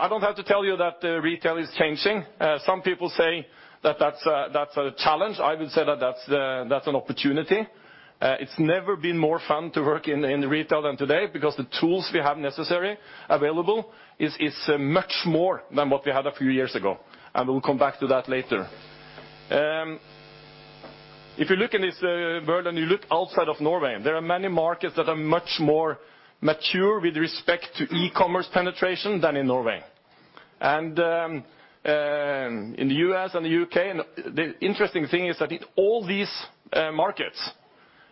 I don't have to tell you that retail is changing. Some people say that that's a challenge. I would say that that's an opportunity. It's never been more fun to work in retail than today because the tools we have necessary, available, is much more than what we had a few years ago. We'll come back to that later. If you look in this world and you look outside of Norway, there are many markets that are much more mature with respect to e-commerce penetration than in Norway. In the U.S. and the U.K., the interesting thing is that in all these markets,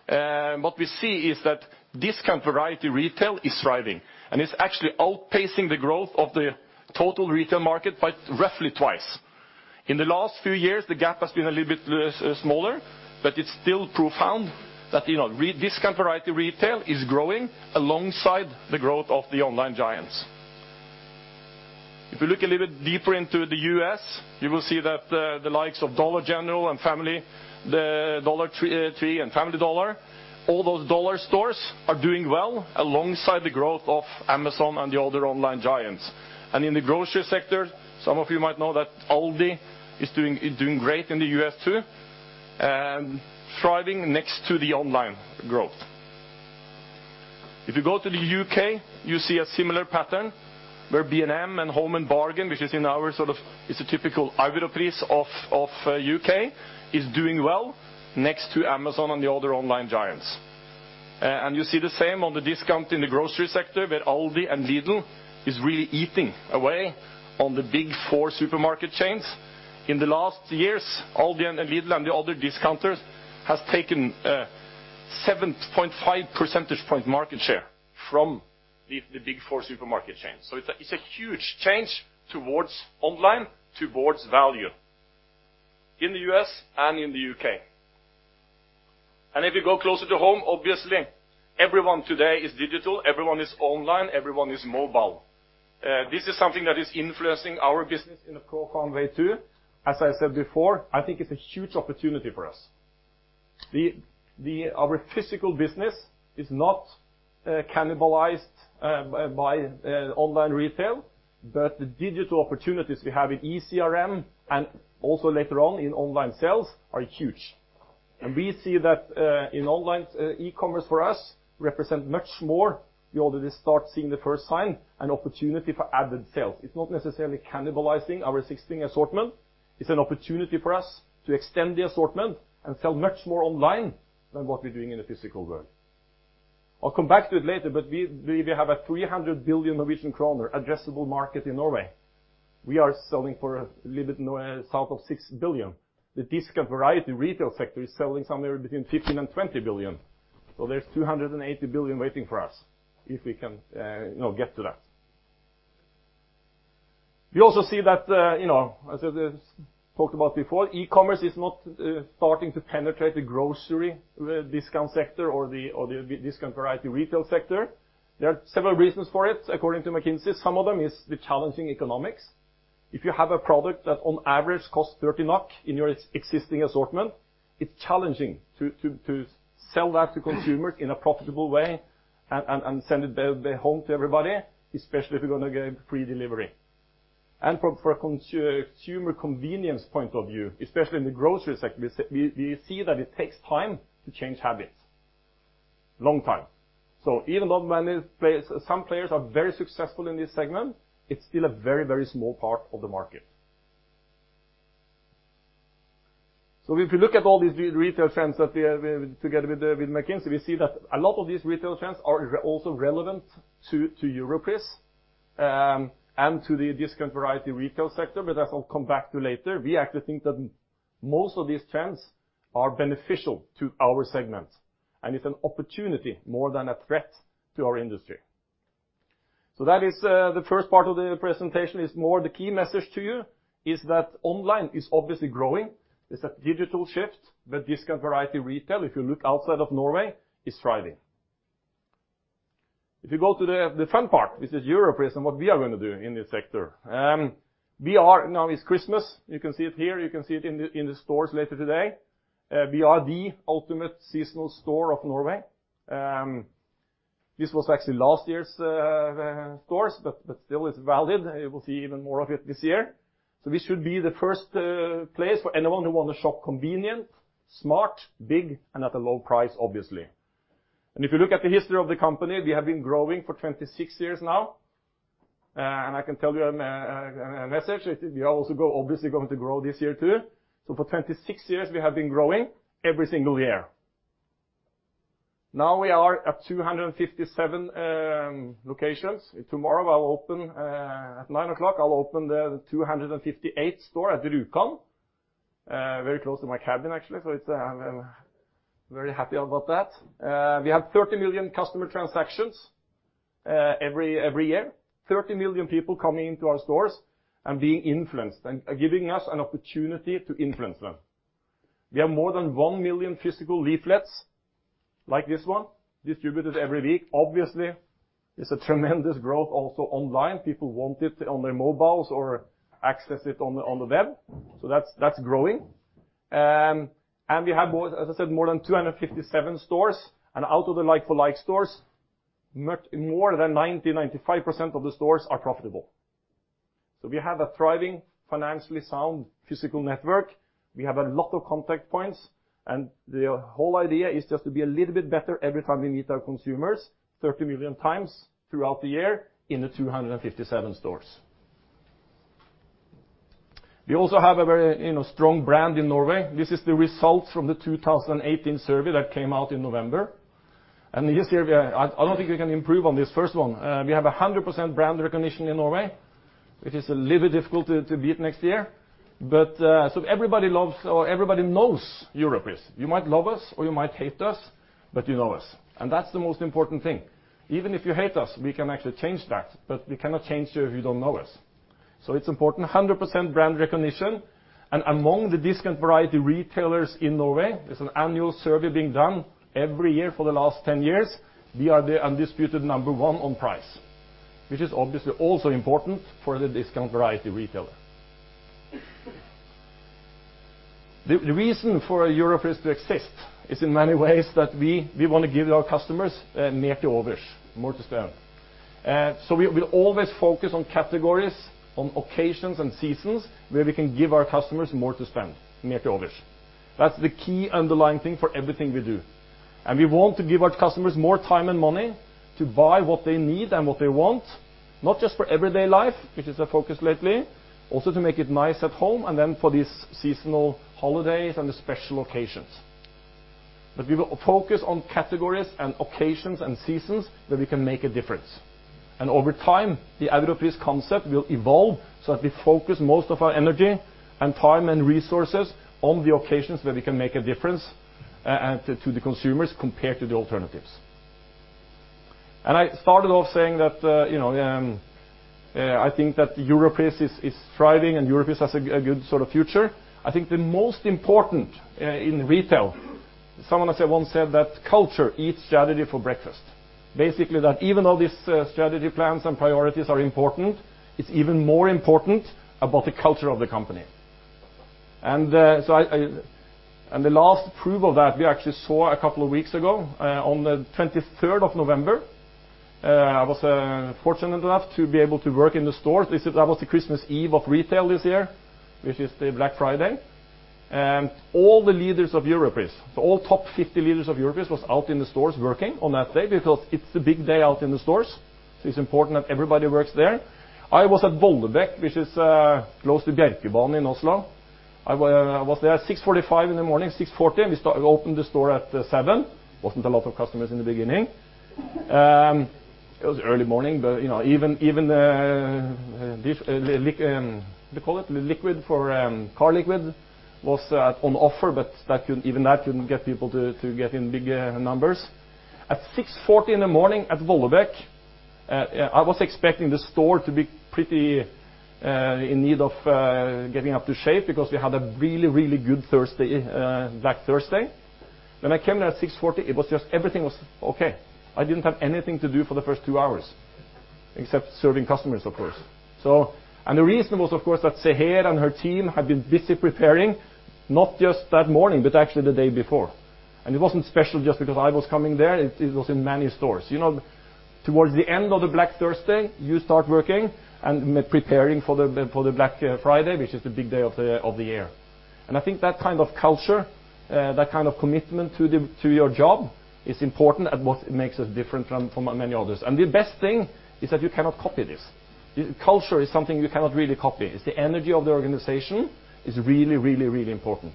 what we see is that discount variety retail is thriving, and it's actually outpacing the growth of the total retail market by roughly twice. In the last few years, the gap has been a little bit smaller, but it's still profound that discount variety retail is growing alongside the growth of the online giants. If you look a little bit deeper into the U.S., you will see that the likes of Dollar General, Family Dollar Tree and Family Dollar, all those dollar stores are doing well alongside the growth of Amazon and the other online giants. In the grocery sector, some of you might know that Aldi is doing great in the U.S. too, and thriving next to the online growth. If you go to the U.K., you see a similar pattern where B&M and Home Bargains, which is in our sort of It's a typical Europris of U.K., is doing well next to Amazon and the other online giants. You see the same on the discount in the grocery sector, where Aldi and Lidl is really eating away on the big four supermarket chains. In the last years, Aldi and Lidl, and the other discounters, has taken 7.5 percentage point market share from the big four supermarket chains. It's a huge change towards online, towards value in the U.S. and in the U.K. If you go closer to home, obviously, everyone today is digital. Everyone is online, everyone is mobile. This is something that is influencing our business in a profound way, too. As I said before, I think it's a huge opportunity for us. Our physical business is not cannibalized by online retail, but the digital opportunities we have in eCRM and also later on in online sales are huge. We see that in online, e-commerce for us represent much more. We already start seeing the first sign, an opportunity for added sales. It's not necessarily cannibalizing our existing assortment. It's an opportunity for us to extend the assortment and sell much more online than what we're doing in the physical world. I'll come back to it later, but we have a 300 billion Norwegian kroner addressable market in Norway. We are selling for a little bit south of 6 billion. The discount variety retail sector is selling somewhere between 15 billion and 20 billion. There's 280 billion waiting for us if we can get to that. We also see that, as I talked about before, e-commerce is not starting to penetrate the grocery discount sector or the discount variety retail sector. There are several reasons for it, according to McKinsey. Some of them is the challenging economics. If you have a product that on average costs 30 NOK in your existing assortment, it's challenging to sell that to consumers in a profitable way and send it home to everybody, especially if you're going to get free delivery. From a consumer convenience point of view, especially in the grocery sector, we see that it takes time to change habits. Long time. Even though some players are very successful in this segment, it's still a very small part of the market. If you look at all these retail trends together with McKinsey, we see that a lot of these retail trends are also relevant to Europris, and to the discount variety retail sector, but as I'll come back to later, we actually think that most of these trends are beneficial to our segment. It's an opportunity more than a threat to our industry. That is the first part of the presentation, is more the key message to you is that online is obviously growing. It's a digital shift, but discount variety retail, if you look outside of Norway, is thriving. If you go to the fun part, this is Europris and what we are going to do in this sector. Now it's Christmas. You can see it here. You can see it in the stores later today. We are the ultimate seasonal store of Norway. This was actually last year's stores, but still is valid. You will see even more of it this year. This should be the first place for anyone who want to shop convenient, smart, big, and at a low price, obviously. If you look at the history of the company, we have been growing for 26 years now. I can tell you a message, we are also obviously going to grow this year, too. For 26 years, we have been growing every single year. Now we are at 257 locations. Tomorrow, at 9:00 A.M., I'll open the 258th store at Rjukan. Very close to my cabin, actually, so I'm very happy about that. We have 30 million customer transactions every year. 30 million people coming into our stores and being influenced and giving us an opportunity to influence them. We have more than 1 million physical leaflets, like this one, distributed every week. Obviously, it's a tremendous growth also online. People want it on their mobiles or access it on the web. That's growing. We have, as I said, more than 257 stores, and out of the like-for-like stores, more than 90%, 95% of the stores are profitable. We have a thriving, financially sound, physical network. We have a lot of contact points, and the whole idea is just to be a little bit better every time we meet our consumers, 30 million times throughout the year in the 257 stores. We also have a very strong brand in Norway. This is the result from the 2018 survey that came out in November. This year, I don't think we can improve on this first one. We have 100% brand recognition in Norway, which is a little bit difficult to beat next year. Everybody knows Europris. You might love us or you might hate us, but you know us, and that's the most important thing. Even if you hate us, we can actually change that, but we cannot change you if you don't know us. It's important, 100% brand recognition. Among the discount variety retailers in Norway, there's an annual survey being done every year for the last 10 years, we are the undisputed number one on price, which is obviously also important for the discount variety retailer. The reason for Europris to exist is in many ways that we want to give our customers "Mer til overs," more to spend. So we always focus on categories, on occasions and seasons where we can give our customers more to spend, "Mer til overs." That's the key underlying thing for everything we do. We want to give our customers more time and money to buy what they need and what they want, not just for everyday life, which is our focus lately, also to make it nice at home, and then for these seasonal holidays and the special occasions. We will focus on categories and occasions and seasons where we can make a difference. Over time, the Europris concept will evolve so that we focus most of our energy and time and resources on the occasions where we can make a difference to the consumers compared to the alternatives. I started off saying that I think that Europris is thriving and Europris has a good future. I think the most important in retail, someone once said that culture eats strategy for breakfast. Basically that even though these strategy plans and priorities are important, it's even more important about the culture of the company. The last proof of that we actually saw a couple of weeks ago, on the 23rd of November. I was fortunate enough to be able to work in the store. That was the Christmas Eve of retail this year, which is the Black Friday. All the leaders of Europris, all top 50 leaders of Europris, was out in the stores working on that day because it's a big day out in the stores, so it's important that everybody works there. I was at Vollebekk, which is close to Bjerkebanen in Oslo. I was there at 6:45 A.M., 6:40 A.M., and we opened the store at 7:00 A.M. Wasn't a lot of customers in the beginning. It was early morning, but even the car liquid was on offer, but even that couldn't get people to get in big numbers. At 6:40 A.M. at Vollebekk, I was expecting the store to be pretty in need of getting up to shape because we had a really good Black Thursday. When I came there at 6:40 A.M., everything was okay. I didn't have anything to do for the first two hours, except serving customers, of course. The reason was, of course, that Seher and her team had been busy preparing, not just that morning, but actually the day before. It wasn't special just because I was coming there, it was in many stores. Towards the end of the Black Thursday, you start working and preparing for the Black Friday, which is the big day of the year. I think that kind of culture, that kind of commitment to your job is important and what makes us different from many others. The best thing is that you cannot copy this. Culture is something you cannot really copy. It's the energy of the organization is really important.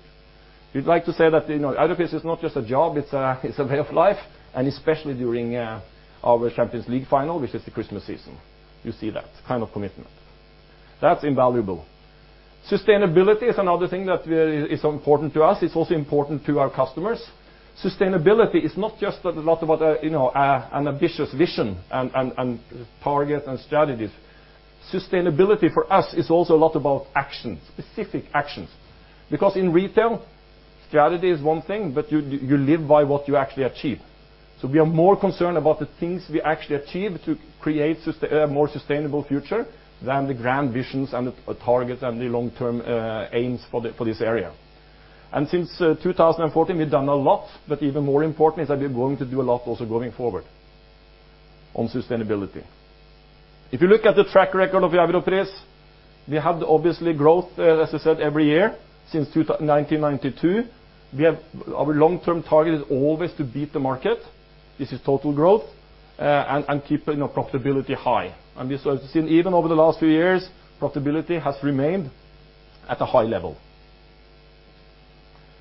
We'd like to say that Europris is not just a job, it's a way of life, and especially during our Champions League final, which is the Christmas season. You see that kind of commitment. That's invaluable. Sustainability is another thing that is important to us. It's also important to our customers. Sustainability is not just an ambitious vision and target and strategies. Sustainability for us is also a lot about action, specific actions. Because in retail, strategy is one thing, but you live by what you actually achieve. We are more concerned about the things we actually achieve to create a more sustainable future than the grand visions and the targets and the long-term aims for this area. Since 2014, we've done a lot, but even more important is that we're going to do a lot also going forward on sustainability. If you look at the track record of Europris, we have obviously growth, as I said, every year since 1992. Our long-term target is always to beat the market. This is total growth, and keep profitability high. As we have seen, even over the last few years, profitability has remained at a high level.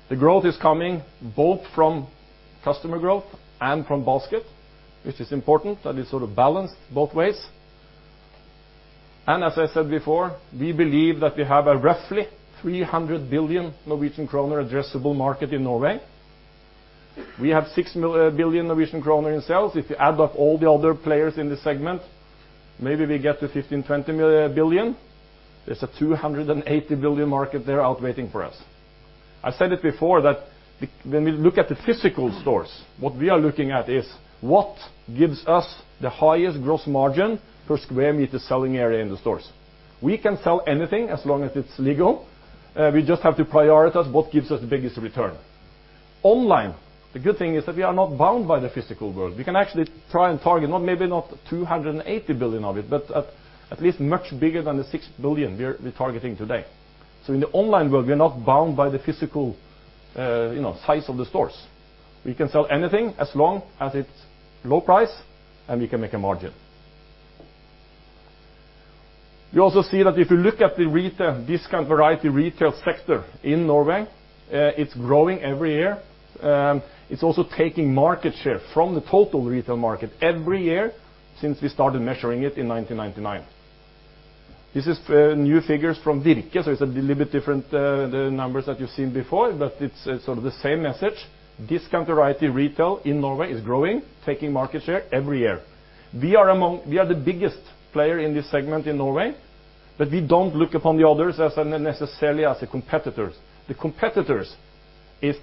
The growth is coming both from customer growth and from basket, which is important that it's sort of balanced both ways. As I said before, we believe that we have a roughly 300 billion Norwegian kroner addressable market in Norway. We have 6 billion Norwegian kroner in sales. If you add up all the other players in this segment, maybe we get to 15 billion, 20 billion. There's a 280 billion market there out waiting for us. I said it before that when we look at the physical stores, what we are looking at is what gives us the highest gross margin per square meter selling area in the stores. We can sell anything as long as it's legal. We just have to prioritize what gives us the biggest return. Online, the good thing is that we are not bound by the physical world. We can actually try and target maybe not 280 billion of it, but at least much bigger than the 6 billion we're targeting today. In the online world, we are not bound by the physical size of the stores. We can sell anything as long as it's low price and we can make a margin. You also see that if you look at the discount variety retail sector in Norway, it's growing every year. It's also taking market share from the total retail market every year since we started measuring it in 1999. This is new figures from Virke, so it's a little bit different the numbers that you've seen before, but it's sort of the same message. Discount variety retail in Norway is growing, taking market share every year. We are the biggest player in this segment in Norway, but we don't look upon the others necessarily as the competitors. The competitor is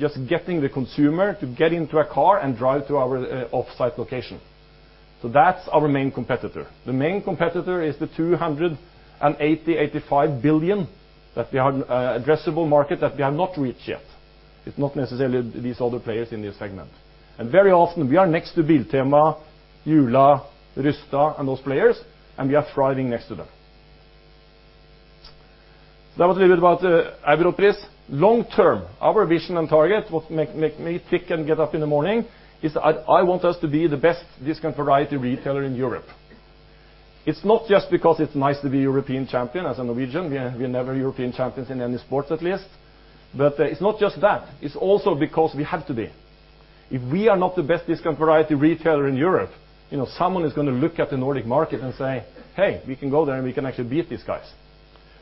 just getting the consumer to get into a car and drive to our offsite location. That's our main competitor. The main competitor is the 280 billion, 285 billion addressable market that we have not reached yet. It's not necessarily these other players in this segment. Very often, we are next to Biltema, Jula, Rusta and those players, and we are thriving next to them. That was a little bit about Europris. Long term, our vision and target, what make me tick and get up in the morning, is I want us to be the best discount variety retailer in Europe. It's not just because it's nice to be European champion as a Norwegian. We are never European champions in any sports at least. It's not just that. It's also because we have to be. If we are not the best discount variety retailer in Europe, someone is going to look at the Nordic market and say, "Hey, we can go there, and we can actually beat these guys."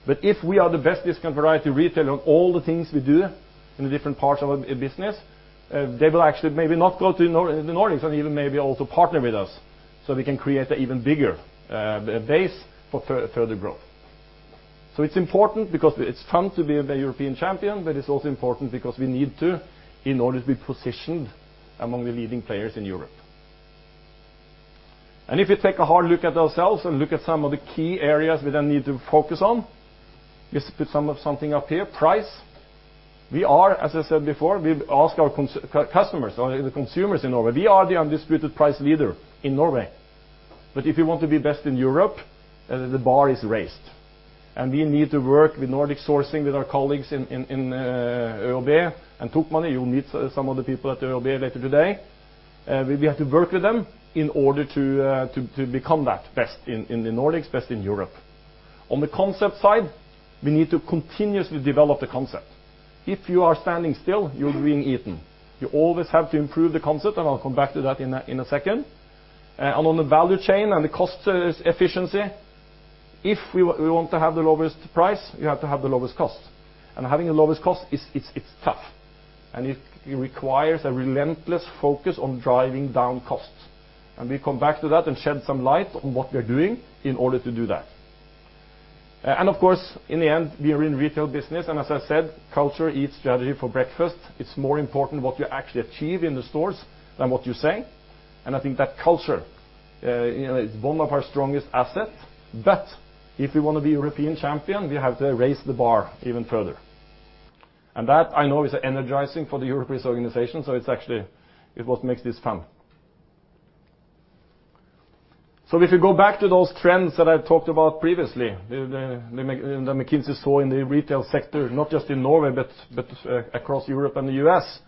If we are the best discount variety retailer on all the things we do in the different parts of our business, they will actually maybe not go to the Nordics and even maybe also partner with us, so we can create an even bigger base for further growth. It's important because it's fun to be the European champion, but it's also important because we need to in order to be positioned among the leading players in Europe. If you take a hard look at ourselves and look at some of the key areas we then need to focus on, let's put something up here. Price. We are, as I said before, we've asked our customers or the consumers in Norway, we are the undisputed price leader in Norway. If you want to be best in Europe, the bar is raised, and we need to work with Nordic sourcing, with our colleagues in ÖoB and Tokmanni. You'll meet some of the people at ÖoB later today. We have to work with them in order to become that best in the Nordics, best in Europe. On the concept side, we need to continuously develop the concept. If you are standing still, you're being eaten. You always have to improve the concept, and I'll come back to that in a second. On the value chain and the cost efficiency, if we want to have the lowest price, you have to have the lowest cost. Having the lowest cost, it's tough, and it requires a relentless focus on driving down costs. We'll come back to that and shed some light on what we are doing in order to do that. Of course, in the end, we are in retail business, and as I said, culture eats strategy for breakfast. It's more important what you actually achieve in the stores than what you say. I think that culture is one of our strongest asset. If we want to be European champion, we have to raise the bar even further. That I know is energizing for the Europris organization, so it's what makes this fun. If you go back to those trends that I've talked about previously, McKinsey saw in the retail sector, not just in Norway, but across Europe and the U.S.,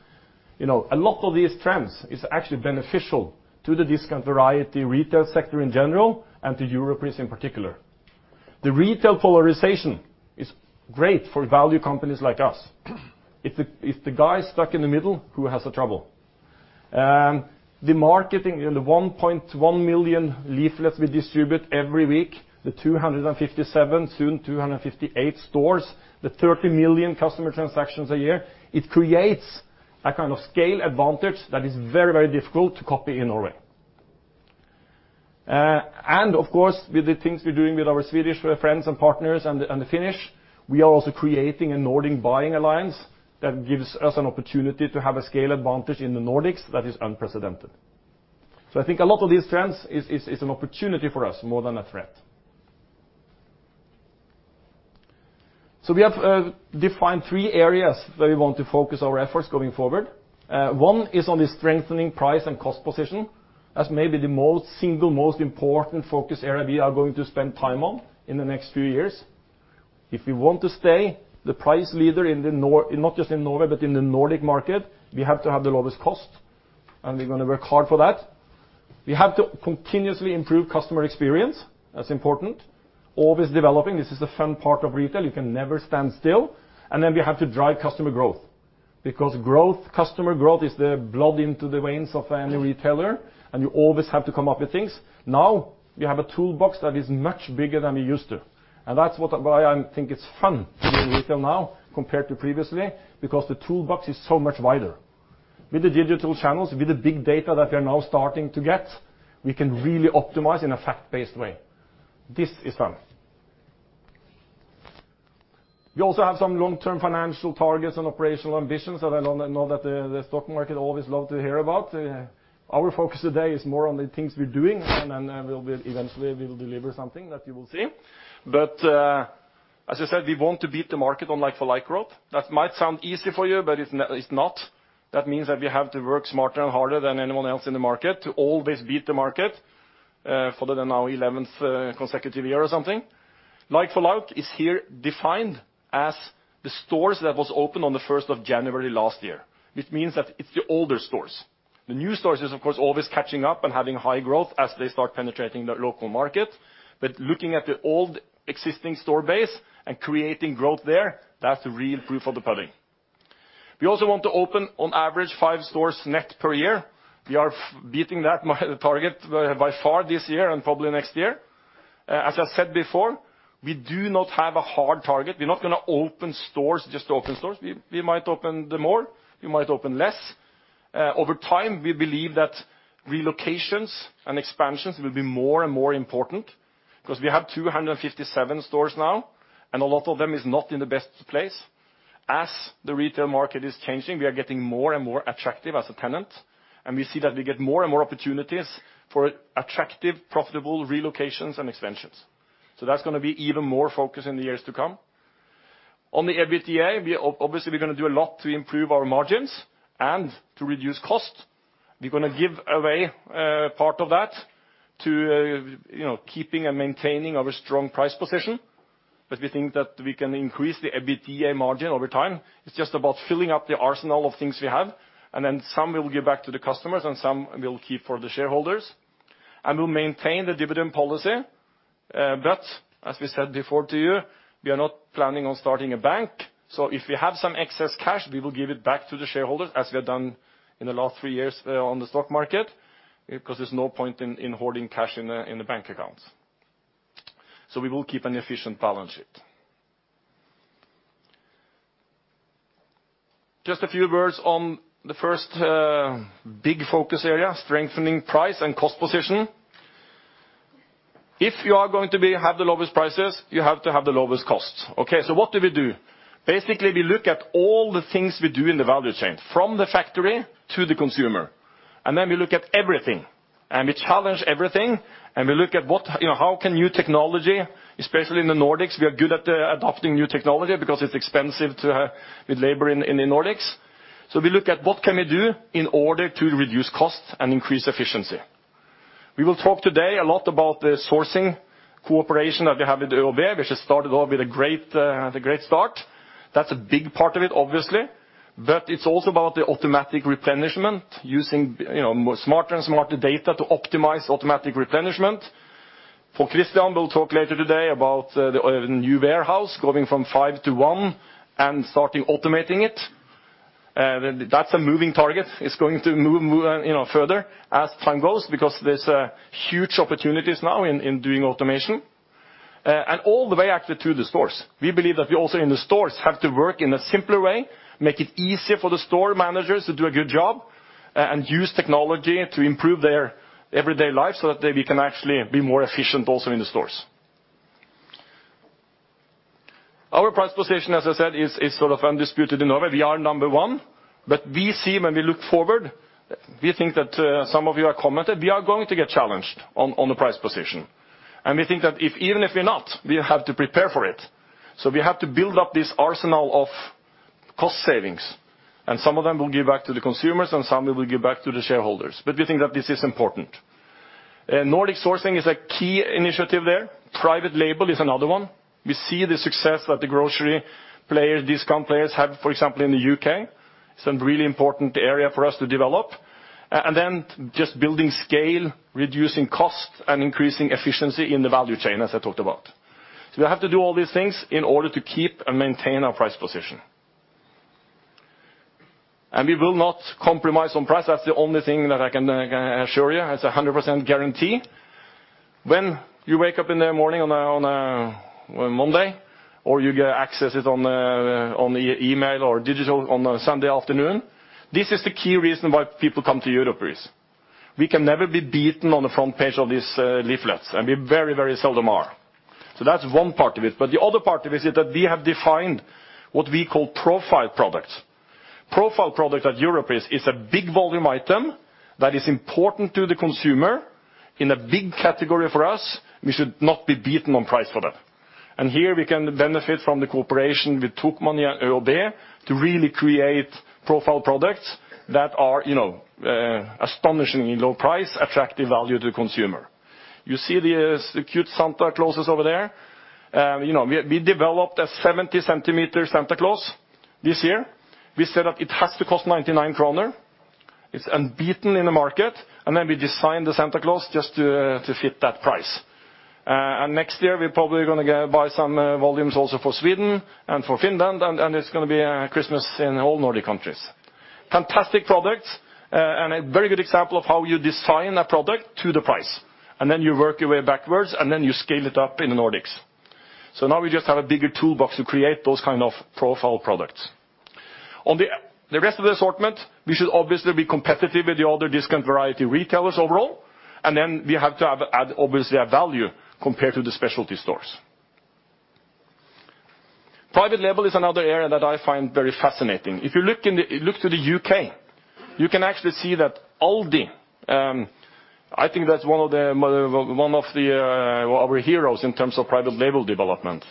a lot of these trends is actually beneficial to the discount variety retail sector in general and to Europris in particular. The retail polarization is great for value companies like us. It's the guy stuck in the middle who has the trouble. The marketing, the 1.1 million leaflets we distribute every week, the 257, soon 258 stores, the 30 million customer transactions a year, it creates a kind of scale advantage that is very, very difficult to copy in Norway. Of course, with the things we're doing with our Swedish friends and partners and the Finnish, we are also creating a Nordic buying alliance that gives us an opportunity to have a scale advantage in the Nordics that is unprecedented. I think a lot of these trends is an opportunity for us more than a threat. We have defined three areas where we want to focus our efforts going forward. One is on the strengthening price and cost position. That's maybe the single most important focus area we are going to spend time on in the next few years. If we want to stay the price leader, not just in Norway but in the Nordic market, we have to have the lowest cost, and we're going to work hard for that. We have to continuously improve customer experience. That's important, always developing. This is the fun part of retail. You can never stand still. Then we have to drive customer growth because customer growth is the blood into the veins of any retailer, and you always have to come up with things. Now we have a toolbox that is much bigger than we're used to, and that's why I think it's fun to be in retail now compared to previously because the toolbox is so much wider. With the digital channels, with the big data that we are now starting to get, we can really optimize in a fact-based way. This is fun. We also have some long-term financial targets and operational ambitions that I know that the stock market always love to hear about. Our focus today is more on the things we're doing, and then eventually we will deliver something that you will see. As I said, we want to beat the market on like-for-like growth. That might sound easy for you, but it's not. That means that we have to work smarter and harder than anyone else in the market to always beat the market for the now 11th consecutive year or something. Like-for-like is here defined as the stores that was open on the 1st of January last year, which means that it's the older stores. The new stores is, of course, always catching up and having high growth as they start penetrating the local market. But looking at the old existing store base and creating growth there, that's the real proof of the pudding. We also want to open, on average, five stores net per year. We are beating that target by far this year and probably next year. As I said before, we do not have a hard target. We're not going to open stores just to open stores. We might open more, we might open less. Over time, we believe that relocations and expansions will be more and more important because we have 257 stores now, and a lot of them is not in the best place. As the retail market is changing, we are getting more and more attractive as a tenant, and we see that we get more and more opportunities for attractive, profitable relocations and expansions. That's going to be even more focus in the years to come. On the EBITDA, obviously, we're going to do a lot to improve our margins and to reduce cost. We're going to give away part of that to keeping and maintaining of a strong price position, we think that we can increase the EBITDA margin over time. It's just about filling up the arsenal of things we have. Then some we'll give back to the customers and some we'll keep for the shareholders. We'll maintain the dividend policy, as we said before to you, we are not planning on starting a bank. If we have some excess cash, we will give it back to the shareholders as we have done in the last three years on the stock market, because there's no point in holding cash in the bank accounts. We will keep an efficient balance sheet. Just a few words on the first big focus area, strengthening price and cost position. If you are going to have the lowest prices, you have to have the lowest costs. Okay, what do we do? Basically, we look at all the things we do in the value chain, from the factory to the consumer. Then we look at everything, we challenge everything, and we look at how can new technology, especially in the Nordics, we are good at adopting new technology because it's expensive with labor in the Nordics. We look at what can we do in order to reduce costs and increase efficiency. We will talk today a lot about the sourcing cooperation that we have with ÖoB, which has started off with a great start. That's a big part of it, obviously, but it's also about the automatic replenishment using smarter and smarter data to optimize automatic replenishment. For Kristian, we'll talk later today about the new warehouse going from five to one and starting automating it. That's a moving target. It's going to move further as time goes because there's huge opportunities now in doing automation. All the way, actually, to the stores. We believe that we also in the stores have to work in a simpler way, make it easier for the store managers to do a good job, and use technology to improve their everyday life so that we can actually be more efficient also in the stores. Our price position, as I said, is sort of undisputed in Norway. We are number one, we see when we look forward, we think that some of you have commented, we are going to get challenged on the price position. We think that even if we're not, we have to prepare for it. We have to build up this arsenal of cost savings, some of them we'll give back to the consumers and some we will give back to the shareholders. We think that this is important. Nordic sourcing is a key initiative there. Private label is another one. We see the success that the grocery players, discount players have, for example, in the U.K. It's a really important area for us to develop. Just building scale, reducing cost, and increasing efficiency in the value chain, as I talked about. We have to do all these things in order to keep and maintain our price position. We will not compromise on price. That's the only thing that I can assure you, as a 100% guarantee. When you wake up in the morning on a Monday, or you get access it on the email or digital on a Sunday afternoon, this is the key reason why people come to Europris. We can never be beaten on the front page of these leaflets, and we very seldom are. That's one part of it. The other part of it is that we have defined what we call profile products. Profile product at Europris is a big volume item that is important to the consumer in a big category for us. We should not be beaten on price for that. Here we can benefit from the cooperation with Tokmanni and ÖoB to really create profile products that are astonishingly low price, attractive value to the consumer. You see the cute Santa Clauses over there. We developed a 70-centimeter Santa Claus this year. We said that it has to cost 99 kroner. It's unbeaten in the market. We designed the Santa Claus just to fit that price. Next year, we're probably going to buy some volumes also for Sweden and for Finland, it's going to be Christmas in all Nordic countries. Fantastic products, a very good example of how you design a product to the price. You work your way backwards, you scale it up in the Nordics. Now we just have a bigger toolbox to create those kind of profile products. On the rest of the assortment, we should obviously be competitive with the other discount variety retailers overall. We have to add, obviously, a value compared to the specialty stores. Private label is another area that I find very fascinating. If you look to the U.K., you can actually see that Aldi. I think that's one of our heroes in terms of private label development.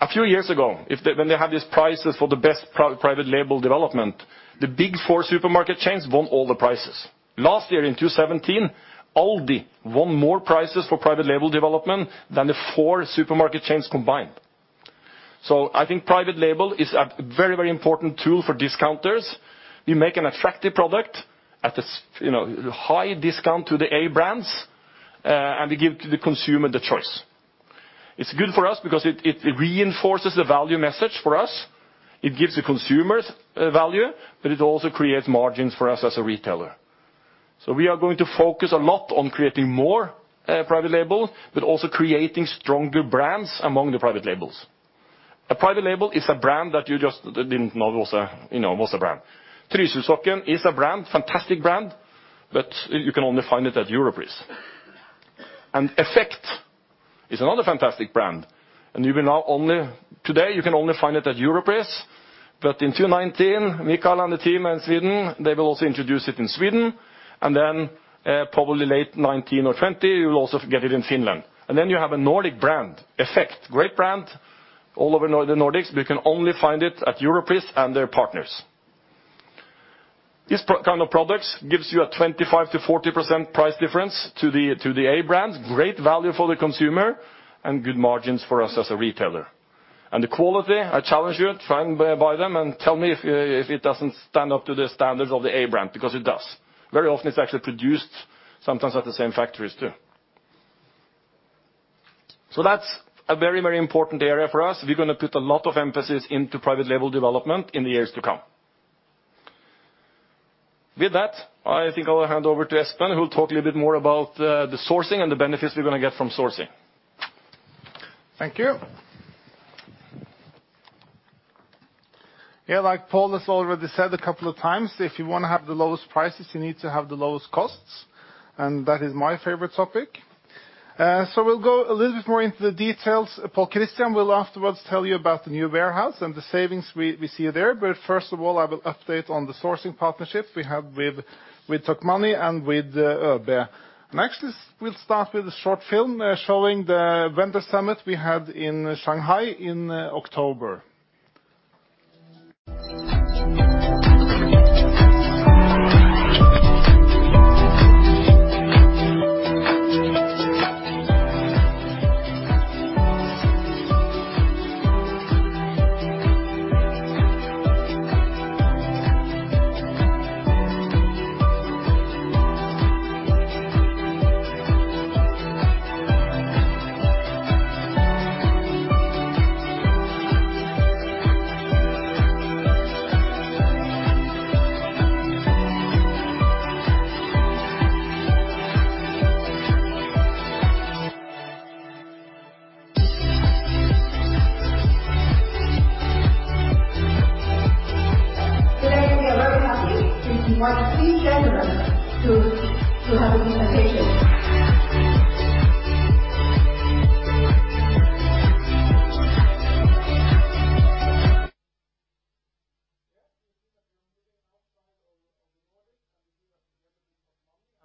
A few years ago, when they had these prizes for the best private label development, the big four supermarket chains won all the prizes. Last year, in 2017, Aldi won more prizes for private label development than the four supermarket chains combined. I think private label is a very important tool for discounters. We make an attractive product at high discount to the A brands, we give the consumer the choice. It's good for us because it reinforces the value message for us. It gives the consumers value, it also creates margins for us as a retailer. We are going to focus a lot on creating more private label, also creating stronger brands among the private labels. A private label is a brand that you just didn't know was a brand. Trysil Sokken is a brand, fantastic brand, but you can only find it at Europris. Effekt is another fantastic brand, and today you can only find it at Europris. In 2019, Mikael and the team in Sweden, they will also introduce it in Sweden, then probably late 2019 or 2020, you'll also get it in Finland. You have a Nordic brand, Effekt, great brand all over the Nordics, but you can only find it at Europris and their partners. These kind of products gives you a 25%-40% price difference to the A brands, great value for the consumer and good margins for us as a retailer. The quality, I challenge you, try and buy them and tell me if it doesn't stand up to the standards of the A brand, because it does. Very often it's actually produced sometimes at the same factories, too. That's a very important area for us. We're going to put a lot of emphasis into private label development in the years to come. With that, I think I'll hand over to Espen, who'll talk a little bit more about the sourcing and the benefits we're going to get from sourcing. Thank you. Like Pål has already said a couple of times, if you want to have the lowest prices, you need to have the lowest costs, that is my favorite topic. We'll go a little bit more into the details. Pål-Kristian will afterwards tell you about the new warehouse and the savings we see there. First of all, I will update on the sourcing partnerships we have with Tokmanni and with ÖoB. Actually, we'll start with a short film showing the vendor summit we had in Shanghai in October. Today, we are very happy to invite these gentlemen to have a presentation.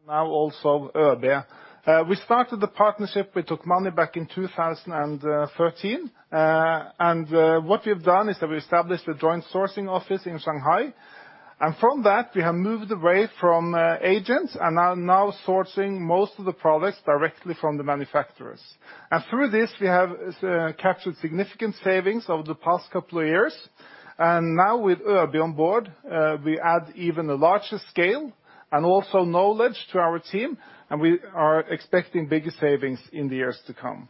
Now also ÖoB. We started the partnership with Tokmanni back in 2013. What we've done is that we established a joint sourcing office in Shanghai. From that, we have moved away from agents and are now sourcing most of the products directly from the manufacturers. Through this, we have captured significant savings over the past couple of years. Now with ÖoB on board, we add even a larger scale and also knowledge to our team, and we are expecting bigger savings in the years to come.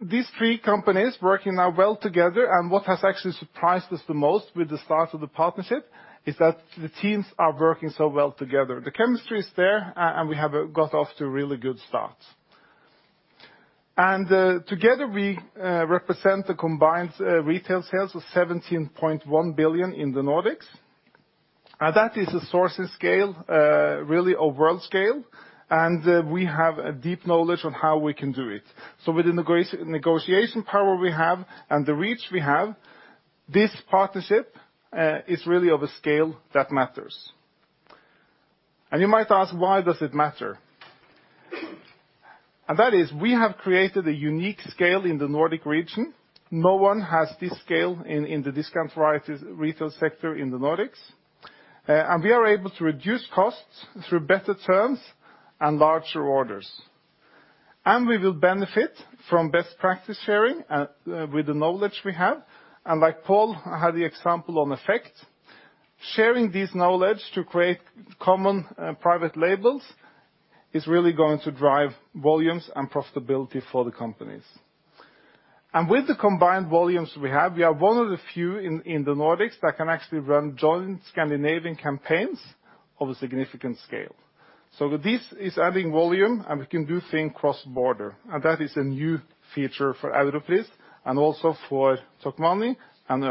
These three companies working now well together, and what has actually surprised us the most with the start of the partnership is that the teams are working so well together. The chemistry is there, and we have got off to a really good start. Together we represent the combined retail sales of 17.1 billion in the Nordics. That is a sourcing scale, really a world scale, and we have a deep knowledge on how we can do it. With the negotiation power we have and the reach we have, this partnership is really of a scale that matters. You might ask, why does it matter? That is we have created a unique scale in the Nordic region. No one has this scale in the discount variety retail sector in the Nordics. We are able to reduce costs through better terms and larger orders. We will benefit from best practice sharing with the knowledge we have. Like Pål had the example on Effekt, sharing this knowledge to create common private labels is really going to drive volumes and profitability for the companies. With the combined volumes we have, we are one of the few in the Nordics that can actually run joint Scandinavian campaigns of a significant scale. This is adding volume, and we can do thing cross-border, and that is a new feature for Europris and also for Tokmanni and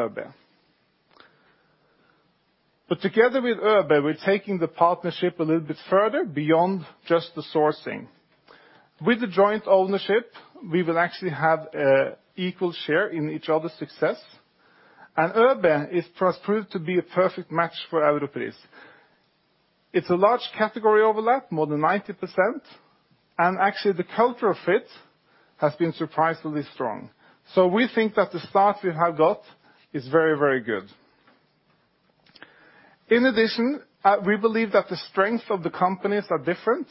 ÖoB. Together with ÖoB, we're taking the partnership a little bit further beyond just the sourcing. With the joint ownership, we will actually have equal share in each other's success. ÖoB has proved to be a perfect match for Europris. It's a large category overlap, more than 90%, and actually the cultural fit has been surprisingly strong. We think that the start we have got is very, very good. In addition, we believe that the strengths of the companies are different.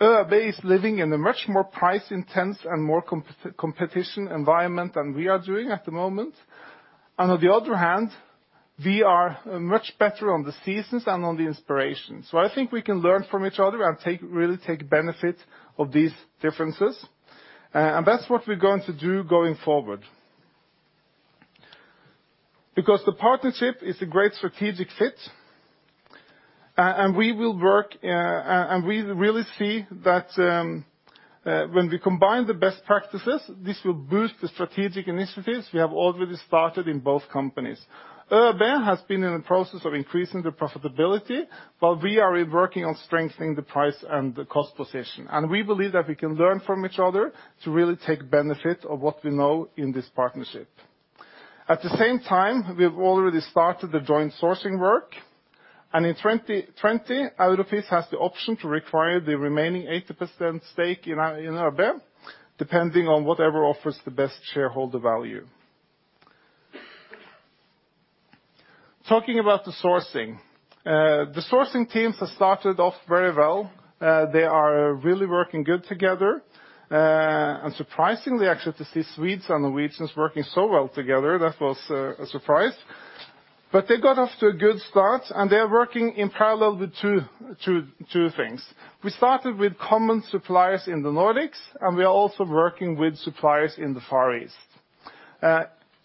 ÖoB is living in a much more price intense and more competition environment than we are doing at the moment. On the other hand, we are much better on the seasons than on the inspiration. I think we can learn from each other and really take benefit of these differences. That's what we're going to do going forward. Because the partnership is a great strategic fit, and we really see that when we combine the best practices, this will boost the strategic initiatives we have already started in both companies. ÖoB has been in the process of increasing the profitability, while we are working on strengthening the price and the cost position. We believe that we can learn from each other to really take benefit of what we know in this partnership. At the same time, we've already started the joint sourcing work. In 2020, Europris has the option to require the remaining 80% stake in ÖoB, depending on whatever offers the best shareholder value. Talking about the sourcing. The sourcing teams have started off very well. They are really working good together. Surprisingly, actually, to see Swedes and Norwegians working so well together, that was a surprise. They got off to a good start, and they are working in parallel with two things. We started with common suppliers in the Nordics. We are also working with suppliers in the Far East.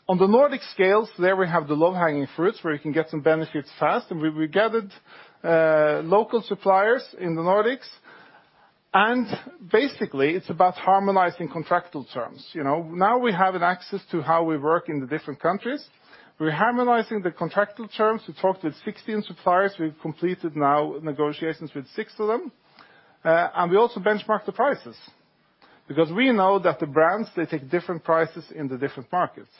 On the Nordic scales, there we have the low-hanging fruits where you can get some benefits fast. We gathered local suppliers in the Nordics, and basically it's about harmonizing contractual terms. Now we have an access to how we work in the different countries. We're harmonizing the contractual terms. We talked with 16 suppliers. We've completed now negotiations with six of them. We also benchmark the prices, because we know that the brands, they take different prices in the different markets.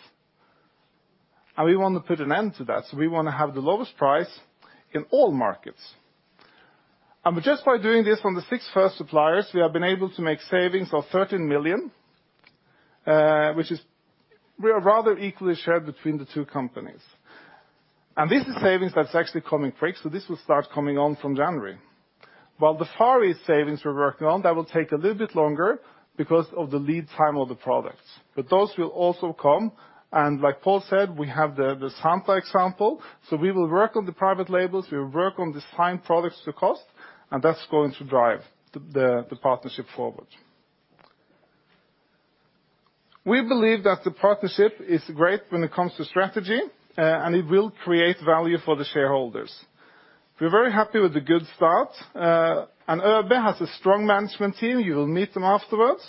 We want to put an end to that, so we want to have the lowest price in all markets. Just by doing this on the six first suppliers, we have been able to make savings of 13 million, which is rather equally shared between the two companies. This is savings that's actually coming quick. This will start coming on from January. While the Far East savings we're working on, that will take a little bit longer because of the lead time of the products. Those will also come. Like Pål said, we have the Santa example. We will work on the private labels, we will work on the signed products to cost. That's going to drive the partnership forward. We believe that the partnership is great when it comes to strategy, and it will create value for the shareholders. We're very happy with the good start. ÖoB has a strong management team. You will meet them afterwards.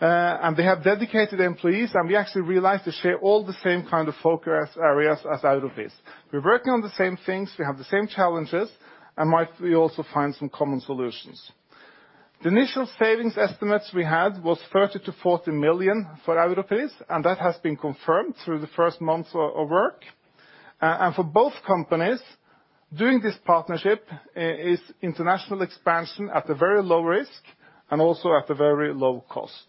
They have dedicated employees, and we actually realize they share all the same kind of focus areas as Europris. We're working on the same things, we have the same challenges, and we also find some common solutions. The initial savings estimates we had was 30 million to 40 million for Europris. That has been confirmed through the first months of work. For both companies, doing this partnership is international expansion at a very low risk and also at a very low cost.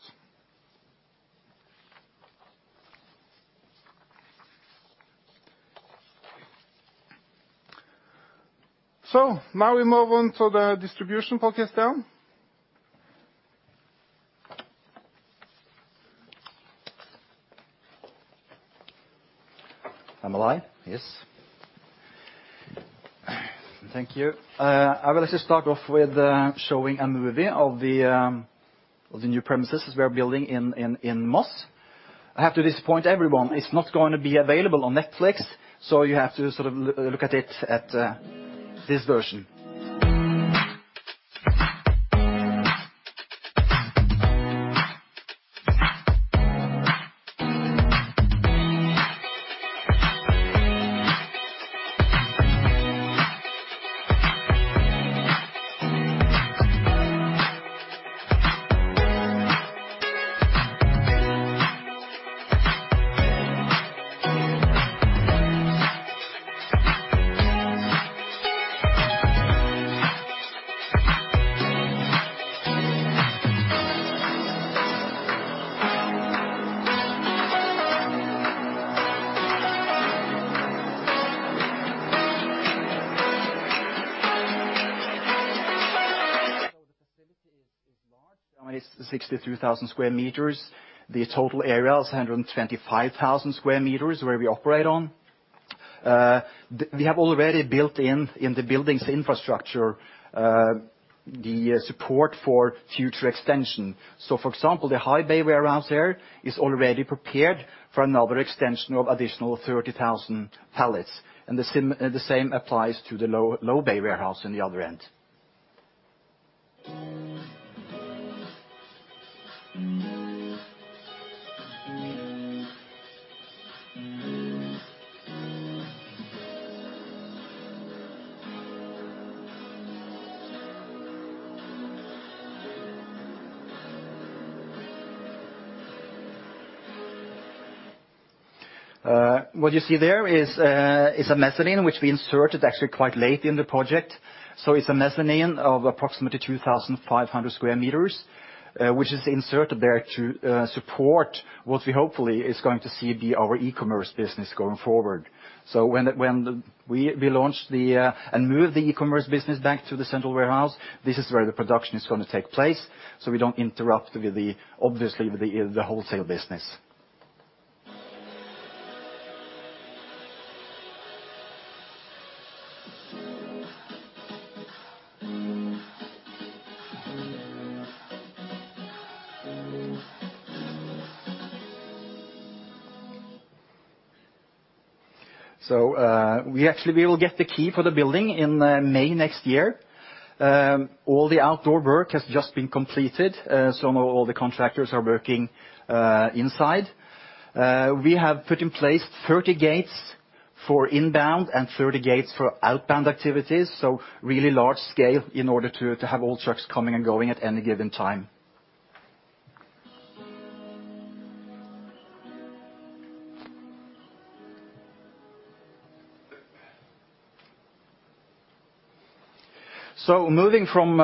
Now we move on to the distribution focus down. Am I live? Yes. Thank you. I will just start off with showing a movie of the new premises we are building in Moss. I have to disappoint everyone. It's not going to be available on Netflix, so you have to sort of look at it at this version. The facility is large. It's 62,000 sq m. The total area is 125,000 sq m where we operate on. We have already built in the building's infrastructure, the support for future extension. For example, the high bay warehouse there is already prepared for another extension of additional 30,000 pallets, and the same applies to the low bay warehouse in the other end. What you see there is a mezzanine, which we inserted actually quite late in the project. It's a mezzanine of approximately 2,500 sq m, which is inserted there to support what we hopefully is going to see our e-commerce business going forward. When we launch and move the e-commerce business back to the central warehouse, this is where the production is going to take place, so we don't interrupt, obviously, the wholesale business. We actually will get the key for the building in May next year. All the outdoor work has just been completed. Some of all the contractors are working inside. We have put in place 30 gates for inbound and 30 gates for outbound activities. Really large scale in order to have all trucks coming and going at any given time. Moving from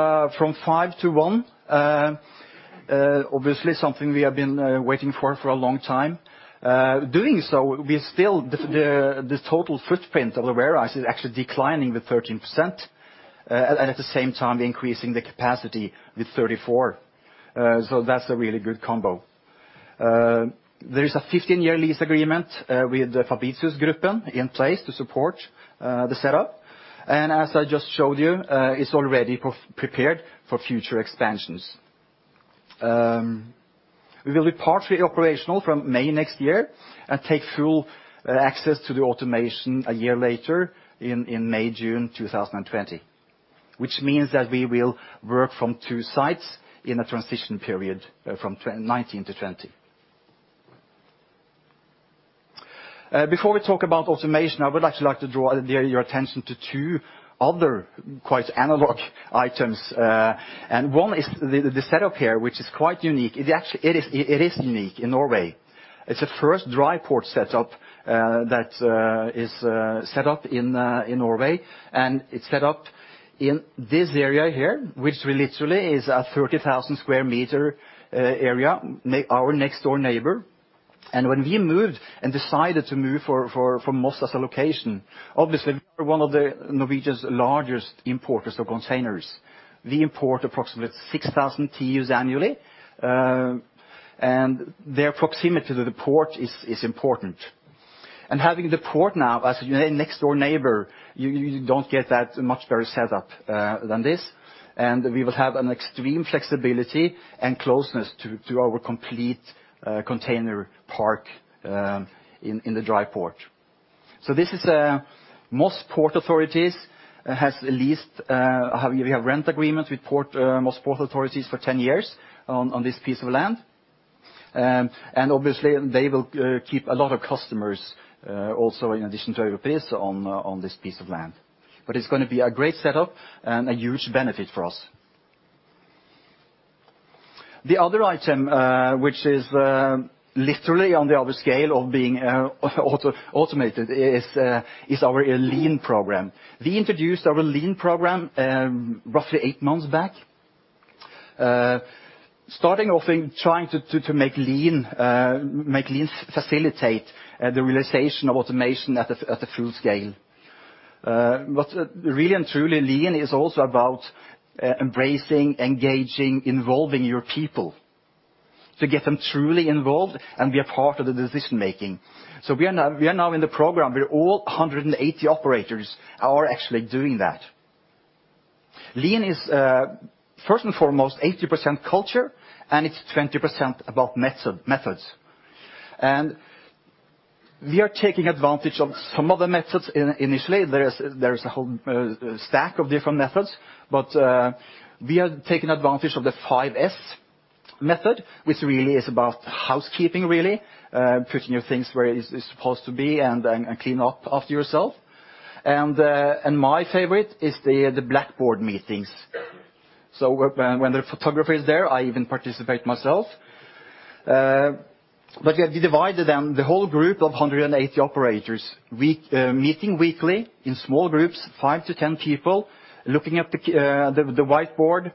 5 to 1, obviously something we have been waiting for a long time. Doing so, the total footprint of the warehouse is actually declining with 13%, and at the same time increasing the capacity with 34%. That's a really good combo. There is a 15-year lease agreement with the Fabritius Gruppen in place to support the setup. As I just showed you, it's already prepared for future expansions. We will be partially operational from May next year and take full access to the automation a year later in May/June 2020, which means that we will work from two sites in a transition period from 2019 to 2020. Before we talk about automation, I would actually like to draw your attention to two other quite analog items. It is unique in Norway. It's the first dry port setup that is set up in Norway, and it's set up in this area here, which literally is a 30,000 sq m area, our next-door neighbor. When we moved and decided to move for Moss's location, obviously we're one of the Norwegian's largest importers of containers. We import approximately 6,000 TEUs annually, and their proximity to the port is important. Having the port now as a next-door neighbor, you don't get that much better setup than this. We will have an extreme flexibility and closeness to our complete container park in the dry port. Moss Port authorities have rent agreements with Moss Port authorities for 10 years on this piece of land. Obviously, they will keep a lot of customers also in addition to Europris on this piece of land. It's going to be a great setup and a huge benefit for us. The other item, which is literally on the other scale of being automated is our Lean program. We introduced our Lean program roughly eight months back. Starting off in trying to make Lean facilitate the realization of automation at the full scale. Really and truly, Lean is also about embracing, engaging, involving your people to get them truly involved and be a part of the decision-making. We are now in the program where all 180 operators are actually doing that. Lean is first and foremost 80% culture, and it's 20% about methods. We are taking advantage of some of the methods initially. There is a whole stack of different methods, but we are taking advantage of the 5S method, which really is about housekeeping, really, putting your things where it's supposed to be and clean up after yourself. My favorite is the blackboard meetings. When the photographer is there, I even participate myself. We divided the whole group of 180 operators, meeting weekly in small groups, 5 to 10 people, looking at the whiteboard,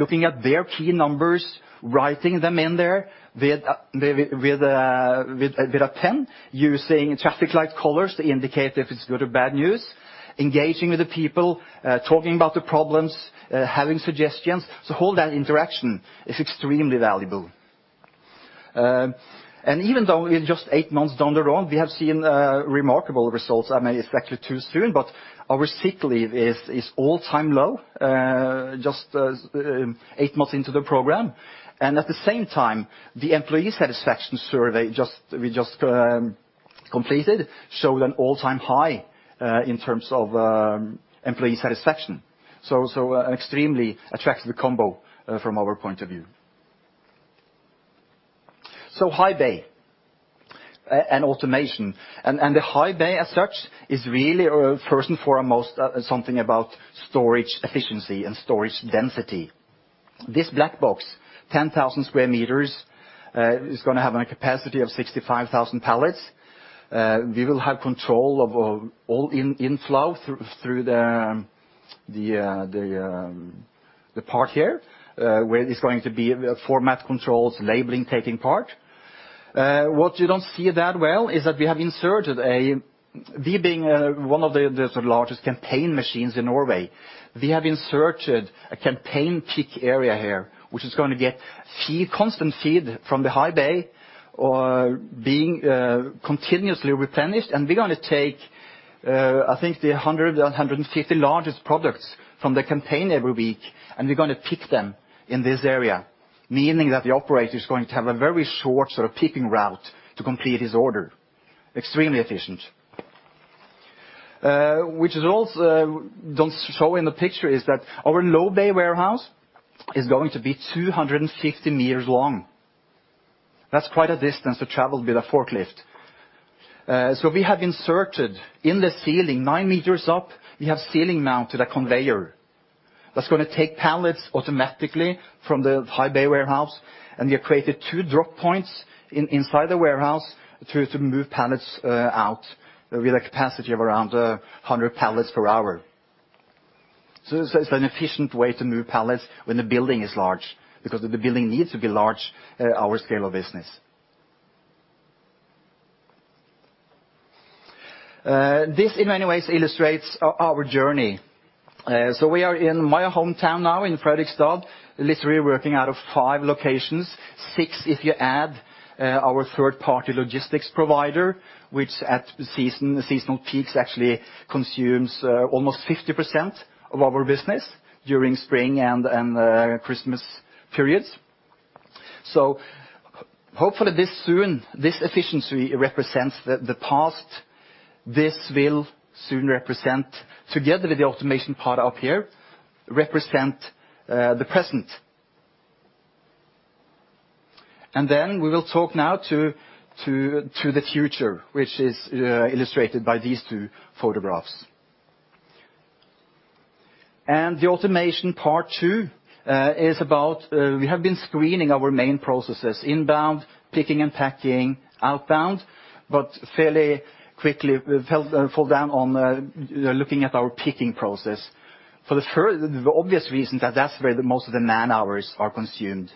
looking at their key numbers, writing them in there with a pen, using traffic light colors to indicate if it's good or bad news, engaging with the people, talking about the problems, having suggestions. All that interaction is extremely valuable. Even though we're just eight months down the road, we have seen remarkable results. I mean, it's actually too soon, but our sick leave is all-time low, just eight months into the program. At the same time, the employee satisfaction survey we just completed showed an all-time high in terms of employee satisfaction. Extremely attractive combo from our point of view. High bay and automation. The high bay as such is really first and foremost something about storage efficiency and storage density. This black box, 10,000 sq m, is going to have a capacity of 65,000 pallets. We will have control of all inflow through the part here, where it's going to be format controls, labeling, taking part. What you don't see that well is that we have inserted. We being one of the largest campaign machines in Norway. We have inserted a campaign pick area here, which is going to get constant feed from the high bay or being continuously replenished. We're going to take, I think, the 100 to 150 largest products from the campaign every week, and we're going to pick them in this area. Meaning that the operator is going to have a very short sort of picking route to complete his order. Extremely efficient. Which is also don't show in the picture is that our low bay warehouse is going to be 250 m long. That's quite a distance to travel with a forklift. We have inserted in the ceiling, nine meters up, we have ceiling-mounted a conveyor that's going to take pallets automatically from the high bay warehouse, and we have created two drop points inside the warehouse to move pallets out with a capacity of around 100 pallets per hour. It's an efficient way to move pallets when the building is large, because the building needs to be large our scale of business. This, in many ways, illustrates our journey. We are in my hometown now in Fredrikstad, literally working out of five locations, six if you add our third-party logistics provider, which at seasonal peaks actually consumes almost 50% of our business during spring and Christmas periods. Hopefully this soon, this efficiency represents the past. This will soon represent, together with the automation part up here, represent the present. We will talk now to the future, which is illustrated by these two photographs. The automation part two is about, we have been screening our main processes, inbound, picking and packing, outbound. Fairly quickly, we fell down on looking at our picking process. For the obvious reason that that's where the most of the man-hours are consumed.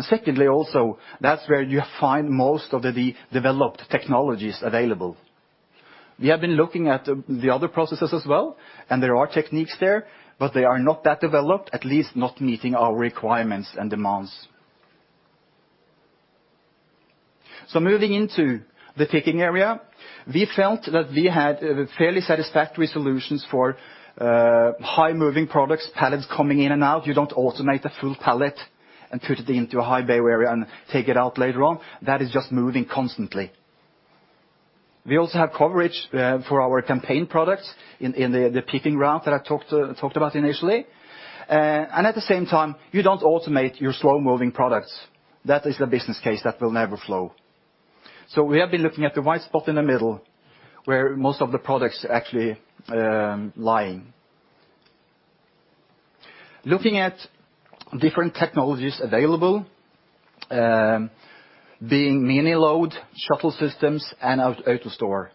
Secondly, also, that's where you find most of the developed technologies available. We have been looking at the other processes as well, and there are techniques there, but they are not that developed, at least not meeting our requirements and demands. Moving into the picking area, we felt that we had fairly satisfactory solutions for high-moving products, pallets coming in and out. You don't automate a full pallet and put it into a high bay area and take it out later on. That is just moving constantly. We also have coverage for our campaign products in the picking route that I talked about initially. At the same time, you don't automate your slow-moving products. That is a business case that will never flow. We have been looking at the white spot in the middle where most of the products are actually lying. Looking at different technologies available, being miniload, shuttle systems and AutoStore.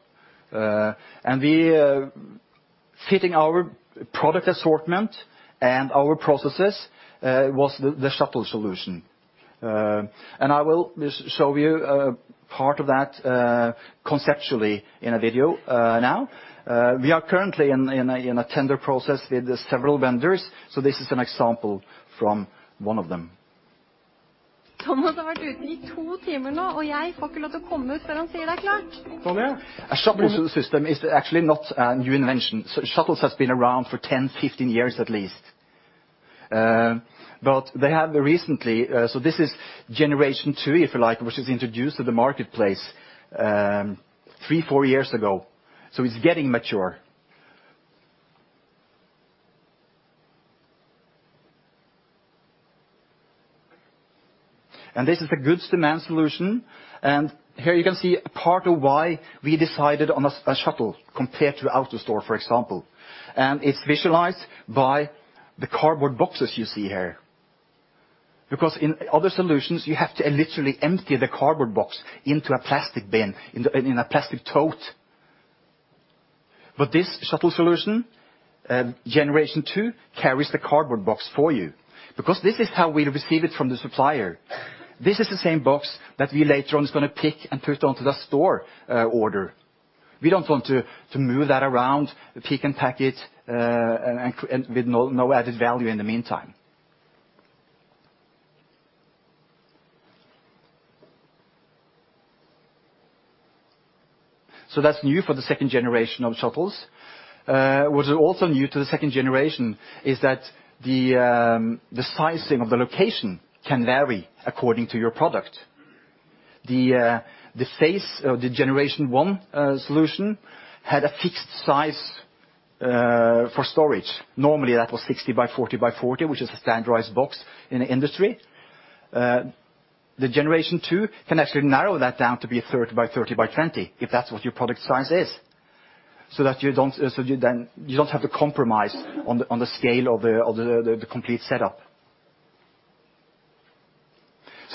We are fitting our product assortment and our processes was the shuttle solution. I will show you a part of that conceptually in a video now. We are currently in a tender process with several vendors, so this is an example from one of them. Thomas has been out for two hours now, and I'm not allowed to come out until he says it's ready. A shuttle system is actually not a new invention. Shuttles has been around for 10, 15 years at least. This is generation 2, if you like, which was introduced to the marketplace three, four years ago. It's getting mature. This is a goods-demand solution. Here you can see part of why we decided on a shuttle compared to the AutoStore, for example. It's visualized by the cardboard boxes you see here. Because in other solutions, you have to literally empty the cardboard box into a plastic bin, in a plastic tote. This shuttle solution, generation 2, carries the cardboard box for you because this is how we receive it from the supplier. This is the same box that we later on is going to pick and put onto the store order. We don't want to move that around, pick and pack it, and with no added value in the meantime. That's new for the generation 2 of shuttles. What is also new to the generation 2 is that the sizing of the location can vary according to your product. The phase of the generation 1 solution had a fixed size for storage. Normally that was 60 by 40 by 40, which is a standardized box in the industry. The generation 2 can actually narrow that down to be 30 by 30 by 20, if that's what your product size is, you don't have to compromise on the scale of the complete setup.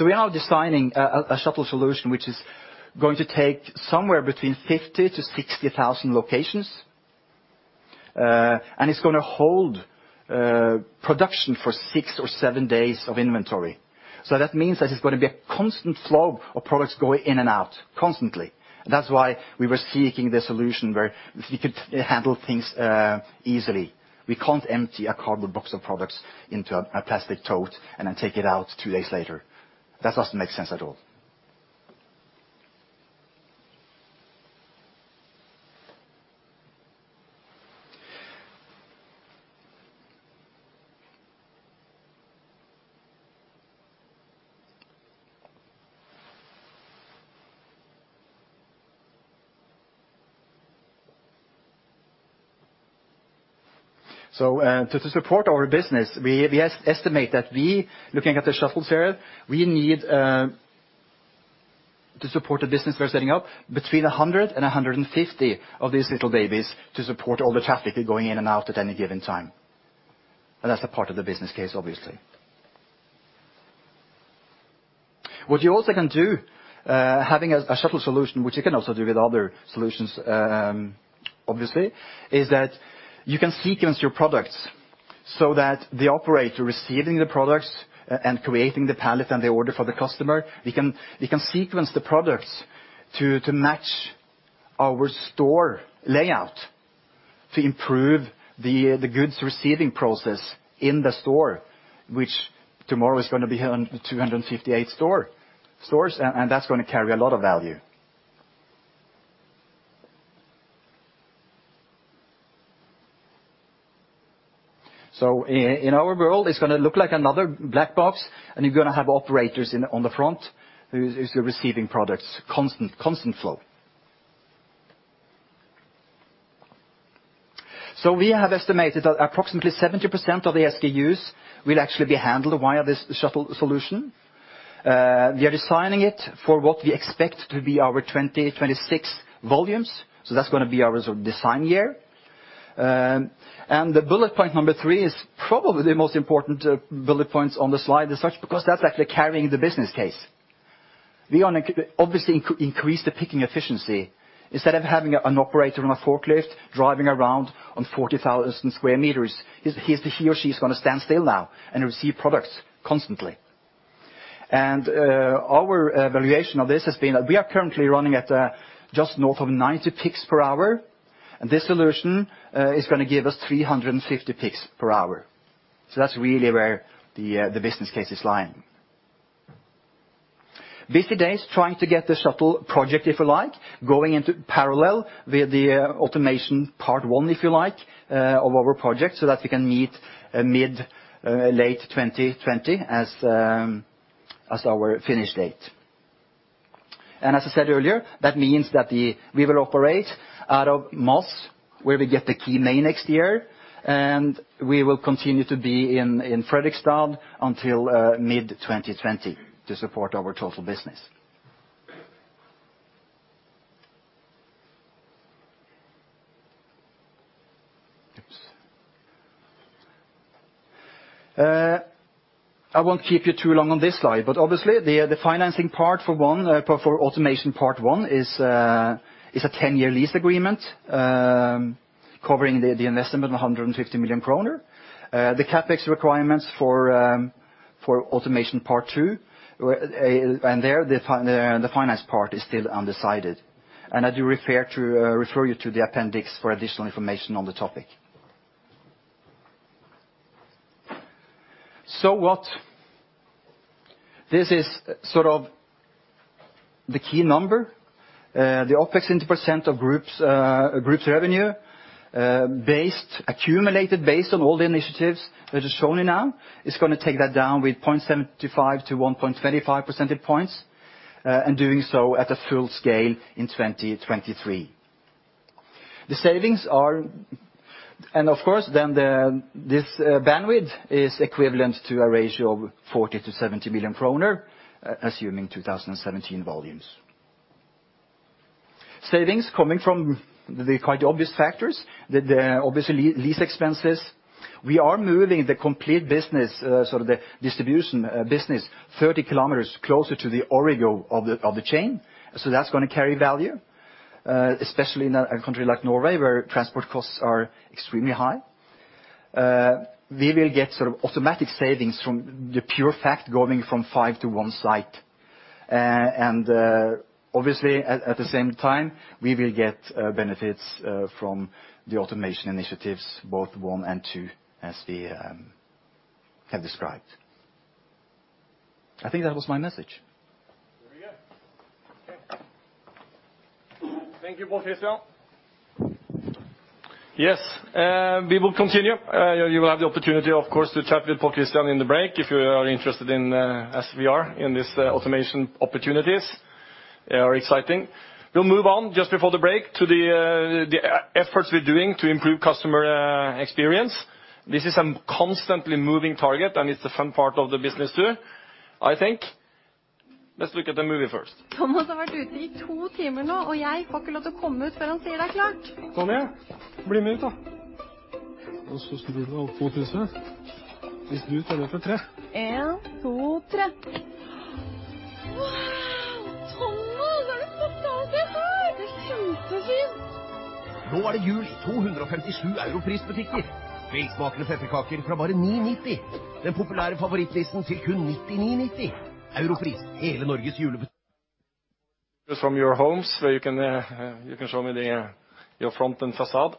We are now designing a shuttle solution, which is going to take somewhere between 50,000 to 60,000 locations, and it's going to hold production for six or seven days of inventory. That means that it's going to be a constant flow of products going in and out constantly. That's why we were seeking the solution where we could handle things easily. We can't empty a cardboard box of products into a plastic tote and then take it out two days later. That doesn't make sense at all. To support our business, we estimate that we, looking at the shuttles here, we need to support the business we're setting up between 100 and 150 of these little babies to support all the traffic going in and out at any given time. That's a part of the business case, obviously. What you also can do, having a shuttle solution, which you can also do with other solutions, obviously, is that you can sequence your products so that the operator receiving the products and creating the pallet and the order for the customer, we can sequence the products to match our store layout to improve the goods receiving process in the store, which tomorrow is going to be 258 stores, and that's going to carry a lot of value. In our world, it's going to look like another black box, and you're going to have operators on the front who's receiving products, constant flow. We have estimated that approximately 70% of the SKUs will actually be handled via this shuttle solution. We are designing it for what we expect to be our 2026 volumes, that's going to be our design year. The bullet point 3 is probably the most important bullet points on the slide as such, because that's actually carrying the business case. We obviously increase the picking efficiency. Instead of having an operator on a forklift driving around on 40,000 square meters, he or she is going to stand still now and receive products constantly. Our evaluation of this has been that we are currently running at just north of 90 picks per hour, and this solution is going to give us 350 picks per hour. That's really where the business case is lying. Busy days trying to get the shuttle project, if you like, going into parallel with the automation part 1, if you like, of our project so that we can meet mid-late 2020 as our finish date. As I said earlier, that means that we will operate out of Moss, where we get the key in May next year, and we will continue to be in Fredrikstad until mid-2020 to support our total business. Oops. I won't keep you too long on this slide, but obviously the financing part for automation part 1 is a 10-year lease agreement, covering the investment of 150 million kroner. The CapEx requirements for automation part 2, and there, the finance part is still undecided. I do refer you to the appendix for additional information on the topic. What? This is sort of the key number. The OpEx in % of group's revenue, accumulated based on all the initiatives that are shown now, is going to take that down with 0.75 to 1.25 percentage points, and doing so at a full scale in 2023. The savings are, of course, then this bandwidth is equivalent to a ratio of 8 million-70 million kroner, assuming 2017 volumes. Savings coming from the quite obvious factors, obviously lease expenses. We are moving the complete business, sort of the distribution business, 30 kilometers closer to the origin of the chain. That's going to carry value, especially in a country like Norway, where transport costs are extremely high. We will get sort of automatic savings from the pure fact going from five to one site. Obviously at the same time, we will get benefits from the automation initiatives, both 1 and 2, as we have described. I think that was my message. Very good. Okay. Thank you, Per-Christian. Yes, we will continue. You will have the opportunity of course to chat with Per-Christian in the break if you are interested, as we are, in these automation opportunities are exciting. We'll move on just before the break to the efforts we're doing to improve customer experience. This is a constantly moving target, and it's a fun part of the business, too, I think. Let's look at the movie first. From your homes where you can show me your front and facade.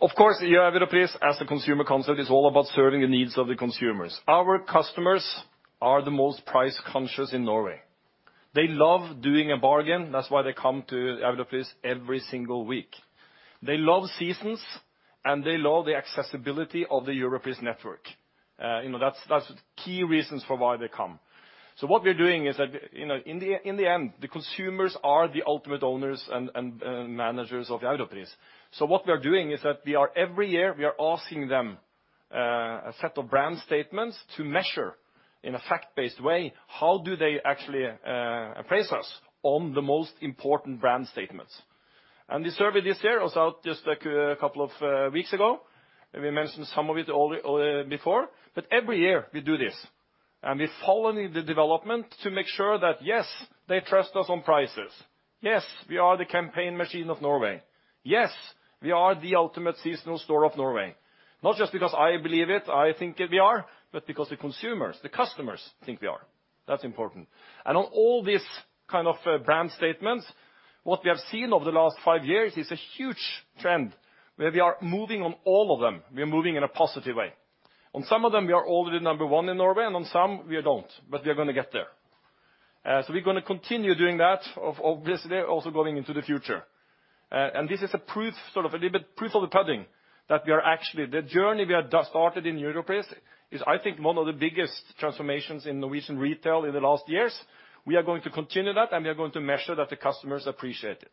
Of course, Europris as a consumer concept is all about serving the needs of the consumers. Our customers are the most price-conscious in Norway. They love doing a bargain. That's why they come to Europris every single week. They love seasons, and they love the accessibility of the Europris network. That's key reasons for why they come. What we're doing is, in the end, the consumers are the ultimate owners and managers of Europris. What we are doing is that every year, we are asking them a set of brand statements to measure, in a fact-based way, how do they actually appraise us on the most important brand statements. The survey this year was out just a couple of weeks ago, and we mentioned some of it before, but every year we do this. We're following the development to make sure that, yes, they trust us on prices. Yes, we are the campaign machine of Norway. Yes, we are the ultimate seasonal store of Norway. Not just because I believe it, I think we are, but because the consumers, the customers think we are. That's important. On all these kind of brand statements, what we have seen over the last 5 years is a huge trend, where we are moving on all of them. We are moving in a positive way. On some of them, we are already number one in Norway, and on some we don't, but we are going to get there. We're going to continue doing that, obviously also going into the future. This is a proof of the pudding. The journey we have started in Europris is, I think, one of the biggest transformations in Norwegian retail in the last years. We are going to continue that, and we are going to measure that the customers appreciate it.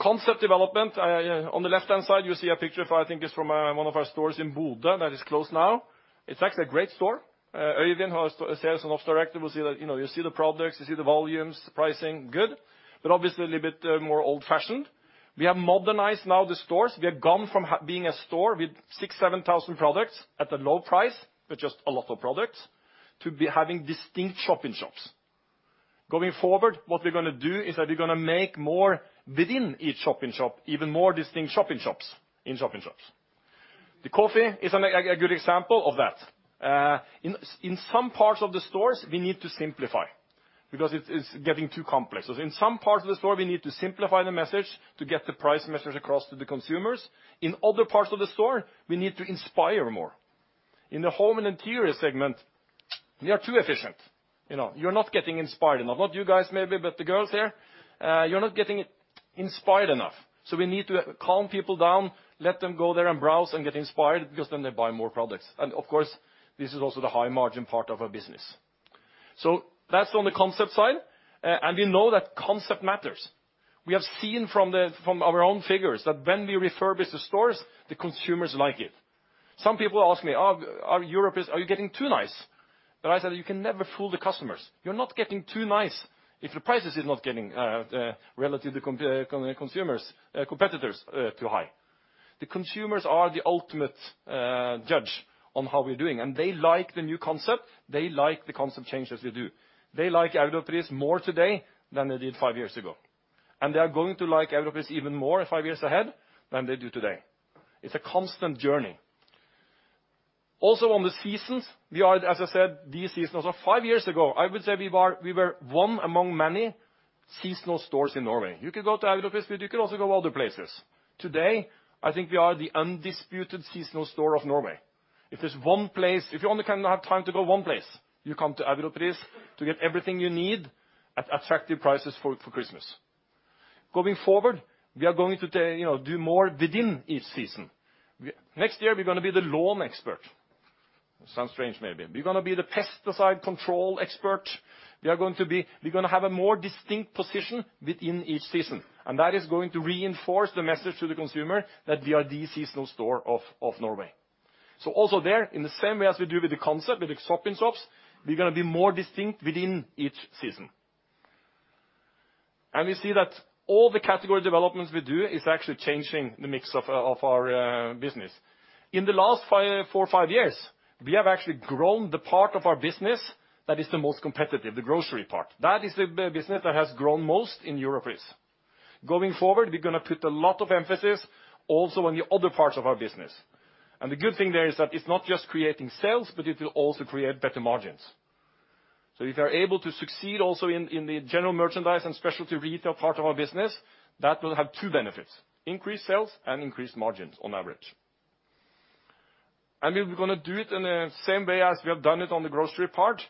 Concept development. On the left-hand side, you see a picture of, I think it's from one of our stores in Bodø that is closed now. It's actually a great store. Øyvind, our Sales and Ops Director, will say that you see the products, you see the volumes, pricing, good, but obviously a little bit more old-fashioned. We have modernized now the stores. We have gone from being a store with 6,000, 7,000 products at a low price, but just a lot of products, to be having distinct shop-in-shops. Going forward, what we're going to do is that we're going to make more within each shop-in-shop, even more distinct shop-in-shops in shop-in-shops. The coffee is a good example of that. In some parts of the stores, we need to simplify because it's getting too complex. In some parts of the store, we need to simplify the message to get the price message across to the consumers. In other parts of the store, we need to inspire more. In the home and interior segment, we are too efficient. You're not getting inspired enough. Not you guys, maybe, but the girls here, you're not getting inspired enough. We need to calm people down, let them go there and browse and get inspired because then they buy more products. Of course, this is also the high-margin part of our business. That's on the concept side. We know that concept matters. We have seen from our own figures that when we refurbish the stores, the consumers like it. Some people ask me, "Europris, are you getting too nice?" I say that you can never fool the customers. You're not getting too nice if your prices is not getting, relative to competitors, too high. The consumers are the ultimate judge on how we're doing, and they like the new concept. They like the concept changes we do. They like Europris more today than they did five years ago. They are going to like Europris even more five years ahead than they do today. It's a constant journey. On the seasons, we are, as I said, the seasonal. Five years ago, I would say we were one among many seasonal stores in Norway. You could go to Europris, but you could also go other places. Today, I think we are the undisputed seasonal store of Norway. If you only can have time to go one place, you come to Europris to get everything you need at attractive prices for Christmas. Going forward, we are going to do more within each season. Next year, we're going to be the lawn expert. Sounds strange, maybe. We're going to be the pesticide control expert. We're going to have a more distinct position within each season, that is going to reinforce the message to the consumer that we are the seasonal store of Norway. In the same way as we do with the concept, with the shop-in-shops, we're going to be more distinct within each season. We see that all the category developments we do is actually changing the mix of our business. In the last four, five years, we have actually grown the part of our business that is the most competitive, the grocery part. That is the business that has grown most in Europris. Going forward, we're going to put a lot of emphasis also on the other parts of our business. The good thing there is that it's not just creating sales, but it will also create better margins. If we are able to succeed also in the general merchandise and specialty retail part of our business, that will have two benefits, increased sales and increased margins on average. We're going to do it in the same way as we have done it on the grocery part.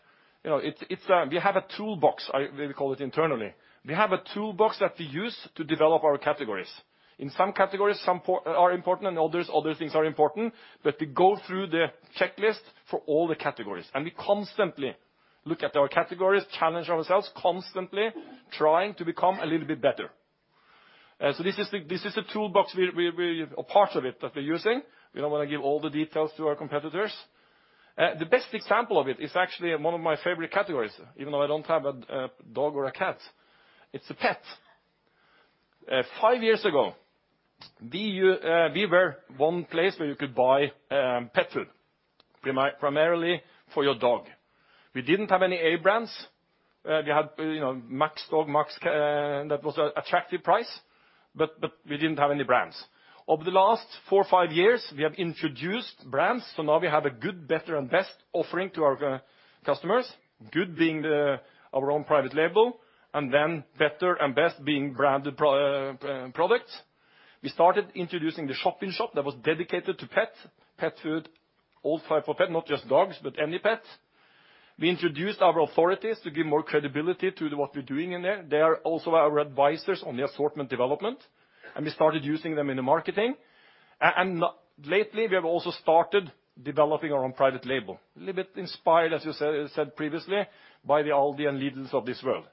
We have a toolbox, we call it internally. We have a toolbox that we use to develop our categories. In some categories, some are important, and others, other things are important. We go through the checklist for all the categories, and we constantly look at our categories, challenge ourselves, constantly trying to become a little bit better. So this is a toolbox, or part of it that we're using. We don't want to give all the details to our competitors. The best example of it is actually one of my favorite categories, even though I don't have a dog or a cat. It's a pet. Five years ago, we were one place where you could buy pet food, primarily for your dog. We didn't have any A brands. We had Maxdog that was attractive price, but we didn't have any brands. Over the last four or five years, we have introduced brands. Now we have a good, better, and best offering to our customers. Good being our own private label, and then better and best being branded products. We started introducing the shop-in-shop that was dedicated to pet food, all types of pet, not just dogs, but any pet. We introduced our authorities to give more credibility to what we're doing in there. They are also our advisors on the assortment development. We started using them in the marketing. Lately, we have also started developing our own private label, a little bit inspired, as you said previously, by the Aldi and Lidls of this world.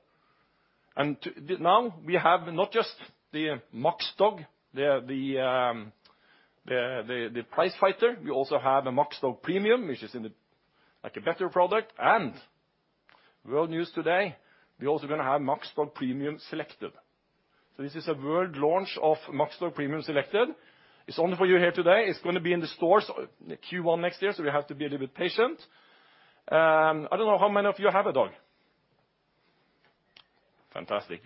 Now we have not just the Maxdog, the price fighter. We also have a Maxdog premium, which is like a better product. World news today, we are also going to have Max Dog Premium Selected. This is a world launch of Max Dog Premium Selected. It is only for you here today. It is going to be in the stores Q1 next year, so we have to be a little bit patient. I do not know how many of you have a dog. Fantastic.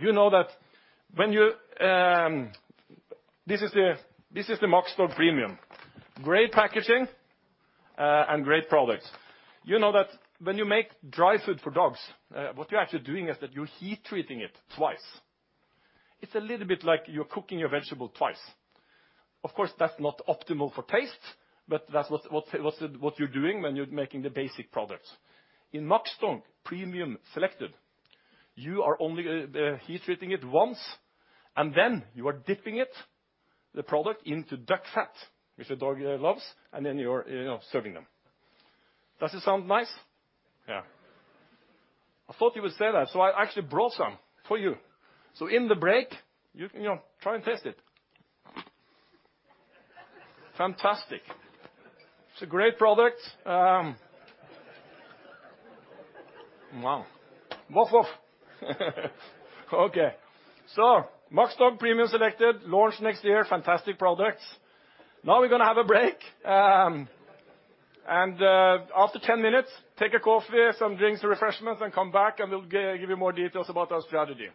This is the Maxdog premium. Great packaging and great products. You know that when you make dry food for dogs, what you are actually doing is that you are heat treating it twice. It is a little bit like you are cooking your vegetable twice. Of course, that is not optimal for taste, but that is what you are doing when you are making the basic products. In Max Dog Premium Selected, you are only heat treating it once, and then you are dipping the product into duck fat, which the dog loves, and then you are serving them. Does it sound nice? I thought you would say that, so I actually brought some for you. In the break, you can try and taste it. Fantastic. It is a great product. Wow. Woof, woof. Max Dog Premium Selected, launch next year. Fantastic products. Now we are going to have a break, and after 10 minutes, take a coffee, some drinks, refreshments, and come back and we will give you more details about our strategy.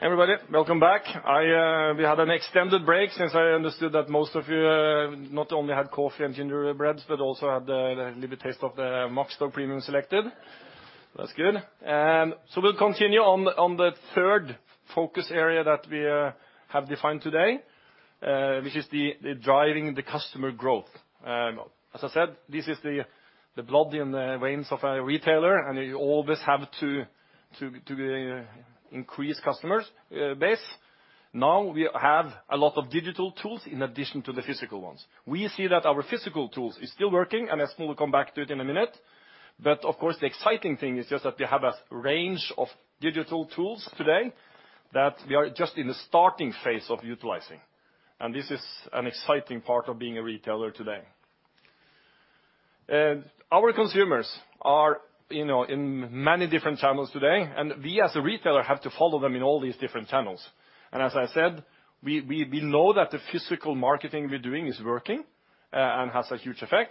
Everybody. Welcome back. We had an extended break since I understood that most of you not only had coffee and gingerbread but also had a little taste of the Max Dog Premium Selected. That is good. We will continue on the third focus area that we have defined today, which is driving the customer growth. As I said, this is the blood in the veins of a retailer, and you always have to increase customer base. Now we have a lot of digital tools in addition to the physical ones. We see that our physical tools are still working, and I will come back to it in a minute. Of course, the exciting thing is just that we have a range of digital tools today that we are just in the starting phase of utilizing, and this is an exciting part of being a retailer today. Our consumers are in many different channels today, and we as a retailer have to follow them in all these different channels. As I said, we know that the physical marketing we are doing is working and has a huge effect.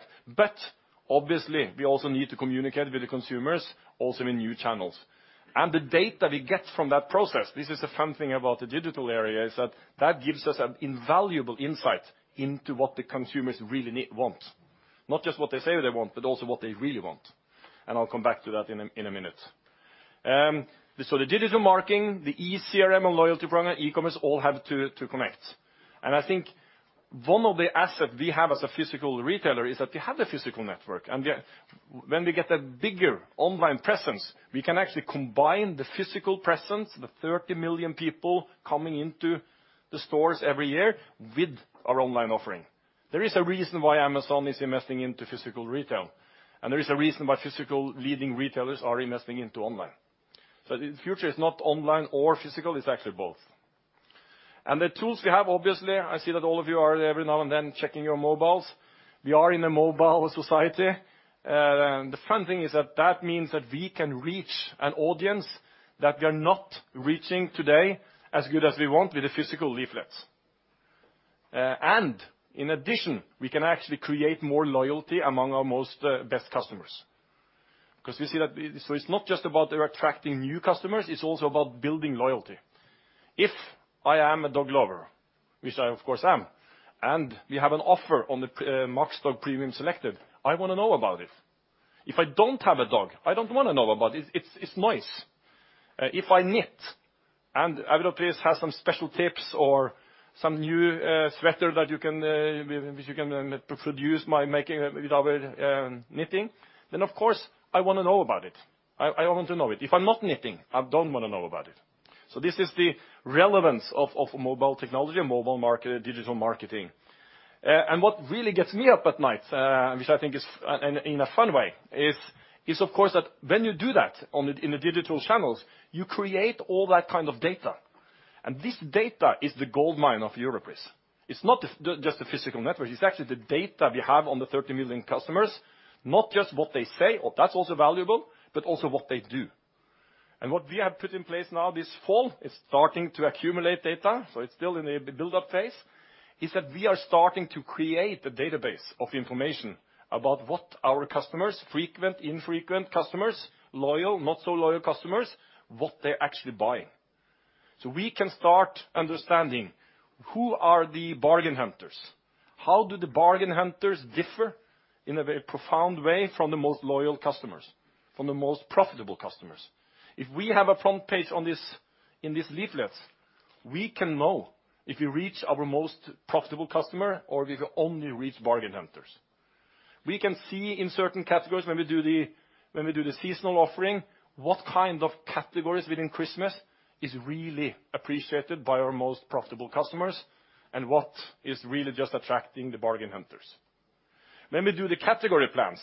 Obviously, we also need to communicate with the consumers also in new channels. The data we get from that process, this is the fun thing about the digital area, is that gives us an invaluable insight into what the consumers really want. Not just what they say they want, but also what they really want. I will come back to that in a minute. The digital marketing, the eCRM and loyalty program, e-commerce, all have to connect. I think one of the assets we have as a physical retailer is that we have the physical network, and when we get a bigger online presence, we can actually combine the physical presence, the 30 million people coming into the stores every year, with our online offering. There is a reason why Amazon is investing into physical retail, and there is a reason why physical leading retailers are investing into online. The future is not online or physical, it's actually both. The tools we have, obviously, I see that all of you are every now and then checking your mobiles. We are in a mobile society. The fun thing is that means that we can reach an audience that we are not reaching today as good as we want with the physical leaflets. In addition, we can actually create more loyalty among our most best customers. It's not just about attracting new customers, it's also about building loyalty. If I am a dog lover, which I of course am, and we have an offer on the Max Dog Premium Selected, I want to know about it. If I don't have a dog, I don't want to know about it. It's noise. If I knit. Europris has some special tips or some new sweater that you can produce by making with our knitting, then of course, I want to know about it. I want to know it. If I'm not knitting, I don't want to know about it. This is the relevance of mobile technology and mobile market, digital marketing. What really gets me up at night, which I think is in a fun way, is of course that when you do that in the digital channels, you create all that kind of data. This data is the goldmine of Europris. It's not just the physical network, it's actually the data we have on the 30 million customers, not just what they say, or that's also valuable, but also what they do. What we have put in place now this fall is starting to accumulate data, so it's still in the build-up phase, is that we are starting to create a database of information about what our customers, frequent, infrequent customers, loyal, not so loyal customers, what they're actually buying. We can start understanding who are the bargain hunters? How do the bargain hunters differ in a very profound way from the most loyal customers, from the most profitable customers? If we have a front page in these leaflets, we can know if we reach our most profitable customer or we've only reached bargain hunters. We can see in certain categories when we do the seasonal offering, what kind of categories within Christmas is really appreciated by our most profitable customers, and what is really just attracting the bargain hunters. When we do the category plans,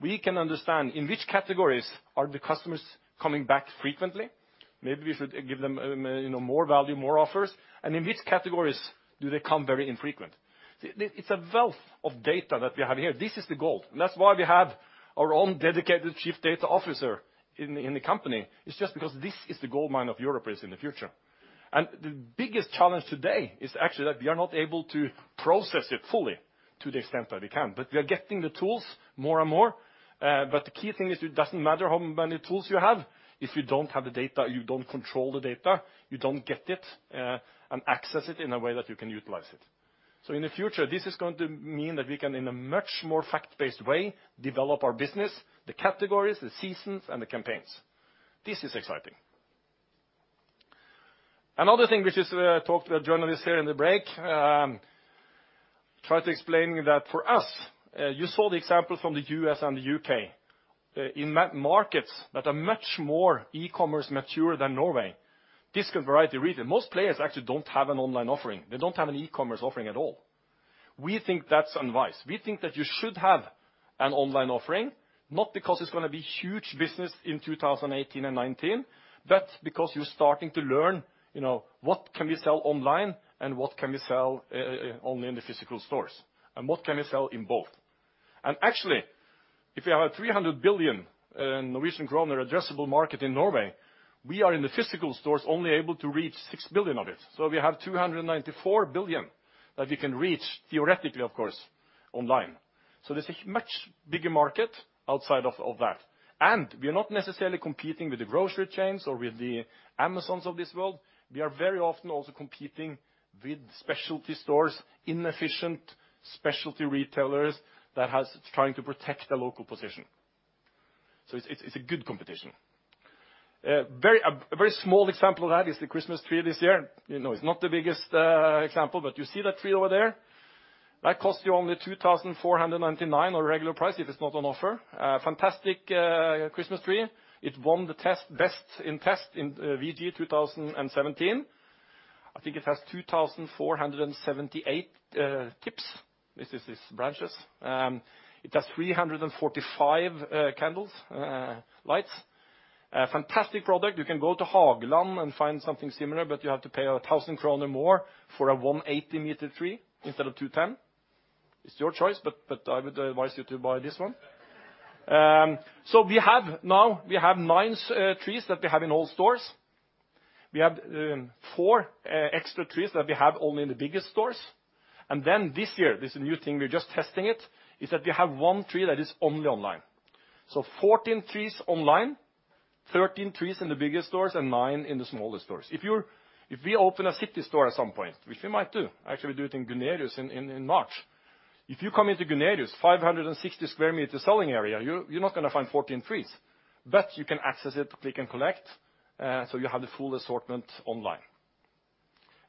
we can understand in which categories are the customers coming back frequently. Maybe we should give them more value, more offers, and in which categories do they come very infrequent. It's a wealth of data that we have here. This is the gold. That's why we have our own dedicated chief data officer in the company, is just because this is the goldmine of Europris in the future. The biggest challenge today is actually that we are not able to process it fully to the extent that we can. We are getting the tools more and more. The key thing is it doesn't matter how many tools you have, if you don't have the data, you don't control the data, you don't get it, and access it in a way that you can utilize it. In the future, this is going to mean that we can, in a much more fact-based way, develop our business, the categories, the seasons, and the campaigns. This is exciting. Another thing, we just talked to a journalist here in the break, tried to explain that for us, you saw the example from the U.S. and the U.K. In markets that are much more e-commerce mature than Norway, discount variety retail, most players actually don't have an online offering. They don't have an e-commerce offering at all. We think that's unwise. We think that you should have an online offering, not because it's going to be huge business in 2018 and 2019, but because you're starting to learn, what can we sell online and what can we sell only in the physical stores, and what can we sell in both? Actually, if you have 300 billion Norwegian kroner addressable market in Norway, we are in the physical stores only able to reach 6 billion of it. We have 294 billion that we can reach theoretically, of course, online. There's a much bigger market outside of that. We are not necessarily competing with the grocery chains or with the Amazons of this world, we are very often also competing with specialty stores, inefficient specialty retailers that has trying to protect the local position. It's a good competition. A very small example of that is the Christmas tree this year. It's not the biggest example, but you see that tree over there? That costs you only 2,499 or regular price if it's not on offer. Fantastic Christmas tree. It won the test best in test in VG 2017. I think it has 2,478 tips. This is branches. It has 345 candles, lights. A fantastic product. You can go to Hageland and find something similar, but you have to pay 1,000 kroner more for a 180-meter tree instead of 210. It's your choice, I would advise you to buy this one. We have now nine trees that we have in all stores. We have four extra trees that we have only in the biggest stores. Then this year, this new thing, we're just testing it, is that we have one tree that is only online. 14 trees online, 13 trees in the biggest stores, and nine in the smallest stores. If we open a city store at some point, which we might do, actually we do it in Gunerius in March. If you come into Gunerius, 560 sq m selling area, you're not going to find 14 trees. You can access it, click and collect, you have the full assortment online.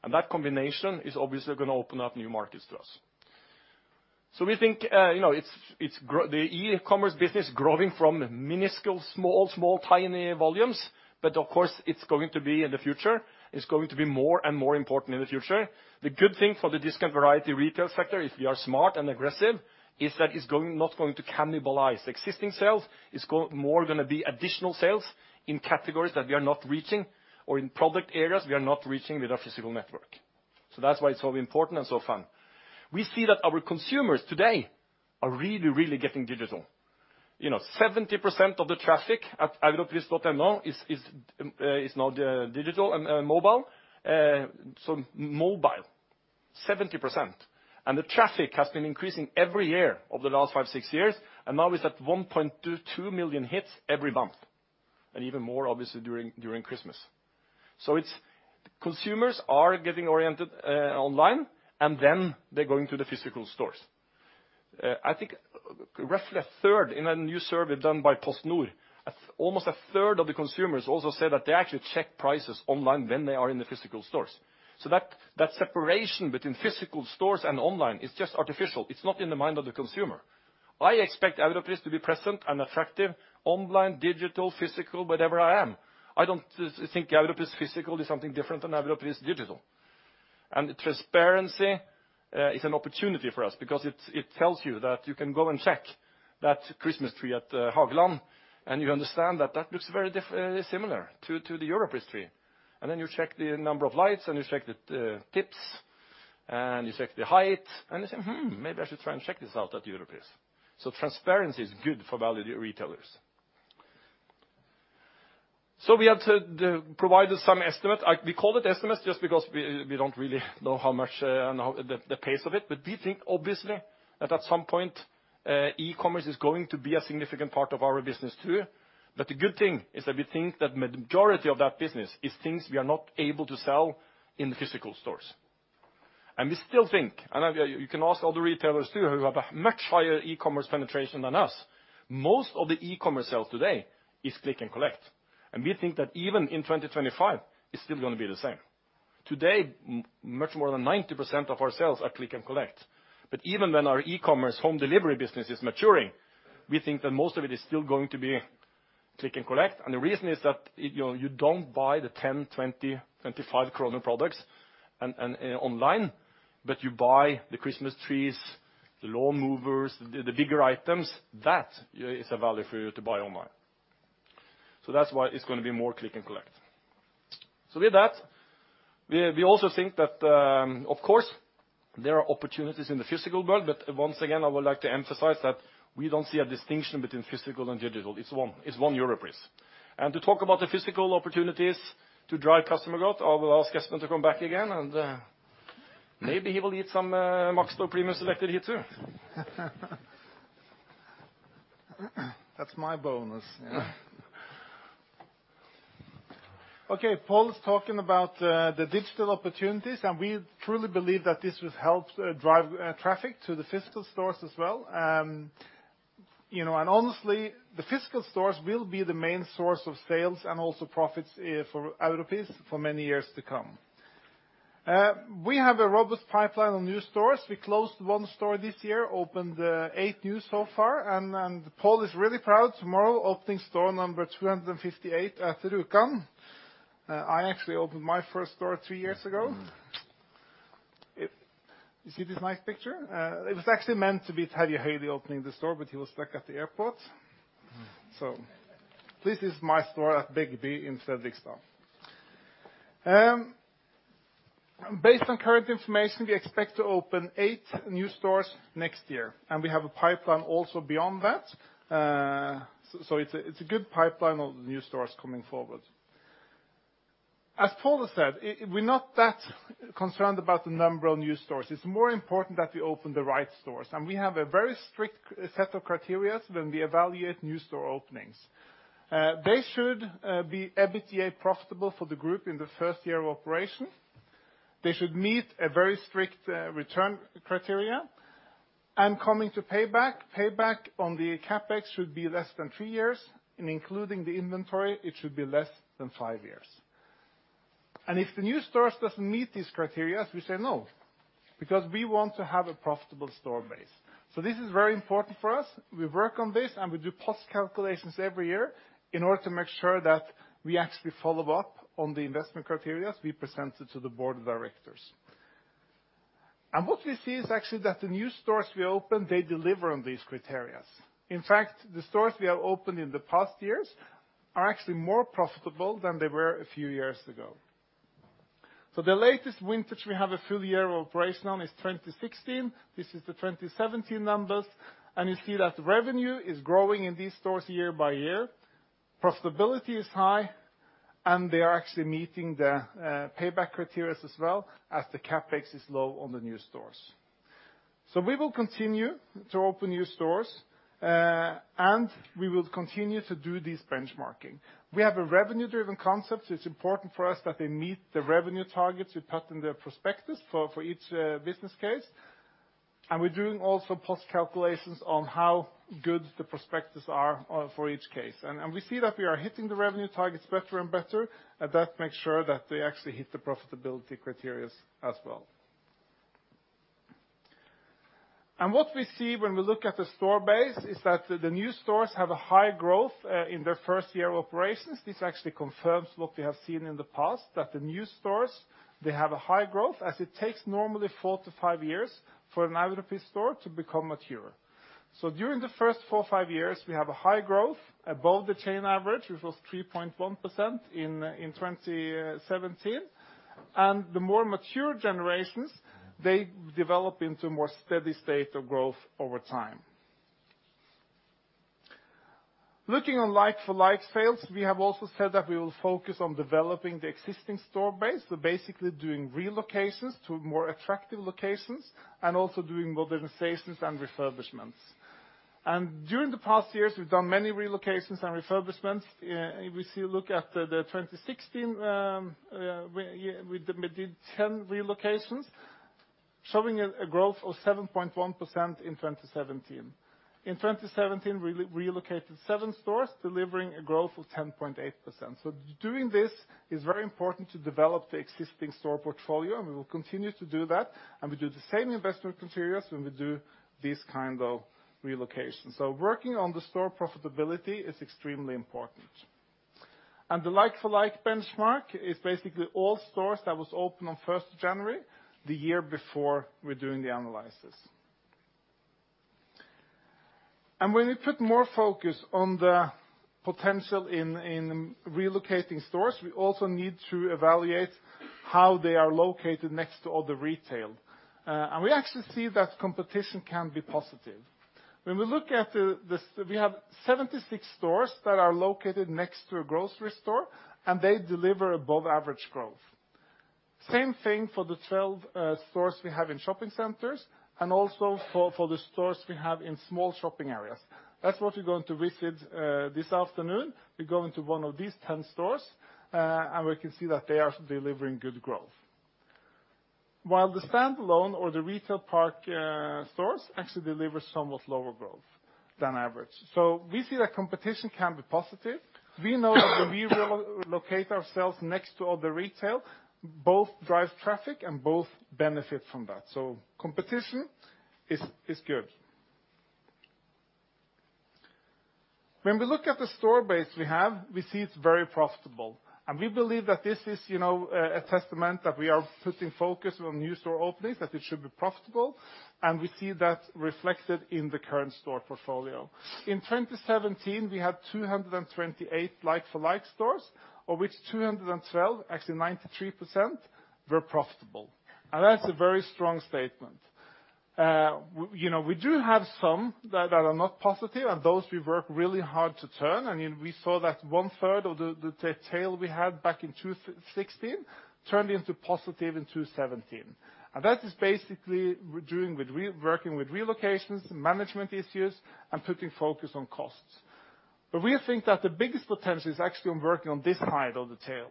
That combination is obviously going to open up new markets to us. We think the e-commerce business growing from minuscule, small, tiny volumes, of course it's going to be in the future, it's going to be more and more important in the future. The good thing for the discount variety retail sector is we are smart and aggressive, is that it's not going to cannibalize existing sales. It's more going to be additional sales in categories that we are not reaching or in product areas we are not reaching with our physical network. That's why it's so important and so fun. We see that our consumers today are really, really getting digital. 70% of the traffic at europris.no is now digital and mobile. Mobile, 70%. The traffic has been increasing every year over the last five, six years, and now it's at 1.2 million hits every month, and even more obviously during Christmas. Consumers are getting oriented online, and then they're going to the physical stores. I think roughly a third in a new survey done by PostNord, almost a third of the consumers also say that they actually check prices online when they are in the physical stores. That separation between physical stores and online is just artificial. It's not in the mind of the consumer. I expect Europris to be present and effective online, digital, physical, wherever I am. I don't think Europris physical is something different than Europris digital. Transparency is an opportunity for us because it tells you that you can go and check that Christmas tree at Hageland, and you understand that that looks very similar to the Europris tree. Then you check the number of lights, and you check the tips, and you check the height, and you say, "Hmm, maybe I should try and check this out at Europris." Transparency is good for value retailers. We have to provide some estimate. We call it estimates just because we don't really know how much and the pace of it. We think, obviously, that at some point, e-commerce is going to be a significant part of our business, too. The good thing is that we think that majority of that business is things we are not able to sell in the physical stores. We still think, and you can ask other retailers, too, who have a much higher e-commerce penetration than us, most of the e-commerce sales today is click and collect. We think that even in 2025, it's still going to be the same. Today, much more than 90% of our sales are click and collect. Even when our e-commerce home delivery business is maturing, we think that most of it is still going to be click and collect. The reason is that you don't buy the 10, 20, 25 NOK products online, but you buy the Christmas trees, the lawn movers, the bigger items. That is a value for you to buy online. That's why it's going to be more click and collect. With that, we also think that, of course, there are opportunities in the physical world, but once again, I would like to emphasize that we don't see a distinction between physical and digital. It's one Europris. To talk about the physical opportunities to drive customer growth, I will ask Espen to come back again and maybe he will eat some Max Dog Premium Selected here, too. That's my bonus. Yeah. Pål is talking about the digital opportunities, and we truly believe that this will help drive traffic to the physical stores as well. Honestly, the physical stores will be the main source of sales and also profits for Europris for many years to come. We have a robust pipeline of new stores. We closed one store this year, opened eight new so far, and Pål is really proud tomorrow opening store number 258 at Rjukan. I actually opened my first store three years ago. You see this nice picture? It was actually meant to be Terje Håkonsen opening the store, but he was stuck at the airport. This is my store at BigB in Fredrikstad. Based on current information, we expect to open eight new stores next year, and we have a pipeline also beyond that. It's a good pipeline of new stores coming forward. As Pål said, we're not that concerned about the number of new stores. It's more important that we open the right stores, and we have a very strict set of criteria when we evaluate new store openings. They should be EBITDA profitable for the group in the first year of operation. They should meet a very strict return criteria. Coming to payback on the CapEx should be less than three years, and including the inventory, it should be less than five years. If the new stores doesn't meet these criteria, we say no, because we want to have a profitable store base. This is very important for us. We work on this, and we do post-calculations every year in order to make sure that we actually follow up on the investment criteria we presented to the board of directors. What we see is actually that the new stores we open, they deliver on these criteria. In fact, the stores we have opened in the past years are actually more profitable than they were a few years ago. The latest vintage we have a full year of operation on is 2016. This is the 2017 numbers, and you see that the revenue is growing in these stores year by year. Profitability is high, and they are actually meeting the payback criteria as well as the CapEx is low on the new stores. We will continue to open new stores, and we will continue to do this benchmarking. We have a revenue-driven concept. It is important for us that they meet the revenue targets we put in their prospectus for each business case. We are doing also post calculations on how good the prospectus are for each case. We see that we are hitting the revenue targets better and better, and that makes sure that we actually hit the profitability criteria as well. What we see when we look at the store base is that the new stores have a high growth in their first year of operations. This actually confirms what we have seen in the past, that the new stores, they have a high growth as it takes normally four to five years for an Europris store to become mature. During the first four, five years, we have a high growth above the chain average, which was 3.1% in 2017. The more mature generations, they develop into a more steady state of growth over time. Looking on like-for-like sales, we have also said that we will focus on developing the existing store base. We are basically doing relocations to more attractive locations and also doing modernizations and refurbishments. During the past years, we have done many relocations and refurbishments. If we look at 2016, we did 10 relocations, showing a growth of 7.1% in 2017. In 2017, we relocated seven stores, delivering a growth of 10.8%. Doing this is very important to develop the existing store portfolio, and we will continue to do that. We do the same investment criteria when we do these kinds of relocations. Working on the store profitability is extremely important. The like-for-like benchmark is basically all stores that was open on 1st January, the year before we are doing the analysis. When we put more focus on the potential in relocating stores, we also need to evaluate how they are located next to other retail. We actually see that competition can be positive. We have 76 stores that are located next to a grocery store, and they deliver above average growth. Same thing for the 12 stores we have in shopping centers, and also for the stores we have in small shopping areas. That is what we are going to visit this afternoon. We are going to one of these 10 stores, and we can see that they are delivering good growth. While the standalone or the retail park stores actually deliver somewhat lower growth than average. We see that competition can be positive. We know that when we relocate ourselves next to other retail, both drive traffic and both benefit from that. Competition is good. When we look at the store base we have, we see it is very profitable. We believe that this is a testament that we are putting focus on new store openings, that it should be profitable. We see that reflected in the current store portfolio. In 2017, we had 228 like-for-like stores, of which 212, actually 93%, were profitable. That's a very strong statement. We do have some that are not positive. Those we work really hard to turn. We saw that one-third of the tail we had back in 2016 turned into positive in 2017. That is basically working with relocations, management issues, and putting focus on costs. We think that the biggest potential is actually on working on this side of the tail,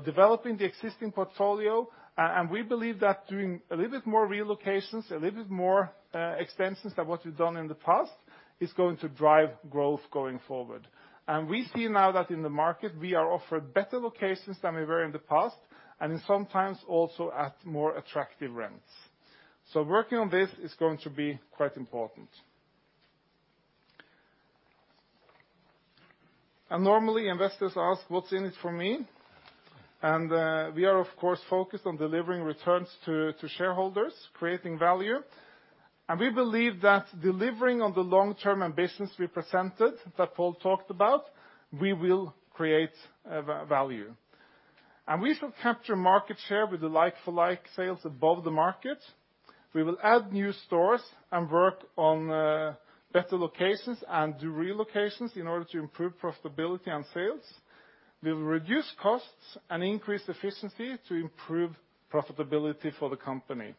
developing the existing portfolio. We believe that doing a little bit more relocations, a little bit more expenses than what we've done in the past, is going to drive growth going forward. We see now that in the market, we are offered better locations than we were in the past, and sometimes also at more attractive rents. Working on this is going to be quite important. Normally, investors ask, "What's in it for me?" We are, of course, focused on delivering returns to shareholders, creating value. We believe that delivering on the long-term ambitions we presented, that Pål talked about, we will create value. We shall capture market share with the like-for-like sales above the market. We will add new stores and work on better locations and do relocations in order to improve profitability and sales. We'll reduce costs and increase efficiency to improve profitability for the company.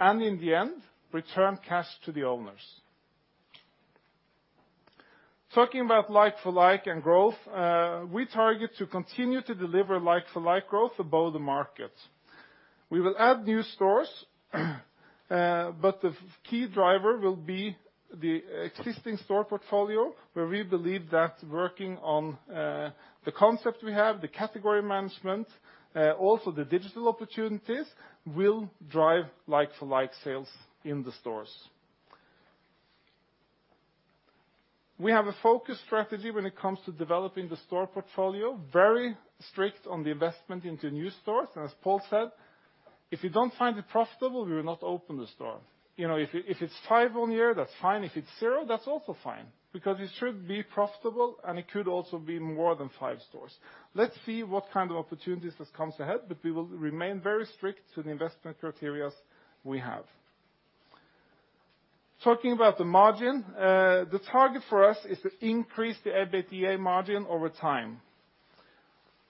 In the end, return cash to the owners. Talking about like-for-like and growth, we target to continue to deliver like-for-like growth above the market. We will add new stores, but the key driver will be the existing store portfolio, where we believe that working on the concept we have, the category management, also the digital opportunities, will drive like-for-like sales in the stores. We have a focus strategy when it comes to developing the store portfolio, very strict on the investment into new stores. As Pål said, if we don't find it profitable, we will not open the store. If it's five one year, that's fine. If it's zero, that's also fine, because it should be profitable, and it could also be more than five stores. Let's see what kind of opportunities this comes ahead, but we will remain very strict to the investment criterias we have. Talking about the margin, the target for us is to increase the EBITDA margin over time.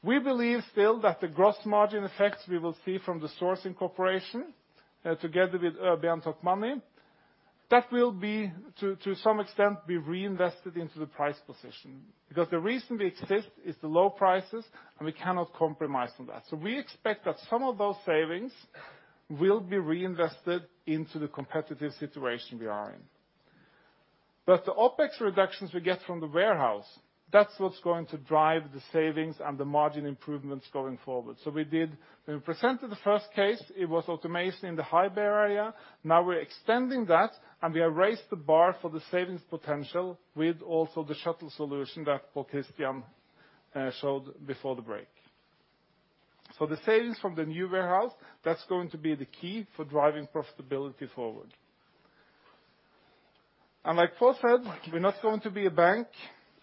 We believe still that the gross margin effects we will see from the sourcing corporation, together with ÖoB and Tokmanni, that will be, to some extent, be reinvested into the price position. The reason we exist is the low prices, and we cannot compromise on that. We expect that some of those savings will be reinvested into the competitive situation we are in. The OpEx reductions we get from the warehouse, that's what's going to drive the savings and the margin improvements going forward. When we presented the first case, it was automation in the high bay area. We're extending that, and we have raised the bar for the savings potential with also the shuttle solution that Pål-Kristian showed before the break. The savings from the new warehouse, that's going to be the key for driving profitability forward. Like Pål said, we're not going to be a bank.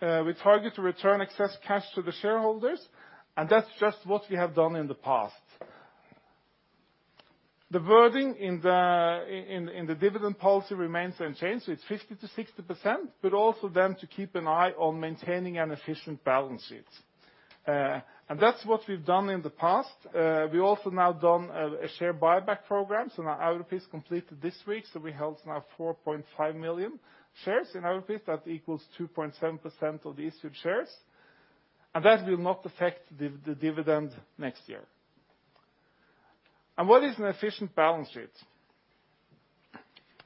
We target to return excess cash to the shareholders, and that's just what we have done in the past. The wording in the dividend policy remains unchanged, so it's 50%-60%, but also then to keep an eye on maintaining an efficient balance sheet. That's what we've done in the past. We also have now done a share buyback program. Europris completed this week. We hold now 4.5 million shares in Europris. That equals 2.7% of the issued shares, and that will not affect the dividend next year. What is an efficient balance sheet?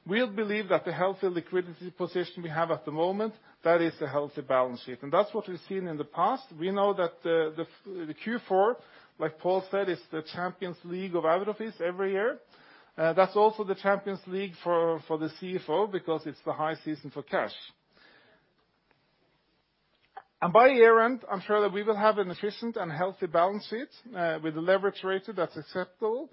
We'll believe that the healthy liquidity position we have at the moment, that is a healthy balance sheet. That's what we've seen in the past. We know that the Q4, like Pål said, is the Champions League of Europris every year. That's also the Champions League for the CFO, because it's the high season for cash. By year-end, I'm sure that we will have an efficient and healthy balance sheet, with a leverage ratio that's acceptable.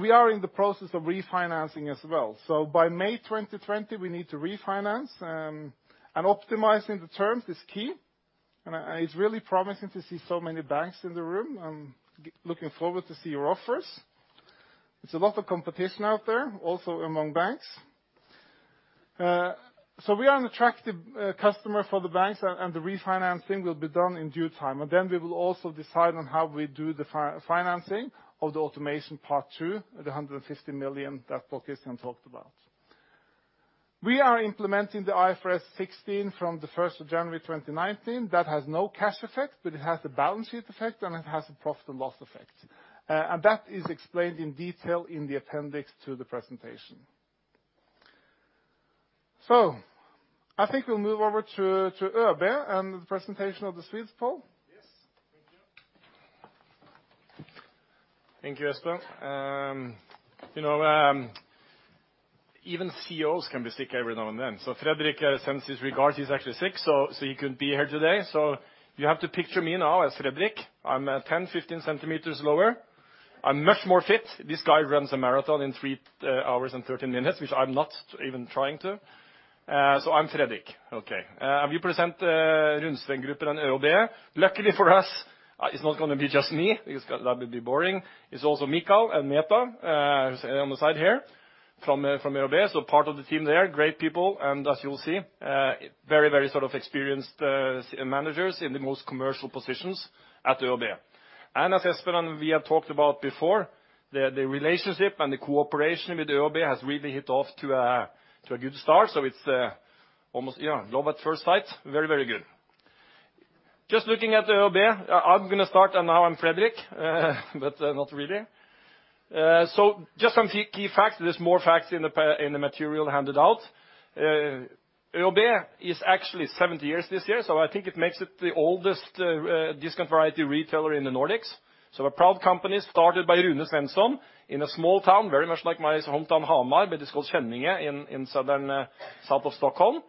We are in the process of refinancing as well. By May 2020, we need to refinance, and optimizing the terms is key. It's really promising to see so many banks in the room. I'm looking forward to see your offers. It's a lot of competition out there, also among banks. We are an attractive customer for the banks, and the refinancing will be done in due time. Then we will also decide on how we do the financing of the automation part two at the 150 million that Pål-Kristian talked about. We are implementing the IFRS 16 from the 1st of January 2019. That has no cash effect, but it has a balance sheet effect, and it has a profit and loss effect. That is explained in detail in the appendix to the presentation. I think we'll move over to ÖoB and the presentation of the Swedes. Pål? Yes. Thank you. Thank you, Espen. Even CEOs can be sick every now and then. Fredrik sends his regards. He's actually sick, so he couldn't be here today. You have to picture me now as Fredrik. I'm 10, 15 centimeters lower. I'm much more fit. This guy runs a marathon in 3 hours and 13 minutes, which I'm not even trying to. I'm Fredrik. Okay. I will present Runsvengruppen and ÖoB. Luckily for us, it's not going to be just me because that would be boring. It's also Mikael and Meta on the side here from ÖoB. Part of the team there, great people. As you'll see, very experienced managers in the most commercial positions at ÖoB. As Espen and we have talked about before, the relationship and the cooperation with ÖoB has really hit off to a good start. It's almost love at first sight. Very good. Looking at ÖoB, I'm going to start, and now I'm Fredrik. Not really. Just some key facts. There's more facts in the material handed out. ÖoB is actually 70 years this year, so I think it makes it the oldest discount variety retailer in the Nordics. A proud company started by Rune Svensson in a small town, very much like my hometown, Hamar, but it's called Skänninge in south of Stockholm.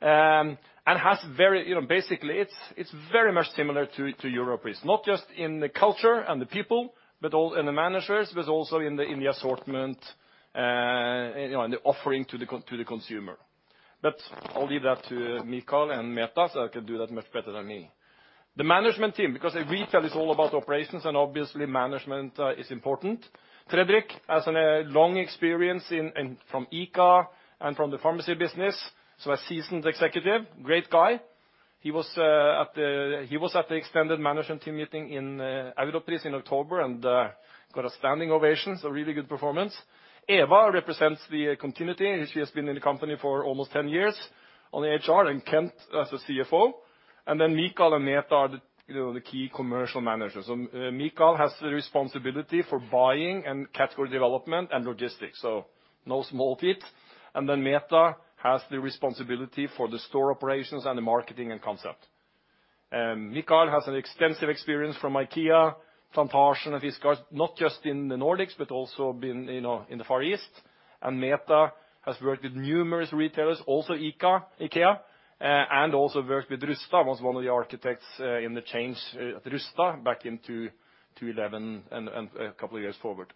Basically, it's very much similar to Europris. Not just in the culture and the people, and the managers, but it's also in the assortment, and the offering to the consumer. I'll leave that to Mikael and Meta. They can do that much better than me. The management team, because retail is all about operations and obviously management is important. Fredrik has long experience from ICA and from the pharmacy business. A seasoned executive, great guy. He was at the extended management team meeting in Europris in October and got a standing ovation. Really good performance. Eva represents the continuity. She has been in the company for almost 10 years on HR. Kent as the CFO. Mikael and Meta are the key commercial managers. Mikael has the responsibility for buying and category development and logistics. No small feat. Meta has the responsibility for the store operations and the marketing and concept. Mikael has extensive experience from IKEA, Fantasia, and Viscard. Not just in the Nordics, but also been in the Far East. Meta has worked with numerous retailers, also IKEA, and also worked with Rusta, was one of the architects in the change at Rusta back in 2011 and a couple of years forward.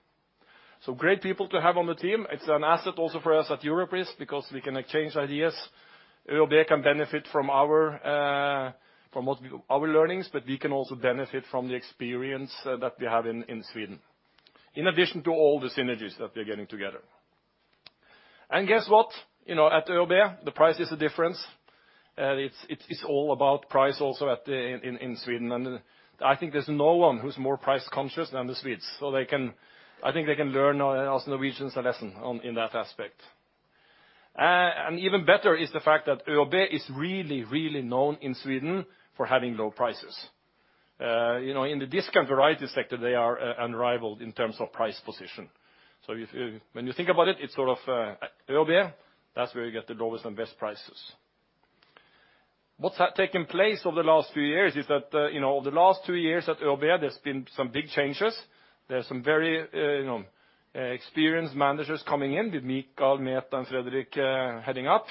Great people to have on the team. It's an asset also for us at Europris because we can exchange ideas. ÖoB can benefit from our learnings, but we can also benefit from the experience that we have in Sweden, in addition to all the synergies that we're getting together. Guess what? At ÖoB, the price is the difference. It's all about price also in Sweden. I think there's no one who's more price-conscious than the Swedes. I think they can learn us Norwegians a lesson in that aspect. Even better is the fact that ÖoB is really known in Sweden for having low prices. In the discount variety sector, they are unrivaled in terms of price position. When you think about it's sort of ÖoB, that's where you get the lowest and best prices. What's taken place over the last few years is that over the last two years at ÖoB, there's been some big changes. There's some very experienced managers coming in with Mikael, Meta, and Fredrik heading up.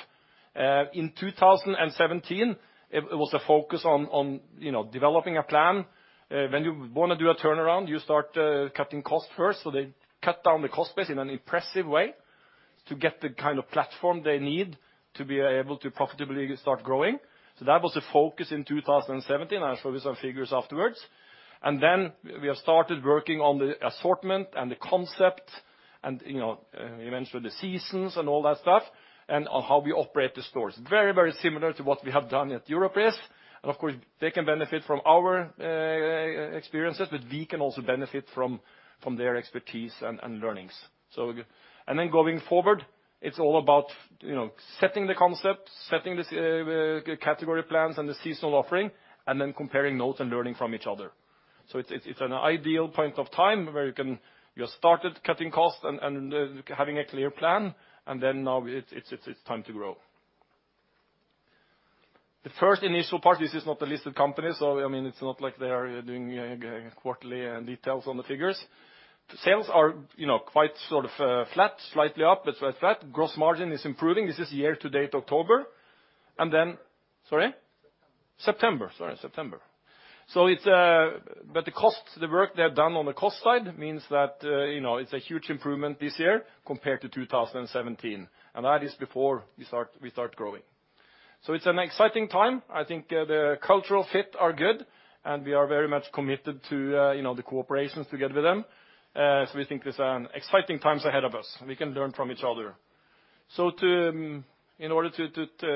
In 2017, it was a focus on developing a plan. When you want to do a turnaround, you start cutting costs first. They cut down the cost base in an impressive way to get the kind of platform they need to be able to profitably start growing. That was the focus in 2017. I'll show you some figures afterwards. We have started working on the assortment and the concept and eventually the seasons and all that stuff, and on how we operate the stores. Very similar to what we have done at Europris. Of course, they can benefit from our experiences, but we can also benefit from their expertise and learnings. Going forward, it's all about setting the concept, setting the category plans and the seasonal offering, and then comparing notes and learning from each other. It's an ideal point of time where you started cutting costs and having a clear plan, and now it's time to grow. The first initial part, this is not a listed company. It's not like they are doing quarterly details on the figures. The sales are quite flat, slightly up, but flat. Gross margin is improving. This is year to date, October. Sorry? September. September. Sorry, September. The work they have done on the cost side means that it's a huge improvement this year compared to 2017, and that is before we start growing. It's an exciting time. I think the cultural fit are good, and we are very much committed to the cooperation together with them. We think there's an exciting times ahead of us. We can learn from each other. In order to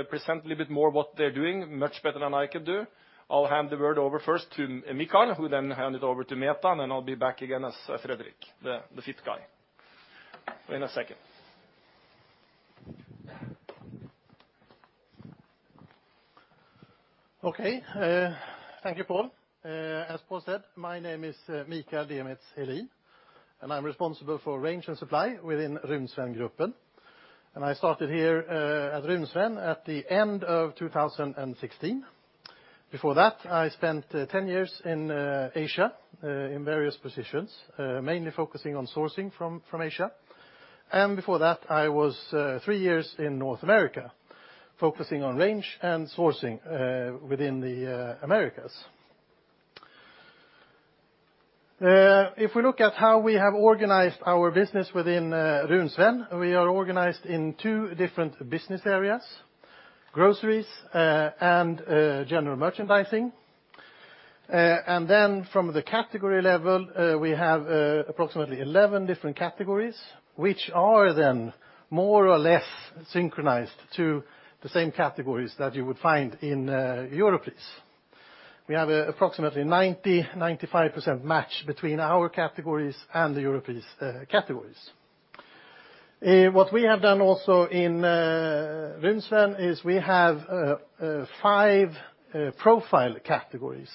present a little bit more what they're doing much better than I could do, I'll hand the word over first to Mikael, who then hand it over to Meta, and then I'll be back again as Fredrik, the fit guy, in a second. Okay. Thank you, Pål. As Pål said, my name is Mikael Demitz-Helin, and I'm responsible for range and supply within Runsvengruppen. I started here at Runsvens at the end of 2016. Before that, I spent 10 years in Asia, in various positions, mainly focusing on sourcing from Asia. Before that, I was three years in North America, focusing on range and sourcing within the Americas. If we look at how we have organized our business within Runsvens, we are organized in two different business areas, groceries and general merchandising. From the category level, we have approximately 11 different categories, which are then more or less synchronized to the same categories that you would find in Europris. We have approximately 90%, 95% match between our categories and the Europris categories. What we have done also in Runsvens is we have five profile categories,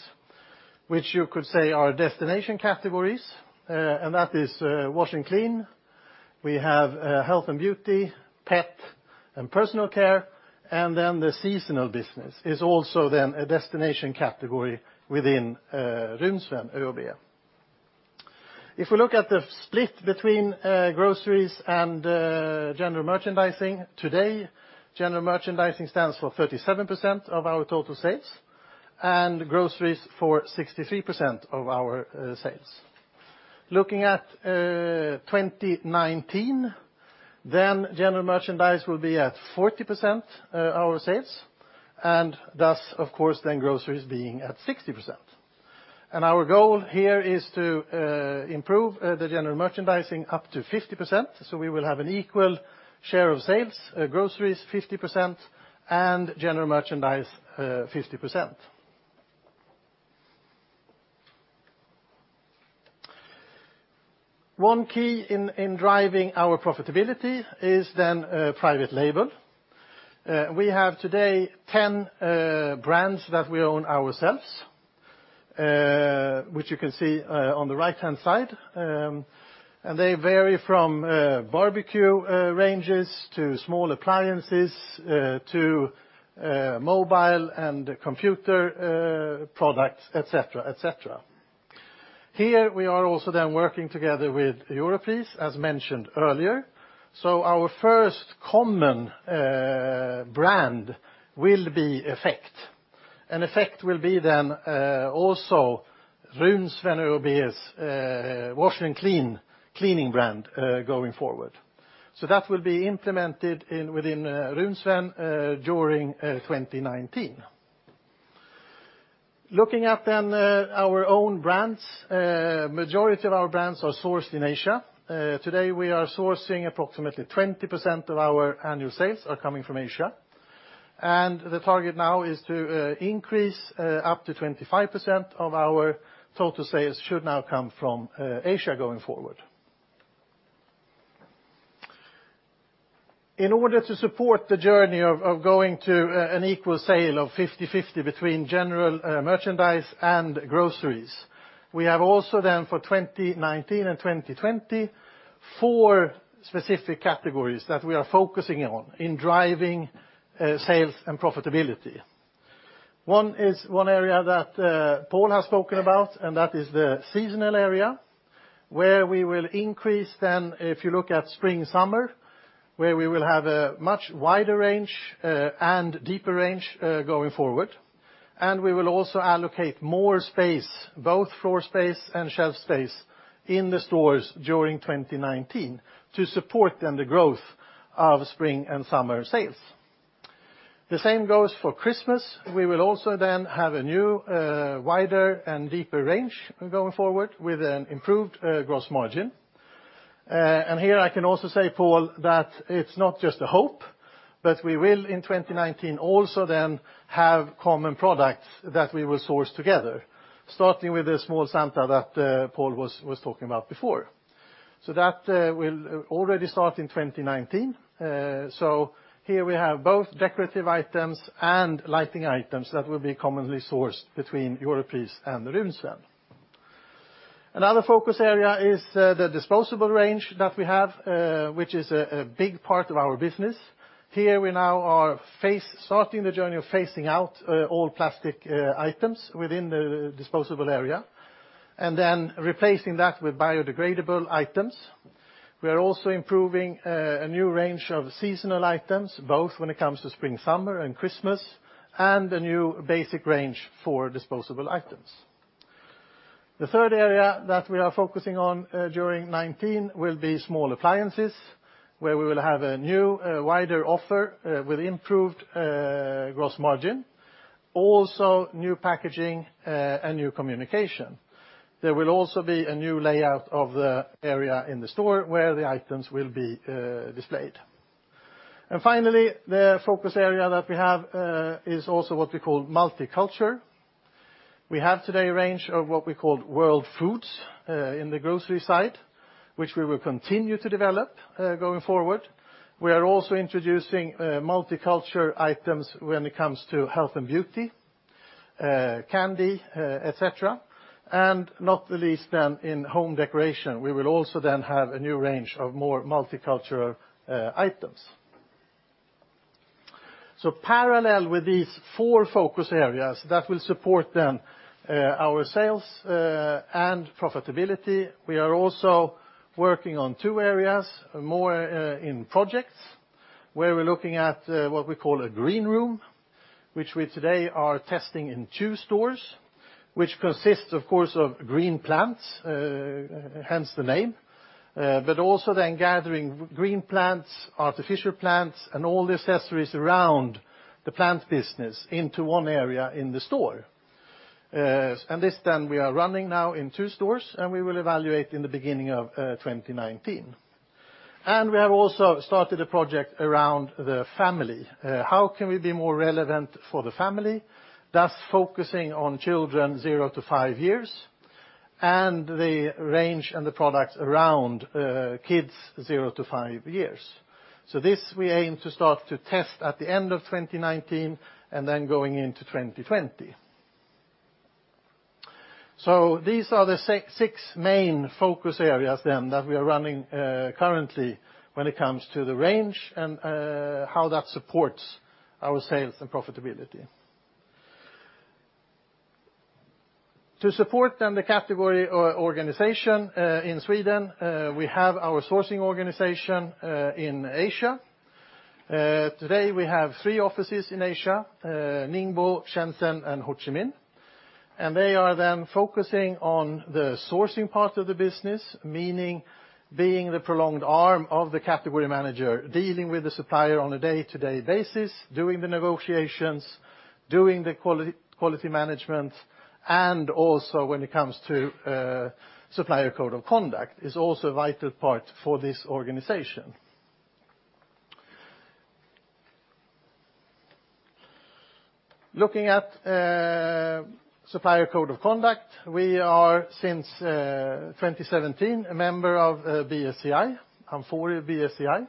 which you could say are destination categories, and that is wash and clean. We have health and beauty, pet and personal care, and the seasonal business is also a destination category within Runsvens ÖoB. If we look at the split between groceries and general merchandising, today, general merchandising stands for 37% of our total sales and groceries for 63% of our sales. Looking at 2019, general merchandise will be at 40% our sales, and thus, of course, groceries being at 60%. Our goal here is to improve the general merchandising up to 50%, so we will have an equal share of sales, groceries 50% and general merchandise 50%. One key in driving our profitability is private label. We have today 10 brands that we own ourselves, which you can see on the right-hand side, and they vary from barbecue ranges to small appliances to mobile and computer products, et cetera. Here we are also working together with Europris, as mentioned earlier. Our first common brand will be Effekt. Effekt will be also Runsvens ÖoB's wash and clean cleaning brand going forward. That will be implemented within Runsvens during 2019. Looking at our own brands, majority of our brands are sourced in Asia. Today, we are sourcing approximately 20% of our annual sales are coming from Asia. The target now is to increase up to 25% of our total sales should now come from Asia going forward. In order to support the journey of going to an equal sale of 50/50 between general merchandise and groceries, we have also for 2019 and 2020, 4 specific categories that we are focusing on in driving sales and profitability. One is one area that Pål has spoken about, and that is the seasonal area, where we will increase, if you look at spring/summer, where we will have a much wider range and deeper range going forward. We will also allocate more space, both floor space and shelf space in the stores during 2019 to support the growth of spring and summer sales. The same goes for Christmas. We will also have a new, wider and deeper range going forward with an improved gross margin. Here I can also say, Pål, that it's not just a hope, but we will in 2019 also have common products that we will source together, starting with the small Santa that Pål was talking about before. That will already start in 2019. Here we have both decorative items and lighting items that will be commonly sourced between Europris and Runsvens. Another focus area is the disposable range that we have, which is a big part of our business. Here we now are starting the journey of phasing out all plastic items within the disposable area and replacing that with biodegradable items. We are also improving a new range of seasonal items, both when it comes to spring, summer and Christmas, and a new basic range for disposable items. The third area that we are focusing on during 2019 will be small appliances, where we will have a new wider offer with improved gross margin. Also new packaging and new communication. There will also be a new layout of the area in the store where the items will be displayed. Finally, the focus area that we have is also what we call multiculture. We have today a range of what we call world foods in the grocery side, which we will continue to develop going forward. We are also introducing multiculture items when it comes to health and beauty, candy, etcetera, and not the least then in home decoration. We will also then have a new range of more multicultural items. Parallel with these four focus areas that will support then our sales and profitability, we are also working on two areas, more in projects, where we're looking at what we call a green room, which we today are testing in two stores, which consists, of course, of green plants, hence the name. Also then gathering green plants, artificial plants, and all the accessories around the plant business into one area in the store. This then we are running now in two stores, and we will evaluate in the beginning of 2019. We have also started a project around the family. How can we be more relevant for the family? Thus focusing on children zero to five years and the range and the products around kids zero to five years. This we aim to start to test at the end of 2019 and then going into 2020. These are the six main focus areas then that we are running currently when it comes to the range and how that supports our sales and profitability. To support then the category organization in Sweden, we have our sourcing organization in Asia. Today we have three offices in Asia, Ningbo, Shenzhen, and Ho Chi Minh. They are then focusing on the sourcing part of the business, meaning being the prolonged arm of the category manager, dealing with the supplier on a day-to-day basis, doing the negotiations, doing the quality management, and also when it comes to supplier code of conduct is also a vital part for this organization. Looking at supplier code of conduct, we are since 2017 a member of BSCI, amfori BSCI.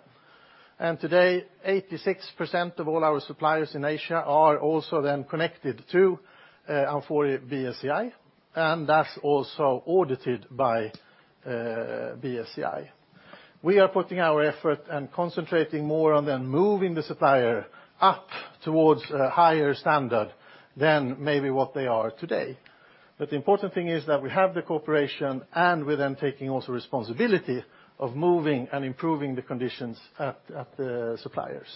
Today, 86% of all our suppliers in Asia are also then connected to amfori BSCI, and that's also audited by BSCI. We are putting our effort and concentrating more on then moving the supplier up towards a higher standard than maybe what they are today. The important thing is that we have the cooperation and we're then taking also responsibility of moving and improving the conditions at the suppliers.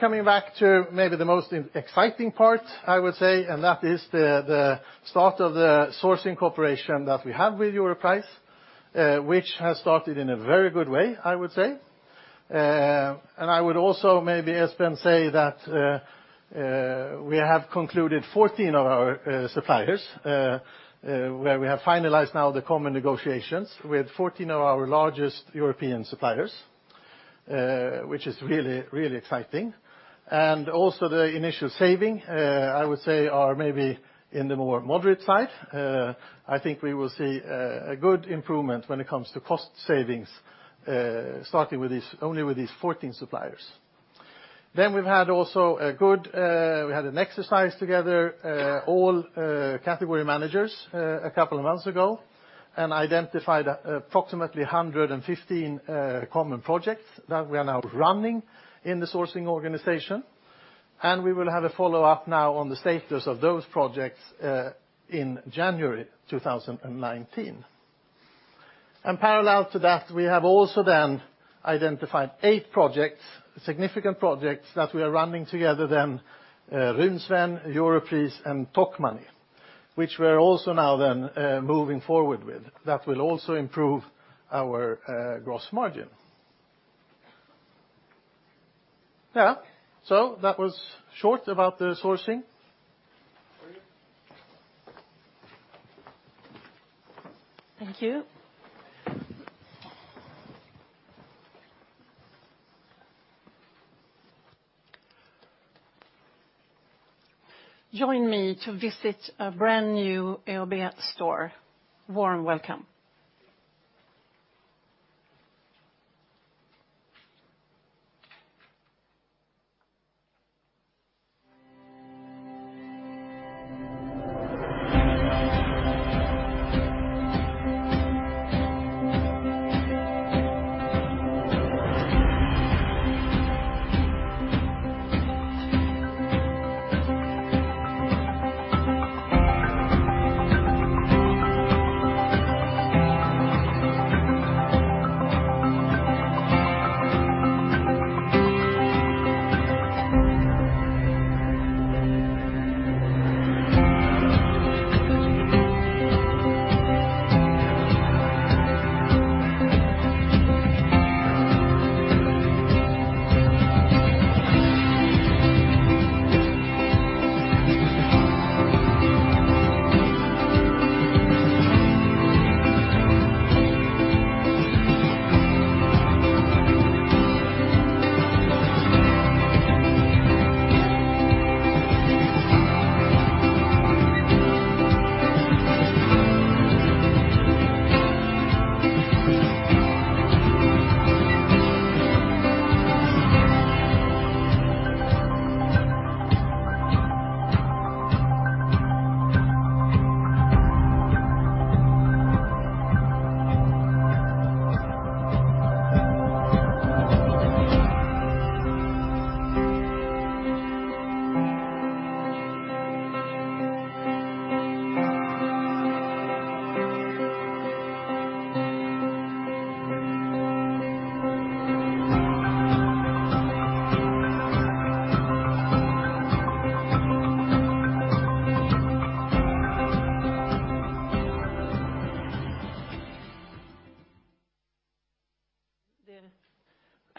Coming back to maybe the most exciting part, I would say, and that is the start of the sourcing cooperation that we have with Europris, which has started in a very good way, I would say. I would also maybe, Espen, say that we have concluded 14 of our suppliers where we have finalized now the common negotiations with 14 of our largest European suppliers, which is really exciting. Also the initial saving, I would say, are maybe in the more moderate side. I think we will see a good improvement when it comes to cost savings, starting only with these 14 suppliers. We had an exercise together all category managers a couple of months ago and identified approximately 115 common projects that we are now running in the sourcing organization. We will have a follow-up now on the status of those projects in January 2019. Parallel to that, we have also then identified eight projects, significant projects that we are running together then, Runsvens, Europris, and Tokmanni, which we're also now then moving forward with. That will also improve our gross margin. That was short about the sourcing. Very good. Thank you. Join me to visit a brand new ÖoB store. Warm welcome.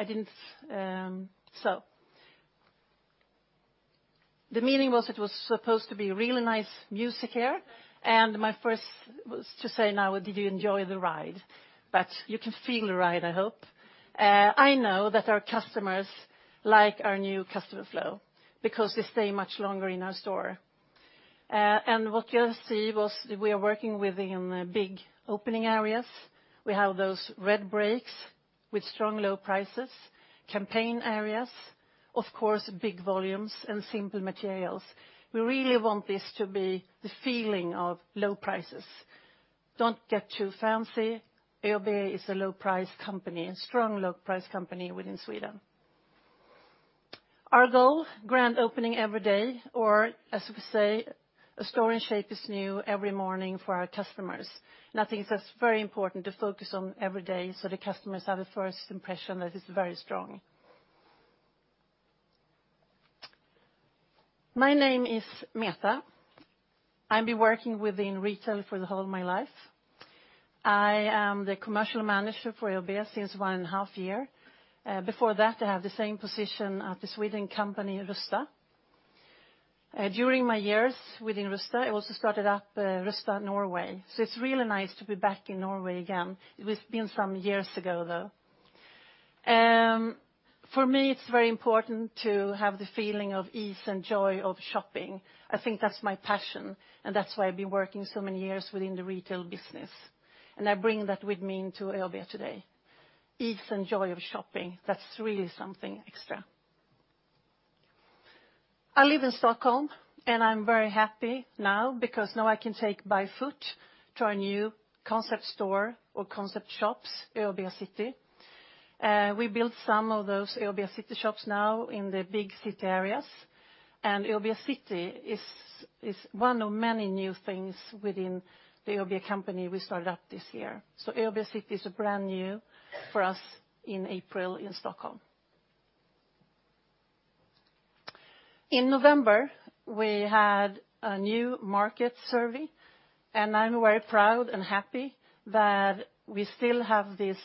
The meaning was it was supposed to be really nice music here, and my first was to say now, did you enjoy the ride? You can feel the ride, I hope. I know that our customers like our new customer flow because they stay much longer in our store. What you'll see was we are working within the big opening areas. We have those red breaks with strong low prices, campaign areas, of course, big volumes and simple materials. We really want this to be the feeling of low prices. Don't get too fancy. ÖoB is a low price company, strong low price company within Sweden. Our goal, grand opening every day, or as we say, a store in shape is new every morning for our customers. I think that's very important to focus on every day so the customers have a first impression that is very strong. My name is Meta. I've been working within retail for the whole of my life. I am the commercial manager for ÖoB since one and a half year. Before that, I have the same position at the Sweden company, Rusta. During my years within Rusta, I also started up Rusta Norway. It's really nice to be back in Norway again. It has been some years ago, though. For me, it's very important to have the feeling of ease and joy of shopping. I think that's my passion, and that's why I've been working so many years within the retail business. I bring that with me into ÖoB today. Ease and joy of shopping, that's really something extra. I live in Stockholm, I'm very happy now because now I can take by foot to our new concept store or concept shops, ÖoB City. We built some of those ÖoB City shops now in the big city areas. ÖoB City is one of many new things within the ÖoB company we started up this year. ÖoB City is brand new for us in April in Stockholm. In November, we had a new market survey, I'm very proud and happy that we still have this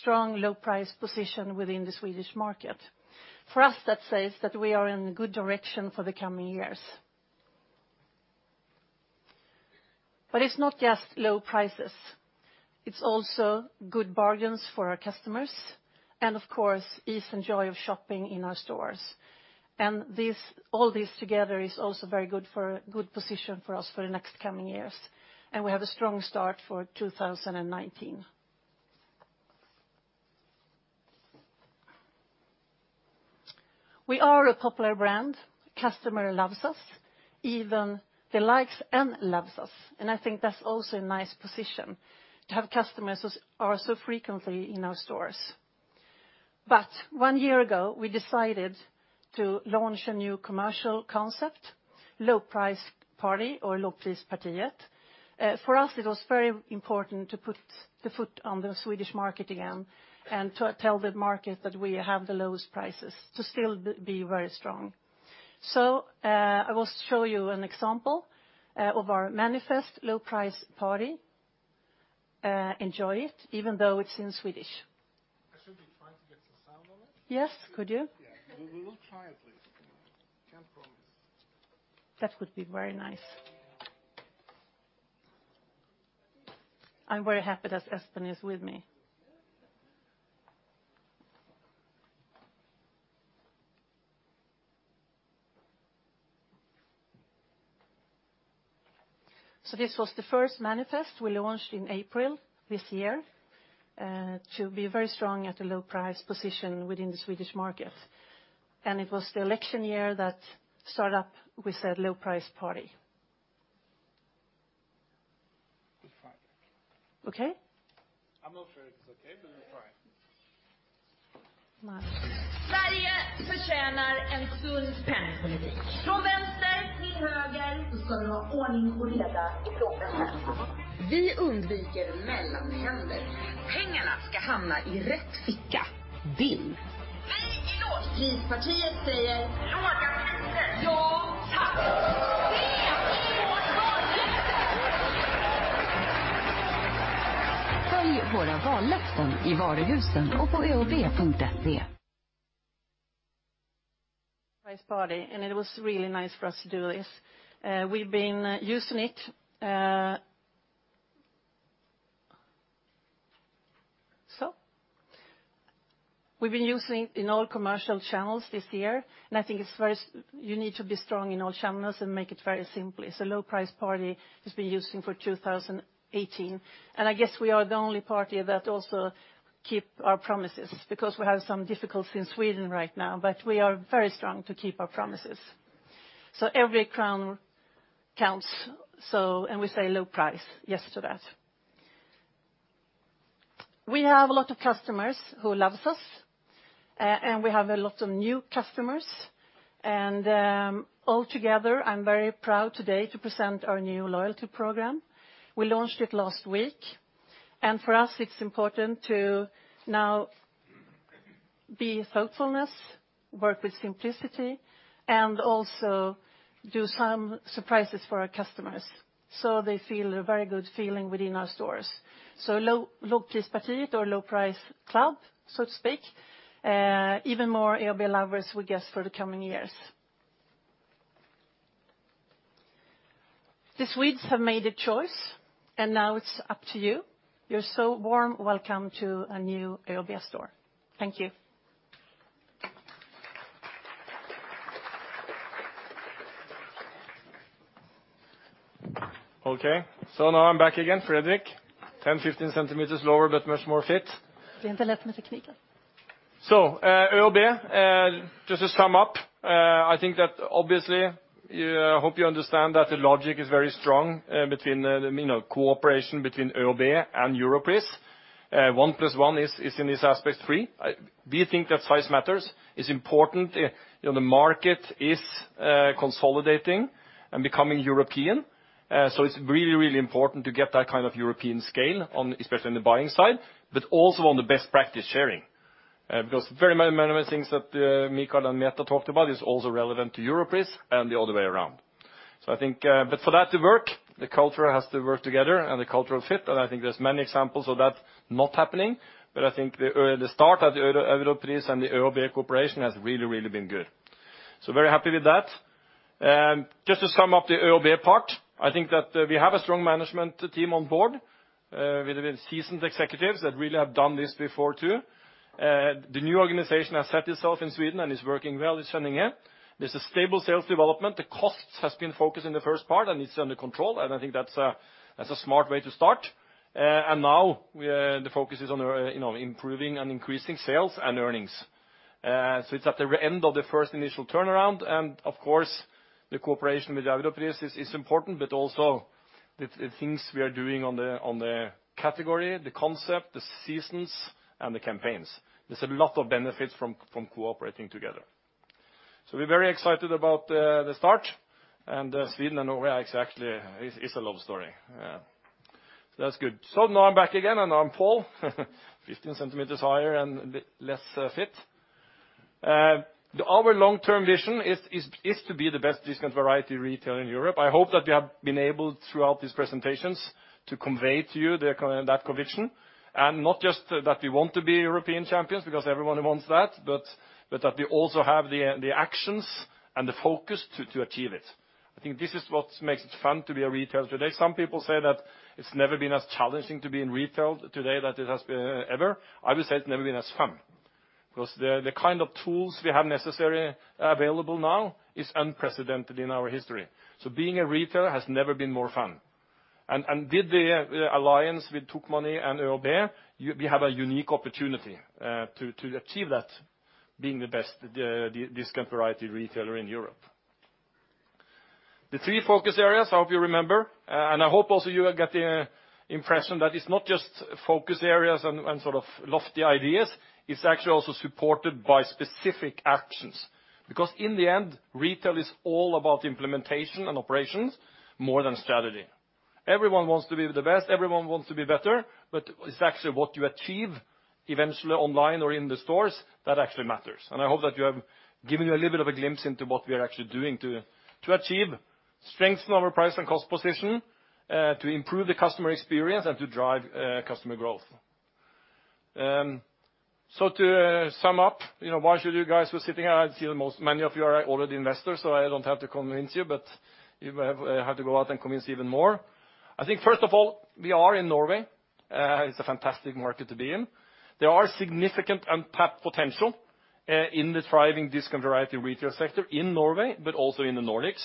strong low price position within the Swedish market. For us, that says that we are in good direction for the coming years. It's not just low prices. It's also good bargains for our customers and, of course, ease and joy of shopping in our stores. All this together is also very good position for us for the next coming years. We have a strong start for 2019. We are a popular brand. Customer loves us. Even they likes and loves us. I think that's also a nice position to have customers are so frequently in our stores. One year ago, we decided to launch a new commercial concept, low price party or lågprispartiet. For us, it was very important to put the foot on the Swedish market again, to tell the market that we have the lowest prices to still be very strong. I will show you an example of our manifest low price party. Enjoy it, even though it's in Swedish. I should be trying to get the sound on it? Yes. Could you? We will try at least. Can't promise. That would be very nice. I'm very happy that Espen is with me. This was the first manifest we launched in April this year, to be very strong at a low price position within the Swedish market. It was the election year that start up with a low price party. Okay? I'm not sure if it's okay, but we'll try. Nice. Price party, and it was really nice for us to do this. We've been using it in all commercial channels this year, and I think you need to be strong in all channels and make it very simple. It's a low price party that's been used for 2018. I guess we are the only party that also keep our promises, because we have some difficulties in Sweden right now, but we are very strong to keep our promises. Every crown counts, and we say low price. Yes to that. We have a lot of customers who loves us, and we have a lot of new customers. Altogether, I'm very proud today to present our new loyalty program. We launched it last week. For us, it's important to now be thoughtfulness, work with simplicity, and also do some surprises for our customers, so they feel a very good feeling within our stores. Low Price Party or low price club, so to speak, even more ÖoB lovers, we guess, for the coming years. The Swedes have made a choice. Now it's up to you. You're so warm welcome to a new ÖoB store. Thank you. Okay. Now I'm back again, Fredrik. 10, 15 centimeters lower, but much more fit. ÖoB, just to sum up, I think that obviously, I hope you understand that the logic is very strong between the cooperation between ÖoB and Europris. one plus one is in this aspect, three. We think that size matters. It's important. The market is consolidating and becoming European. It's really, really important to get that kind of European scale, especially on the buying side, but also on the best practice sharing. Because very many things that Mikael and Meta talked about is also relevant to Europris and the other way around. For that to work, the culture has to work together and the cultural fit. I think there's many examples of that not happening. I think the start of the Europris and the ÖoB cooperation has really, really been good. Very happy with that. Just to sum up the ÖoB part, I think that we have a strong management team on board with seasoned executives that really have done this before, too. The new organization has set itself in Sweden and is working well, it's turning in. There's a stable sales development. The costs has been focused in the first part, and it's under control. I think that's a smart way to start. Now the focus is on improving and increasing sales and earnings. It's at the end of the first initial turnaround. Of course, the cooperation with Europris is important, but also the things we are doing on the category, the concept, the seasons and the campaigns. There's a lot of benefits from cooperating together. We're very excited about the start. Sweden and Norway actually is a love story. That's good. Now I'm back again. Now I'm Pål, 15 centimeters higher and a bit less fit. Our long-term vision is to be the best discount variety retailer in Europe. I hope that we have been able throughout these presentations to convey to you that conviction. Not just that we want to be European champions because everyone wants that, but that we also have the actions and the focus to achieve it. I think this is what makes it fun to be in retail today. Some people say that it's never been as challenging to be in retail today than it has been ever. I would say it's never been as fun because the kind of tools we have necessary available now is unprecedented in our history. Being a retailer has never been more fun. With the alliance with Tokmanni and ÖoB, we have a unique opportunity to achieve that, being the best discount variety retailer in Europe. The three focus areas, I hope you remember, and I hope also you will get the impression that it's not just focus areas and lofty ideas, it's actually also supported by specific actions. Because in the end, retail is all about implementation and operations more than strategy. Everyone wants to be the best, everyone wants to be better, but it's actually what you achieve eventually online or in the stores that actually matters. I hope that we have given you a little bit of a glimpse into what we are actually doing to achieve strengthen our price and cost position, to improve the customer experience, and to drive customer growth. To sum up, why should you guys who are sitting at home, many of you are already investors, so I don't have to convince you, but we have to go out and convince even more. I think, first of all, we are in Norway. It's a fantastic market to be in. There are significant untapped potential in the thriving discount variety retail sector in Norway, but also in the Nordics.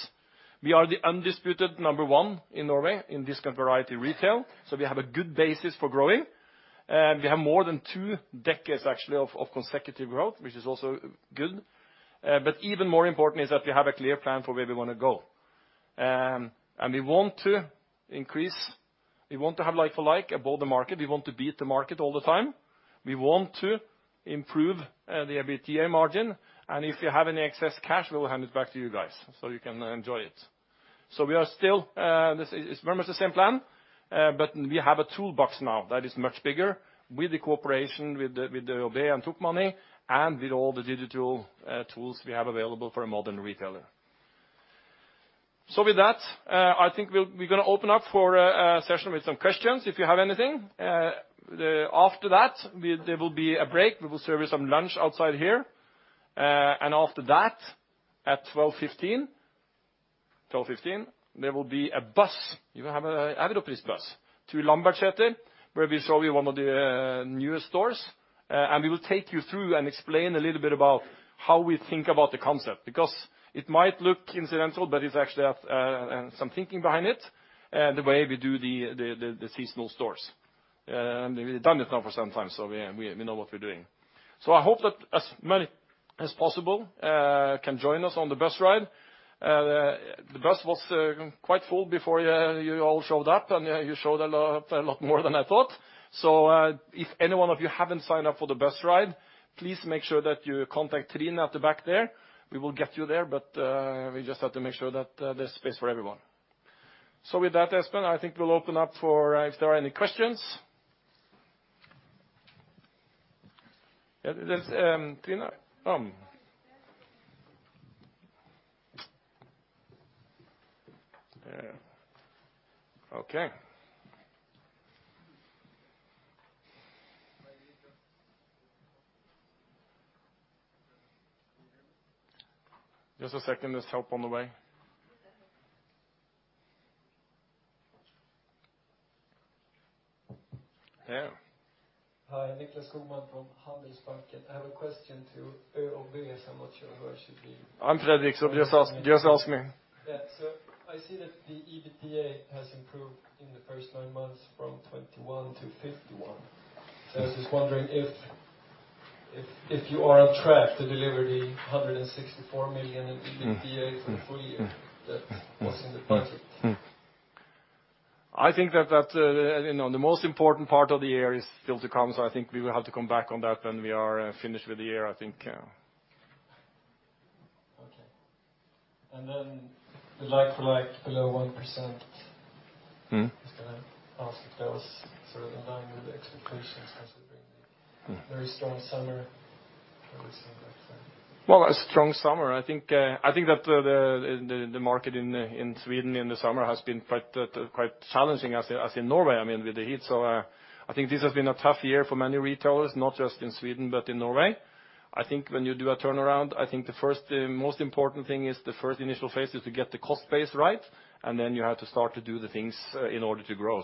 We are the undisputed number 1 in Norway in discount variety retail, so we have a good basis for growing. We have more than two decades, actually, of consecutive growth, which is also good. Even more important is that we have a clear plan for where we want to go. We want to increase, we want to have like-for-like above the market. We want to beat the market all the time. We want to improve the EBITDA margin. If we have any excess cash, we will hand it back to you guys so you can enjoy it. It's very much the same plan, but we have a toolbox now that is much bigger with the cooperation with the ÖoB and Tokmanni, and with all the digital tools we have available for a modern retailer. With that, I think we're going to open up for a session with some questions if you have anything. After that, there will be a break. We will serve you some lunch outside here. After that, at 12:15 P.M., there will be a bus. You have an Europris bus to Lambertseter, where we show you one of the newest stores. We will take you through and explain a little bit about how we think about the concept, because it might look incidental, but it's actually have some thinking behind it, the way we do the seasonal stores. We've done it now for some time, so we know what we're doing. I hope that as many as possible can join us on the bus ride. The bus was quite full before you all showed up, and you showed a lot more than I thought. If any one of you haven't signed up for the bus ride, please make sure that you contact Trine at the back there. We will get you there, but we just have to make sure that there's space for everyone. With that, Espen, I think we'll open up for if there are any questions. Trine? Okay. Just a second. There's help on the way. Yeah. Hi. Niklas Roman from Handelsbanken. I have a question to Øy or Bjørn, I'm not sure who I should be- I'm Fredrik. Just ask me. Yeah. I see that the EBITDA has improved in the first nine months from 21 to 51. I was just wondering if you are on track to deliver the 164 million in EBITDA for the full year that was in the budget. I think that the most important part of the year is still to come, so I think we will have to come back on that when we are finished with the year, I think. Okay. The like-for-like below 1% is going to ask if that was sort of in line with the expectations considering very strong summer? Well, a strong summer. I think that the market in Sweden in the summer has been quite challenging as in Norway, I mean, with the heat. I think this has been a tough year for many retailers, not just in Sweden but in Norway. I think when you do a turnaround, the most important thing is the first initial phase is to get the cost base right, and then you have to start to do the things in order to grow.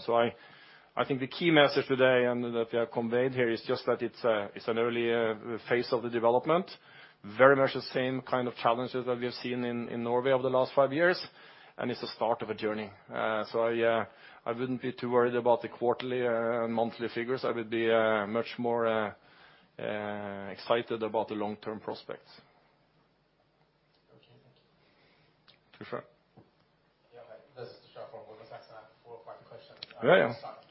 I think the key message today, and that we have conveyed here, is just that it's an early phase of the development. Very much the same kind of challenges that we have seen in Norway over the last five years, and it's a start of a journey. I wouldn't be too worried about the quarterly monthly figures. I would be much more excited about the long-term prospects. Okay, thank you. For sure. Yeah, hi. This is Shah from Morgan Stanley. Four quick questions. Yeah, yeah. One: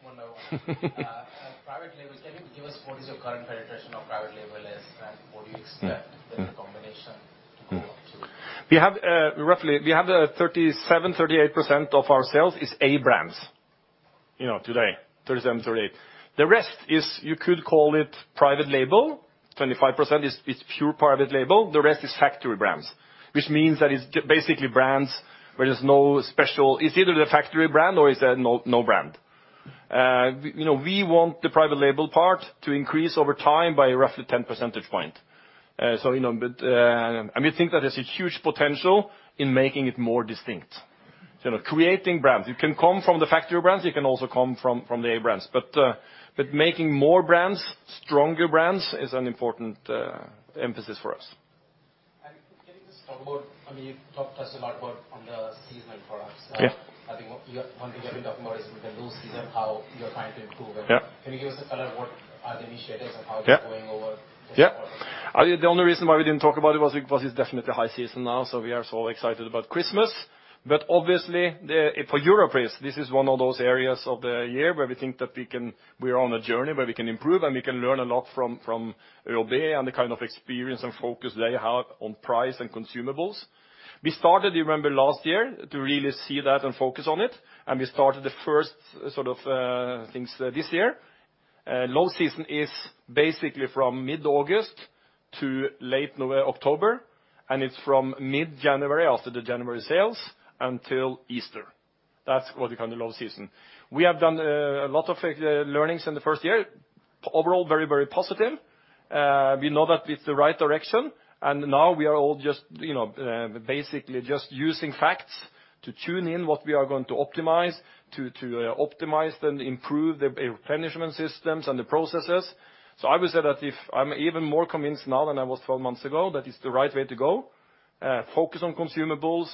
private labels. Can you give us what is your current penetration of private label is, and what do you expect with the combination to go up to? We have 37, 38% of our sales is A brands today, 37, 38. The rest is, you could call it private label, 25% is pure private label. The rest is factory brands, which means that it's basically brands where there's no special. It's either the factory brand or it's no brand. We want the private label part to increase over time by roughly 10 percentage point. We think that there's a huge potential in making it more distinct. Creating brands. It can come from the factory brands, it can also come from the A brands. Making more brands, stronger brands, is an important emphasis for us. Can you just talk about, you've talked to us a lot about on the seasonal products. Yeah. I think one thing you haven't been talking about is with the low season, how you're trying to improve it. Yeah. Can you give us a color what are the initiatives and how they're going over? Yeah. The only reason why we didn't talk about it was because it's definitely high season now. We are so excited about Christmas. Obviously, for Europris, this is one of those areas of the year where we think that we are on a journey where we can improve, and we can learn a lot from ÖoB and the kind of experience and focus they have on price and consumables. We started, you remember last year, to really see that and focus on it, and we started the first things this year. Low season is basically from mid-August to late October, and it's from mid-January after the January sales until Easter. That's what we call the low season. We have done a lot of learnings in the first year. Overall, very positive. We know that it's the right direction. Now we are all basically just using facts to tune in what we are going to optimize, to optimize and improve the replenishment systems and the processes. I would say that if I'm even more convinced now than I was 12 months ago, that it's the right way to go. Focus on consumables,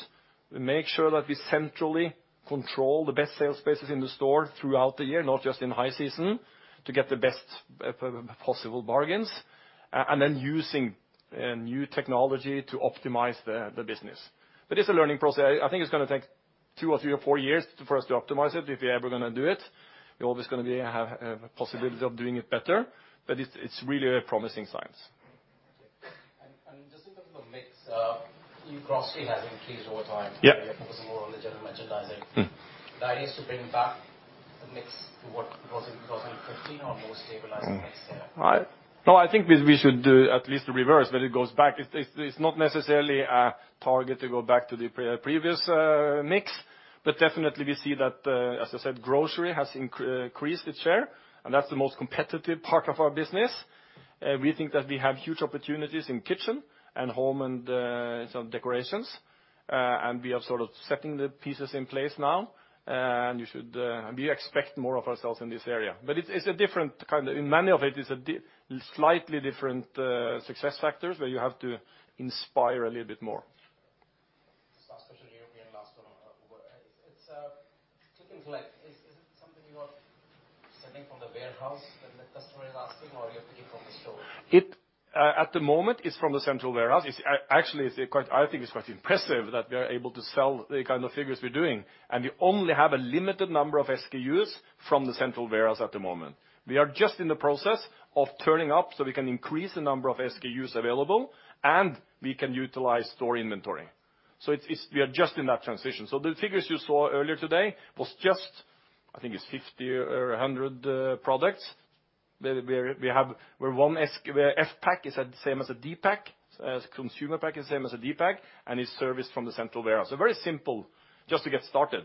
make sure that we centrally control the best sales spaces in the store throughout the year, not just in high season, to get the best possible bargains. Then using new technology to optimize the business. It's a learning process. I think it's going to take two or three or four years for us to optimize it, if we're ever going to do it. You're always going to have a possibility of doing it better, but it's really a promising science. Okay. Just in terms of the mix, new grocery has increased over time. Yeah. You're focusing more on the general merchandising. The idea is to bring back the mix to what it was in 2015 or a more stabilized mix there? I think we should do at least the reverse, then it goes back. It's not necessarily a target to go back to the previous mix, but definitely we see that, as I said, grocery has increased its share, and that's the most competitive part of our business. We think that we have huge opportunities in kitchen and home and some decorations, and we are sort of setting the pieces in place now. We expect more of ourselves in this area. In many of it, is slightly different success factors where you have to inspire a little bit more. Last question, Preben last one. Two things like, is it something you are sending from the warehouse when the customer is asking, or you are picking from the store? At the moment, it's from the central warehouse. Actually, I think it's quite impressive that we are able to sell the kind of figures we're doing, and we only have a limited number of SKUs from the central warehouse at the moment. We are just in the process of turning up so we can increase the number of SKUs available, and we can utilize store inventory. We are just in that transition. The figures you saw earlier today was just, I think it's 50 or 100 products, where F pack is the same as a D pack, as consumer pack is same as a D pack, and is serviced from the central warehouse. Very simple just to get started.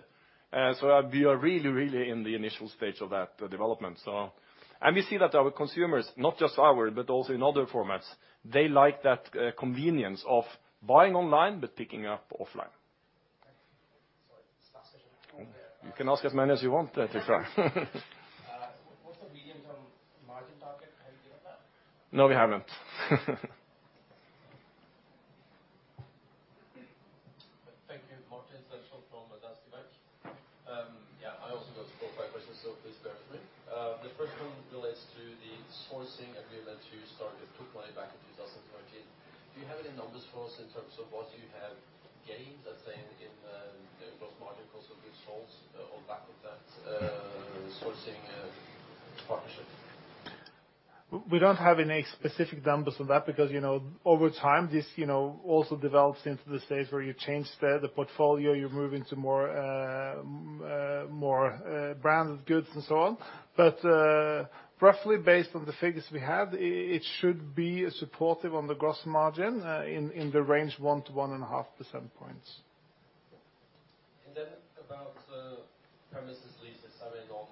We are really in the initial stage of that development. We see that our consumers, not just our, but also in other formats, they like that convenience of buying online, but picking up offline. Sorry, last question. You can ask as many as you want. What's the medium-term margin target? Have you given that? No, we haven't. Thank you. Martin Stensholm from DNB. I also got four or five questions, so please bear with me. The first one relates to the sourcing agreement you started to put in place back in 2013. Do you have any numbers for us in terms of what you have gained, let's say, in gross margin, also good sales on back of that sourcing partnership? Roughly based on the figures we have, it should be supportive on the gross margin, in the range 1% to 1.5% points. About the premises leases, I mean, of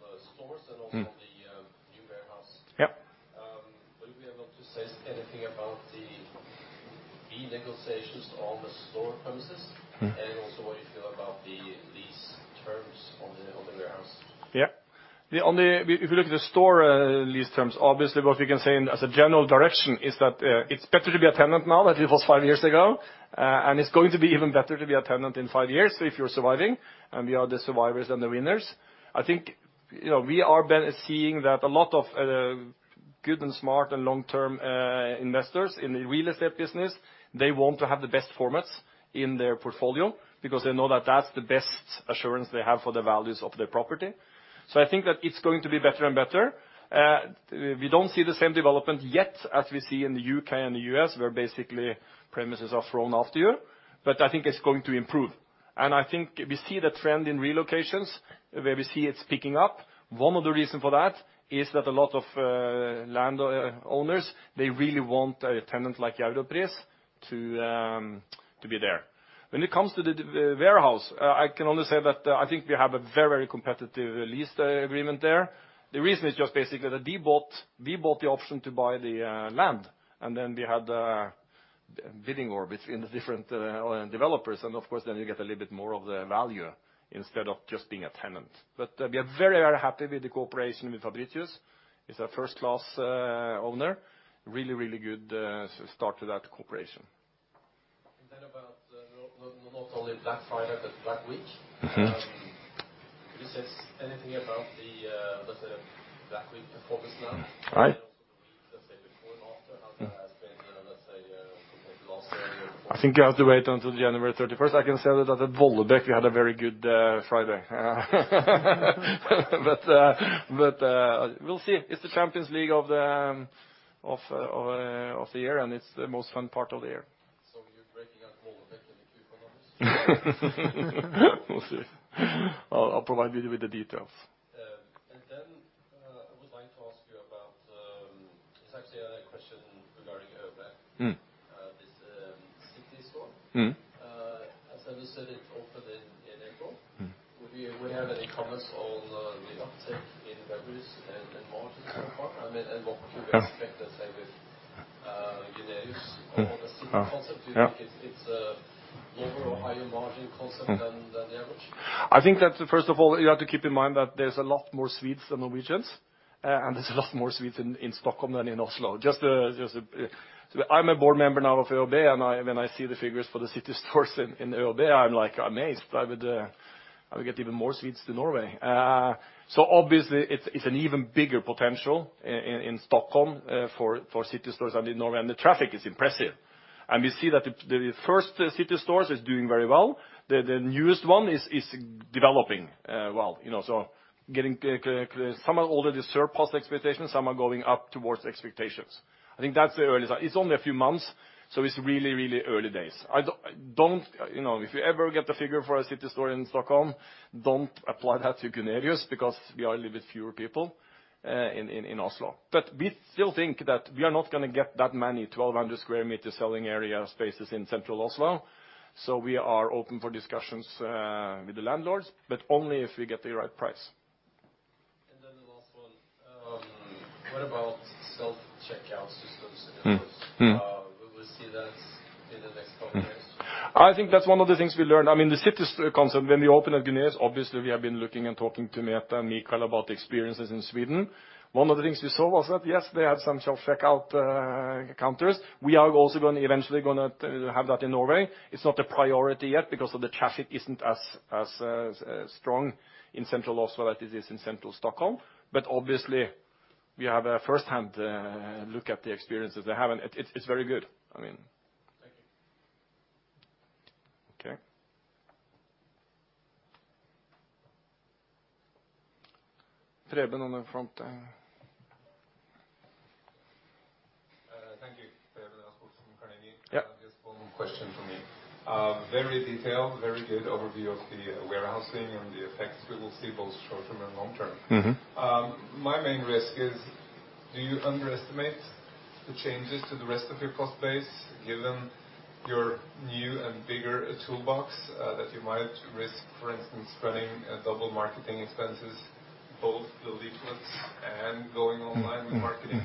the stores and also the new warehouse. Yep. Will you be able to say anything about the renegotiations on the store premises? What you feel about the lease terms on the warehouse? Yeah. If you look at the store lease terms, obviously what we can say as a general direction is that it's better to be a tenant now than it was five years ago. It's going to be even better to be a tenant in five years if you're surviving, and we are the survivors and the winners. I think we are seeing that a lot of good and smart and long-term investors in the real estate business, they want to have the best formats in their portfolio because they know that's the best assurance they have for the values of their property. I think that it's going to be better and better. We don't see the same development yet as we see in the U.K. and the U.S., where basically premises are thrown after you. I think it's going to improve, and I think we see the trend in relocations where we see it's picking up. One of the reason for that is that a lot of landowners, they really want a tenant like Europris to be there. When it comes to the warehouse, I can only say that I think we have a very competitive lease agreement there. The reason is just basically that we bought the option to buy the land, and then we had a bidding war between the different developers and of course then you get a little bit more of the value instead of just being a tenant. We are very happy with the cooperation with Fabritius. He's a first-class owner, really good start to that cooperation. About not only Black Friday, but Black Week. Can you say anything about the, let's say, the Black Week performance now? Right. Also the week, let's say before and after, how that has been, let's say, compared to last year. I think you have to wait until January 31st. I can say that at Vollebekk we had a very good Friday. We'll see. It's the Champions League of the year, and it's the most fun part of the year. We'll see. I'll provide you with the details. I would like to ask you about It's actually a question regarding ÖoB- -this City store. As you said, it opened in April. Would you have any comments on the uptake in revenues and margin so far? What would you expect, let's say, with Gunerius or the city concept? Yeah. It's a lower or higher margin concept than the average? I think that, first of all, you have to keep in mind that there's a lot more Swedes than Norwegians, there's a lot more Swedes in Stockholm than in Oslo. I'm a board member now of ÖoB, when I see the figures for the city stores in ÖoB, I'm amazed how we get even more Swedes than Norway. Obviously, it's an even bigger potential in Stockholm for city stores than in Norway, and the traffic is impressive. We see that the first city stores is doing very well. The newest one is developing well. Some are already surpassed expectations. Some are going up towards expectations. I think that's the early sign. It's only a few months, it's really early days. If you ever get the figure for a city store in Stockholm, don't apply that to Gunerius because we are a little bit fewer people, in Oslo. We still think that we are not going to get that many 1,200 square meter selling area spaces in central Oslo, we are open for discussions with the landlords, only if we get the right price. The last one. What about self-checkout systems in stores? Mm. Mm. Will we see that in the next conference? I think that's one of the things we learned. The city store concept, when we opened at Gunerius, obviously, we have been looking and talking to Meta and Mikael about the experiences in Sweden. One of the things we saw was that, yes, they had some self-checkout counters. We are also eventually going to have that in Norway. It's not a priority yet because of the traffic isn't as strong in central Oslo as it is in central Stockholm. Obviously, we have a first-hand look at the experiences they're having. It's very good. Thank you. Okay. Preben on the front. Thank you. Preben Rasmusson, Carnegie. Yeah. Just one question from me. Very detailed, very good overview of the warehousing and the effects we will see both short-term and long-term. My main risk is, do you underestimate the changes to the rest of your cost base, given your new and bigger toolbox that you might risk, for instance, running double marketing expenses, both the leaflets and going online with marketing?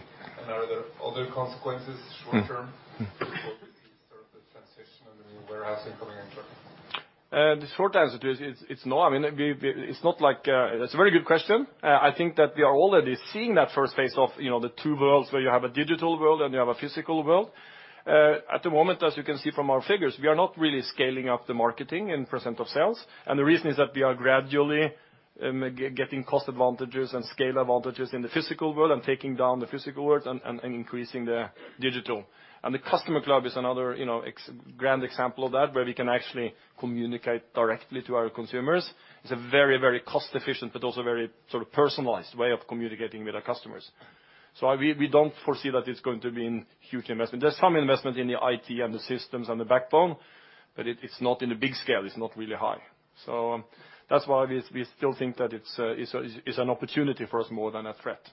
Are there other consequences short-term. With both of these sort of the transition and the new warehousing coming in, Terje? The short answer is, it's no. That's a very good question. I think that we are already seeing that first phase of the two worlds where you have a digital world and you have a physical world. At the moment, as you can see from our figures, we are not really scaling up the marketing in % of sales. The reason is that we are gradually getting cost advantages and scale advantages in the physical world and taking down the physical world and increasing the digital. The customer club is another grand example of that where we can actually communicate directly to our consumers. It's a very cost-efficient, but also very personalized way of communicating with our customers. We don't foresee that it's going to be huge investment. There's some investment in the IT and the systems and the backbone, but it's not in a big scale. It's not really high. That's why we still think that it's an opportunity for us more than a threat.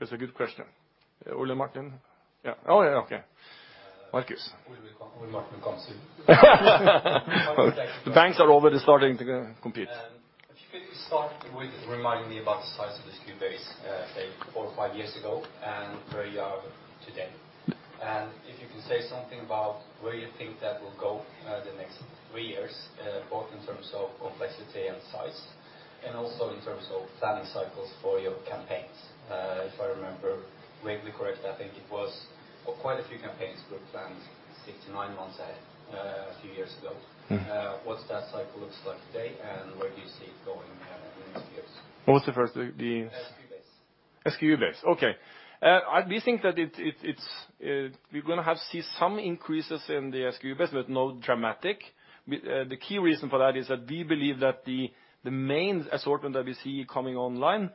It's a good question. Ole Martin? Yeah. Oh, yeah, okay. Markus. Ole Martin comes soon. Banks are already starting to compete. If you could start with reminding me about the size of the SKU base four or five years ago and where you are today. If you can say something about where you think that will go the next three years, both in terms of complexity and size, and also in terms of planning cycles for your campaigns. If I remember correctly, I think it was quite a few campaigns were planned six to nine months ahead a few years ago. What that cycle looks like today, and where do you see it going in the next years? What was the first? The SKU base. SKU base. Okay. We think that we're going to have to see some increases in the SKU base, but not dramatic. The key reason for that is that we believe that the main assortment that we see coming online is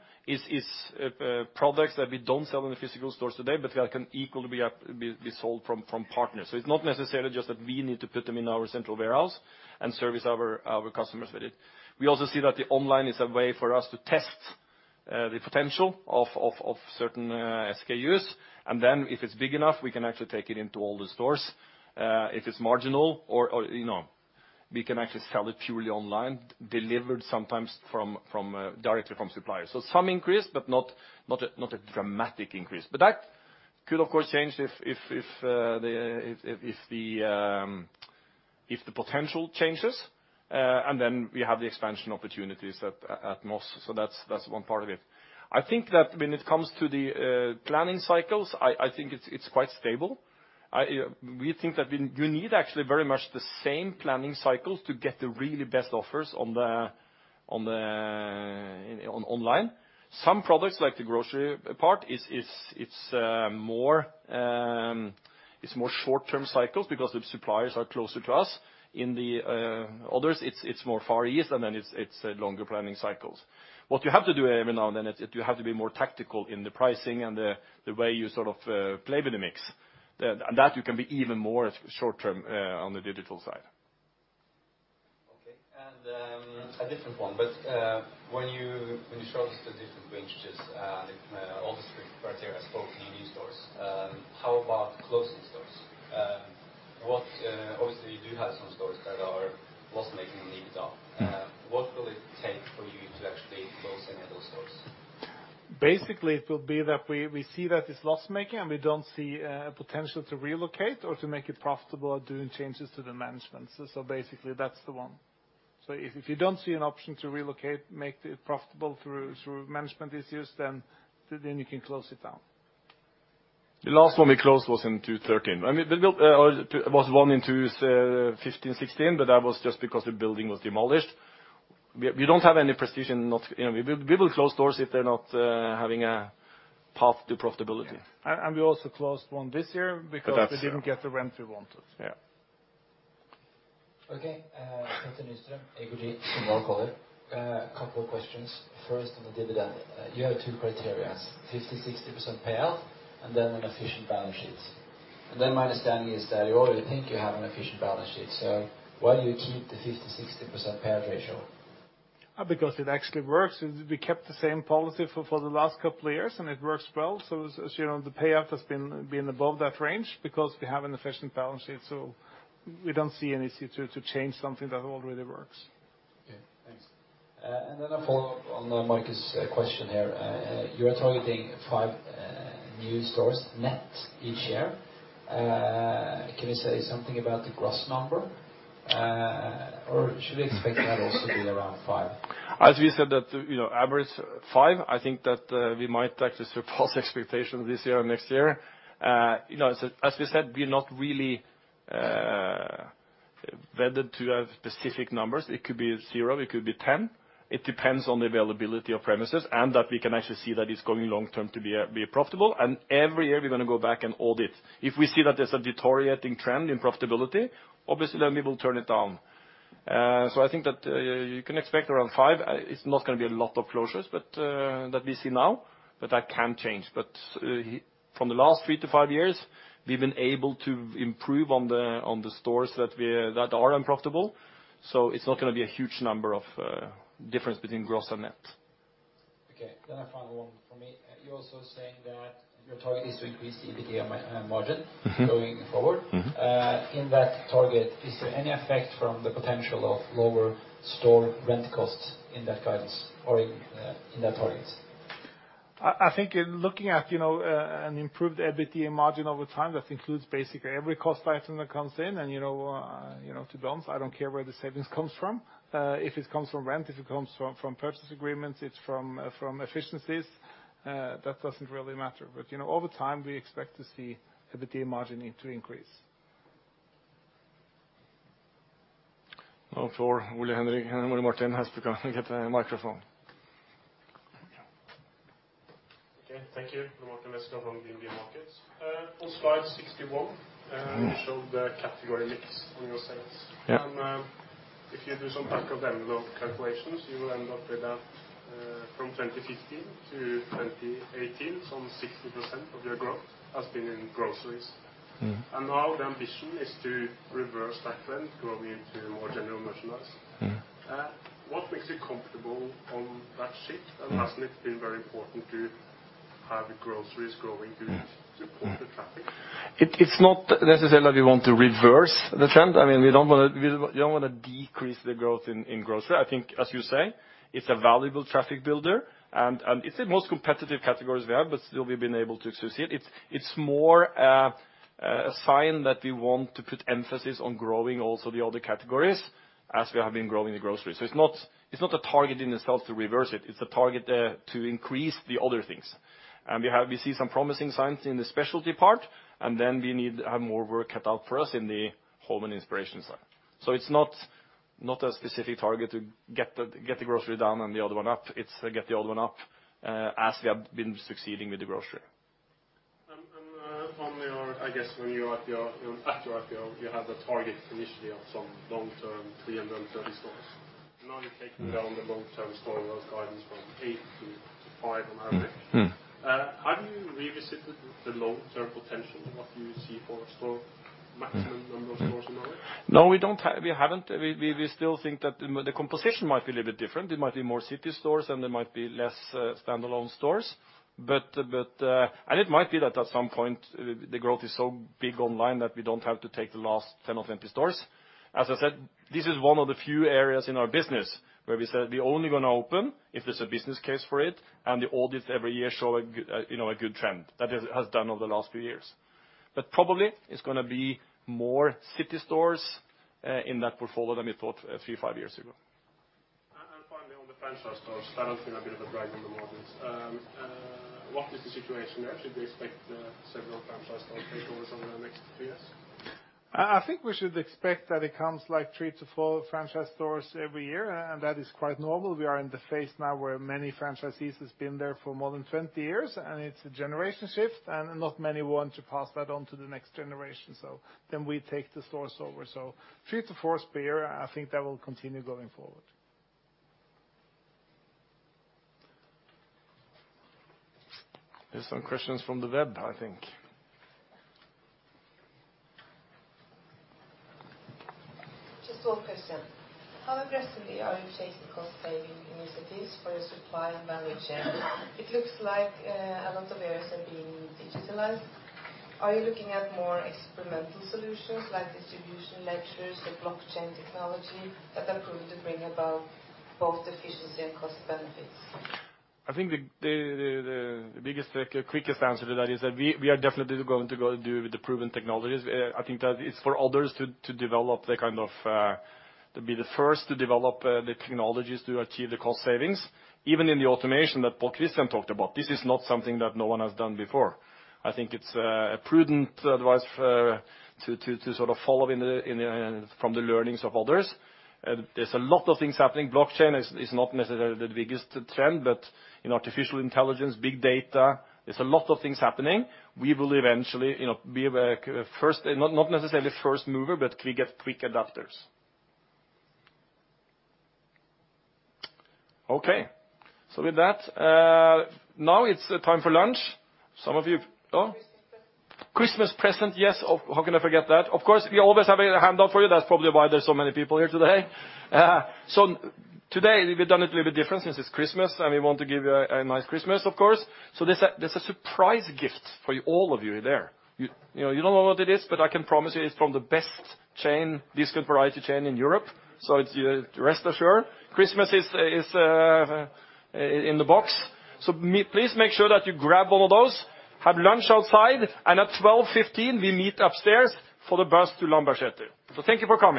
products that we don't sell in the physical stores today but that can equally be sold from partners. It's not necessarily just that we need to put them in our central warehouse and service our customers with it. We also see that the online is a way for us to test the potential of certain SKUs, and then if it's big enough, we can actually take it into all the stores. If it's marginal or we can actually sell it purely online, delivered sometimes directly from suppliers. Some increase, but not a dramatic increase. That could, of course, change if the potential changes, and then we have the expansion opportunities at Moss. That's one part of it. I think that when it comes to the planning cycles, I think it's quite stable. We think that you need actually very much the same planning cycles to get the really best offers online. Some products, like the grocery part, it's more short-term cycles because the suppliers are closer to us. In the others, it's more Far East, and then it's longer planning cycles. What you have to do every now and then, is you have to be more tactical in the pricing and the way you play with the mix. That you can be even more short-term on the digital side. A different one. When you show the statistics which all the three criteria has 14 new stores, how about closing stores? Obviously, you do have some stores that are loss-making and need it off. What will it take for you to actually closing those stores? Basically, it will be that we see that it's loss-making and we don't see potential to relocate or to make it profitable doing changes to the management. Basically, that's the one. If you don't see an option to relocate, make it profitable through management issues, then you can close it down. The last one we closed was in 2013. I mean, there was one in 2015/16, but that was just because the building was demolished. We don't have any precedent. We will close stores if they're not having a path to profitability. Yeah. We also closed one this year because. That's Yeah. we didn't get the rent we wanted. Yeah. Okay. Peter Nyström, IG, from North Color. A couple of questions. First, on the dividend. You have two criteria, 50%-60% payout, and then an efficient balance sheet. My understanding is that you already think you have an efficient balance sheet. Why do you keep the 50%-60% payout ratio? Because it actually works. We kept the same policy for the last couple of years, and it works well. As you know, the payout has been above that range because we have an efficient balance sheet, so we don't see any to change something that already works. Okay, thanks. A follow-up on Mike's question here. You are targeting five new stores net each year. Can you say something about the gross number, or should we expect that also to be around five? As we said that, average five, I think that we might actually surpass expectation this year or next year. As we said, we are not really vetted to have specific numbers. It could be zero, it could be 10. It depends on the availability of premises, and that we can actually see that it's going long-term to be profitable. Every year we're going to go back and audit. If we see that there's a deteriorating trend in profitability, obviously then we will turn it down. I think that you can expect around five. It's not going to be a lot of closures that we see now, but that can change. From the last three to five years, we've been able to improve on the stores that are unprofitable. It's not going to be a huge number of difference between gross and net. Okay, a final one from me. You're also saying that your target is to increase the EBITA margin- going forward. In that target, is there any effect from the potential of lower store rent costs in that guidance or in that target? I think in looking at an improved EBITDA margin over time, that includes basically every cost item that comes in. To balance, I don't care where the savings comes from. If it comes from rent, if it comes from purchase agreements, it's from efficiencies, that doesn't really matter. Over time, we expect to see EBITDA margin need to increase. Now for Vidar Martin has to come and get the microphone. Okay, thank you. Martin Vesco from BIMBY Markets. On slide 61. you showed the category mix on your sales. Yeah. If you do some back of envelope calculations, you end up with that from 2015 to 2018, some 60% of your growth has been in groceries. the ambition is to reverse that trend, growing into more general merchandise. What makes you comfortable on that shift? Hasn't it been very important to have groceries growing? Mm. Mm. support the traffic? It's not necessarily we want to reverse the trend. We don't want to decrease the growth in grocery. I think as you say, it's a valuable traffic builder and it's the most competitive categories we have, but still we've been able to succeed. It's more a sign that we want to put emphasis on growing also the other categories as we have been growing the grocery. It's not a target in itself to reverse it's a target to increase the other things. We see some promising signs in the specialty part, and then we need to have more work cut out for us in the home and inspiration side. It's not a specific target to get the grocery down and the other one up. It's get the other one up, as we have been succeeding with the grocery. Finally, I guess at your IPO, you had a target initially of some long-term 330 stores. Now you're taking down the long-term store loss guidance from eight to five on average. Have you revisited the long-term potential and what do you see for maximum number of stores in Norway? No, we haven't. We still think that the composition might be a little bit different. It might be more city stores and there might be less standalone stores. It might be that at some point the growth is so big online that we don't have to take the last 10 or 20 stores. As I said, this is one of the few areas in our business where we say we're only going to open if there's a business case for it, and the audits every year show a good trend. That it has done over the last few years. Probably it's going to be more city stores, in that portfolio than we thought a few, five years ago. Finally, on the franchise stores, that have been a bit of a drag on the margins. What is the situation there? Should we expect several franchise store takeovers over the next three years? I think we should expect that it comes like three to four franchise stores every year, that is quite normal. We are in the phase now where many franchisees has been there for more than 20 years, and it's a generation shift and not many want to pass that on to the next generation. We take the stores over. Three to four per year, I think that will continue going forward. There's some questions from the web, I think. Just one question. How aggressively are you chasing cost saving initiatives for your supply and value chain? It looks like a lot of areas are being digitalized. Are you looking at more experimental solutions like distribution ledgers or blockchain technology that are proven to bring about both efficiency and cost benefits? I think the quickest answer to that is that we are definitely going to go do the proven technologies. I think that it's for others to be the first to develop the technologies to achieve the cost savings, even in the automation that Pål-Kristian talked about. This is not something that no one has done before. I think it's a prudent advice to follow from the learnings of others. There's a lot of things happening. Blockchain is not necessarily the biggest trend, but artificial intelligence, big data, there's a lot of things happening. We will eventually be, not necessarily first mover, but quick adapters. Okay. With that, now it's time for lunch. Some of you Oh. Christmas present. Christmas present, yes. How can I forget that? Of course, we always have a handout for you. That's probably why there's so many people here today. Today we've done it a little bit different since it's Christmas, and we want to give you a nice Christmas, of course. There's a surprise gift for all of you there. You don't know what it is, but I can promise you it's from the best discount variety chain in Europe. Rest assured, Christmas is in the box. Please make sure that you grab all of those, have lunch outside, and at 12:15 P.M., we meet upstairs for the bus to Lambertseter. Thank you for coming.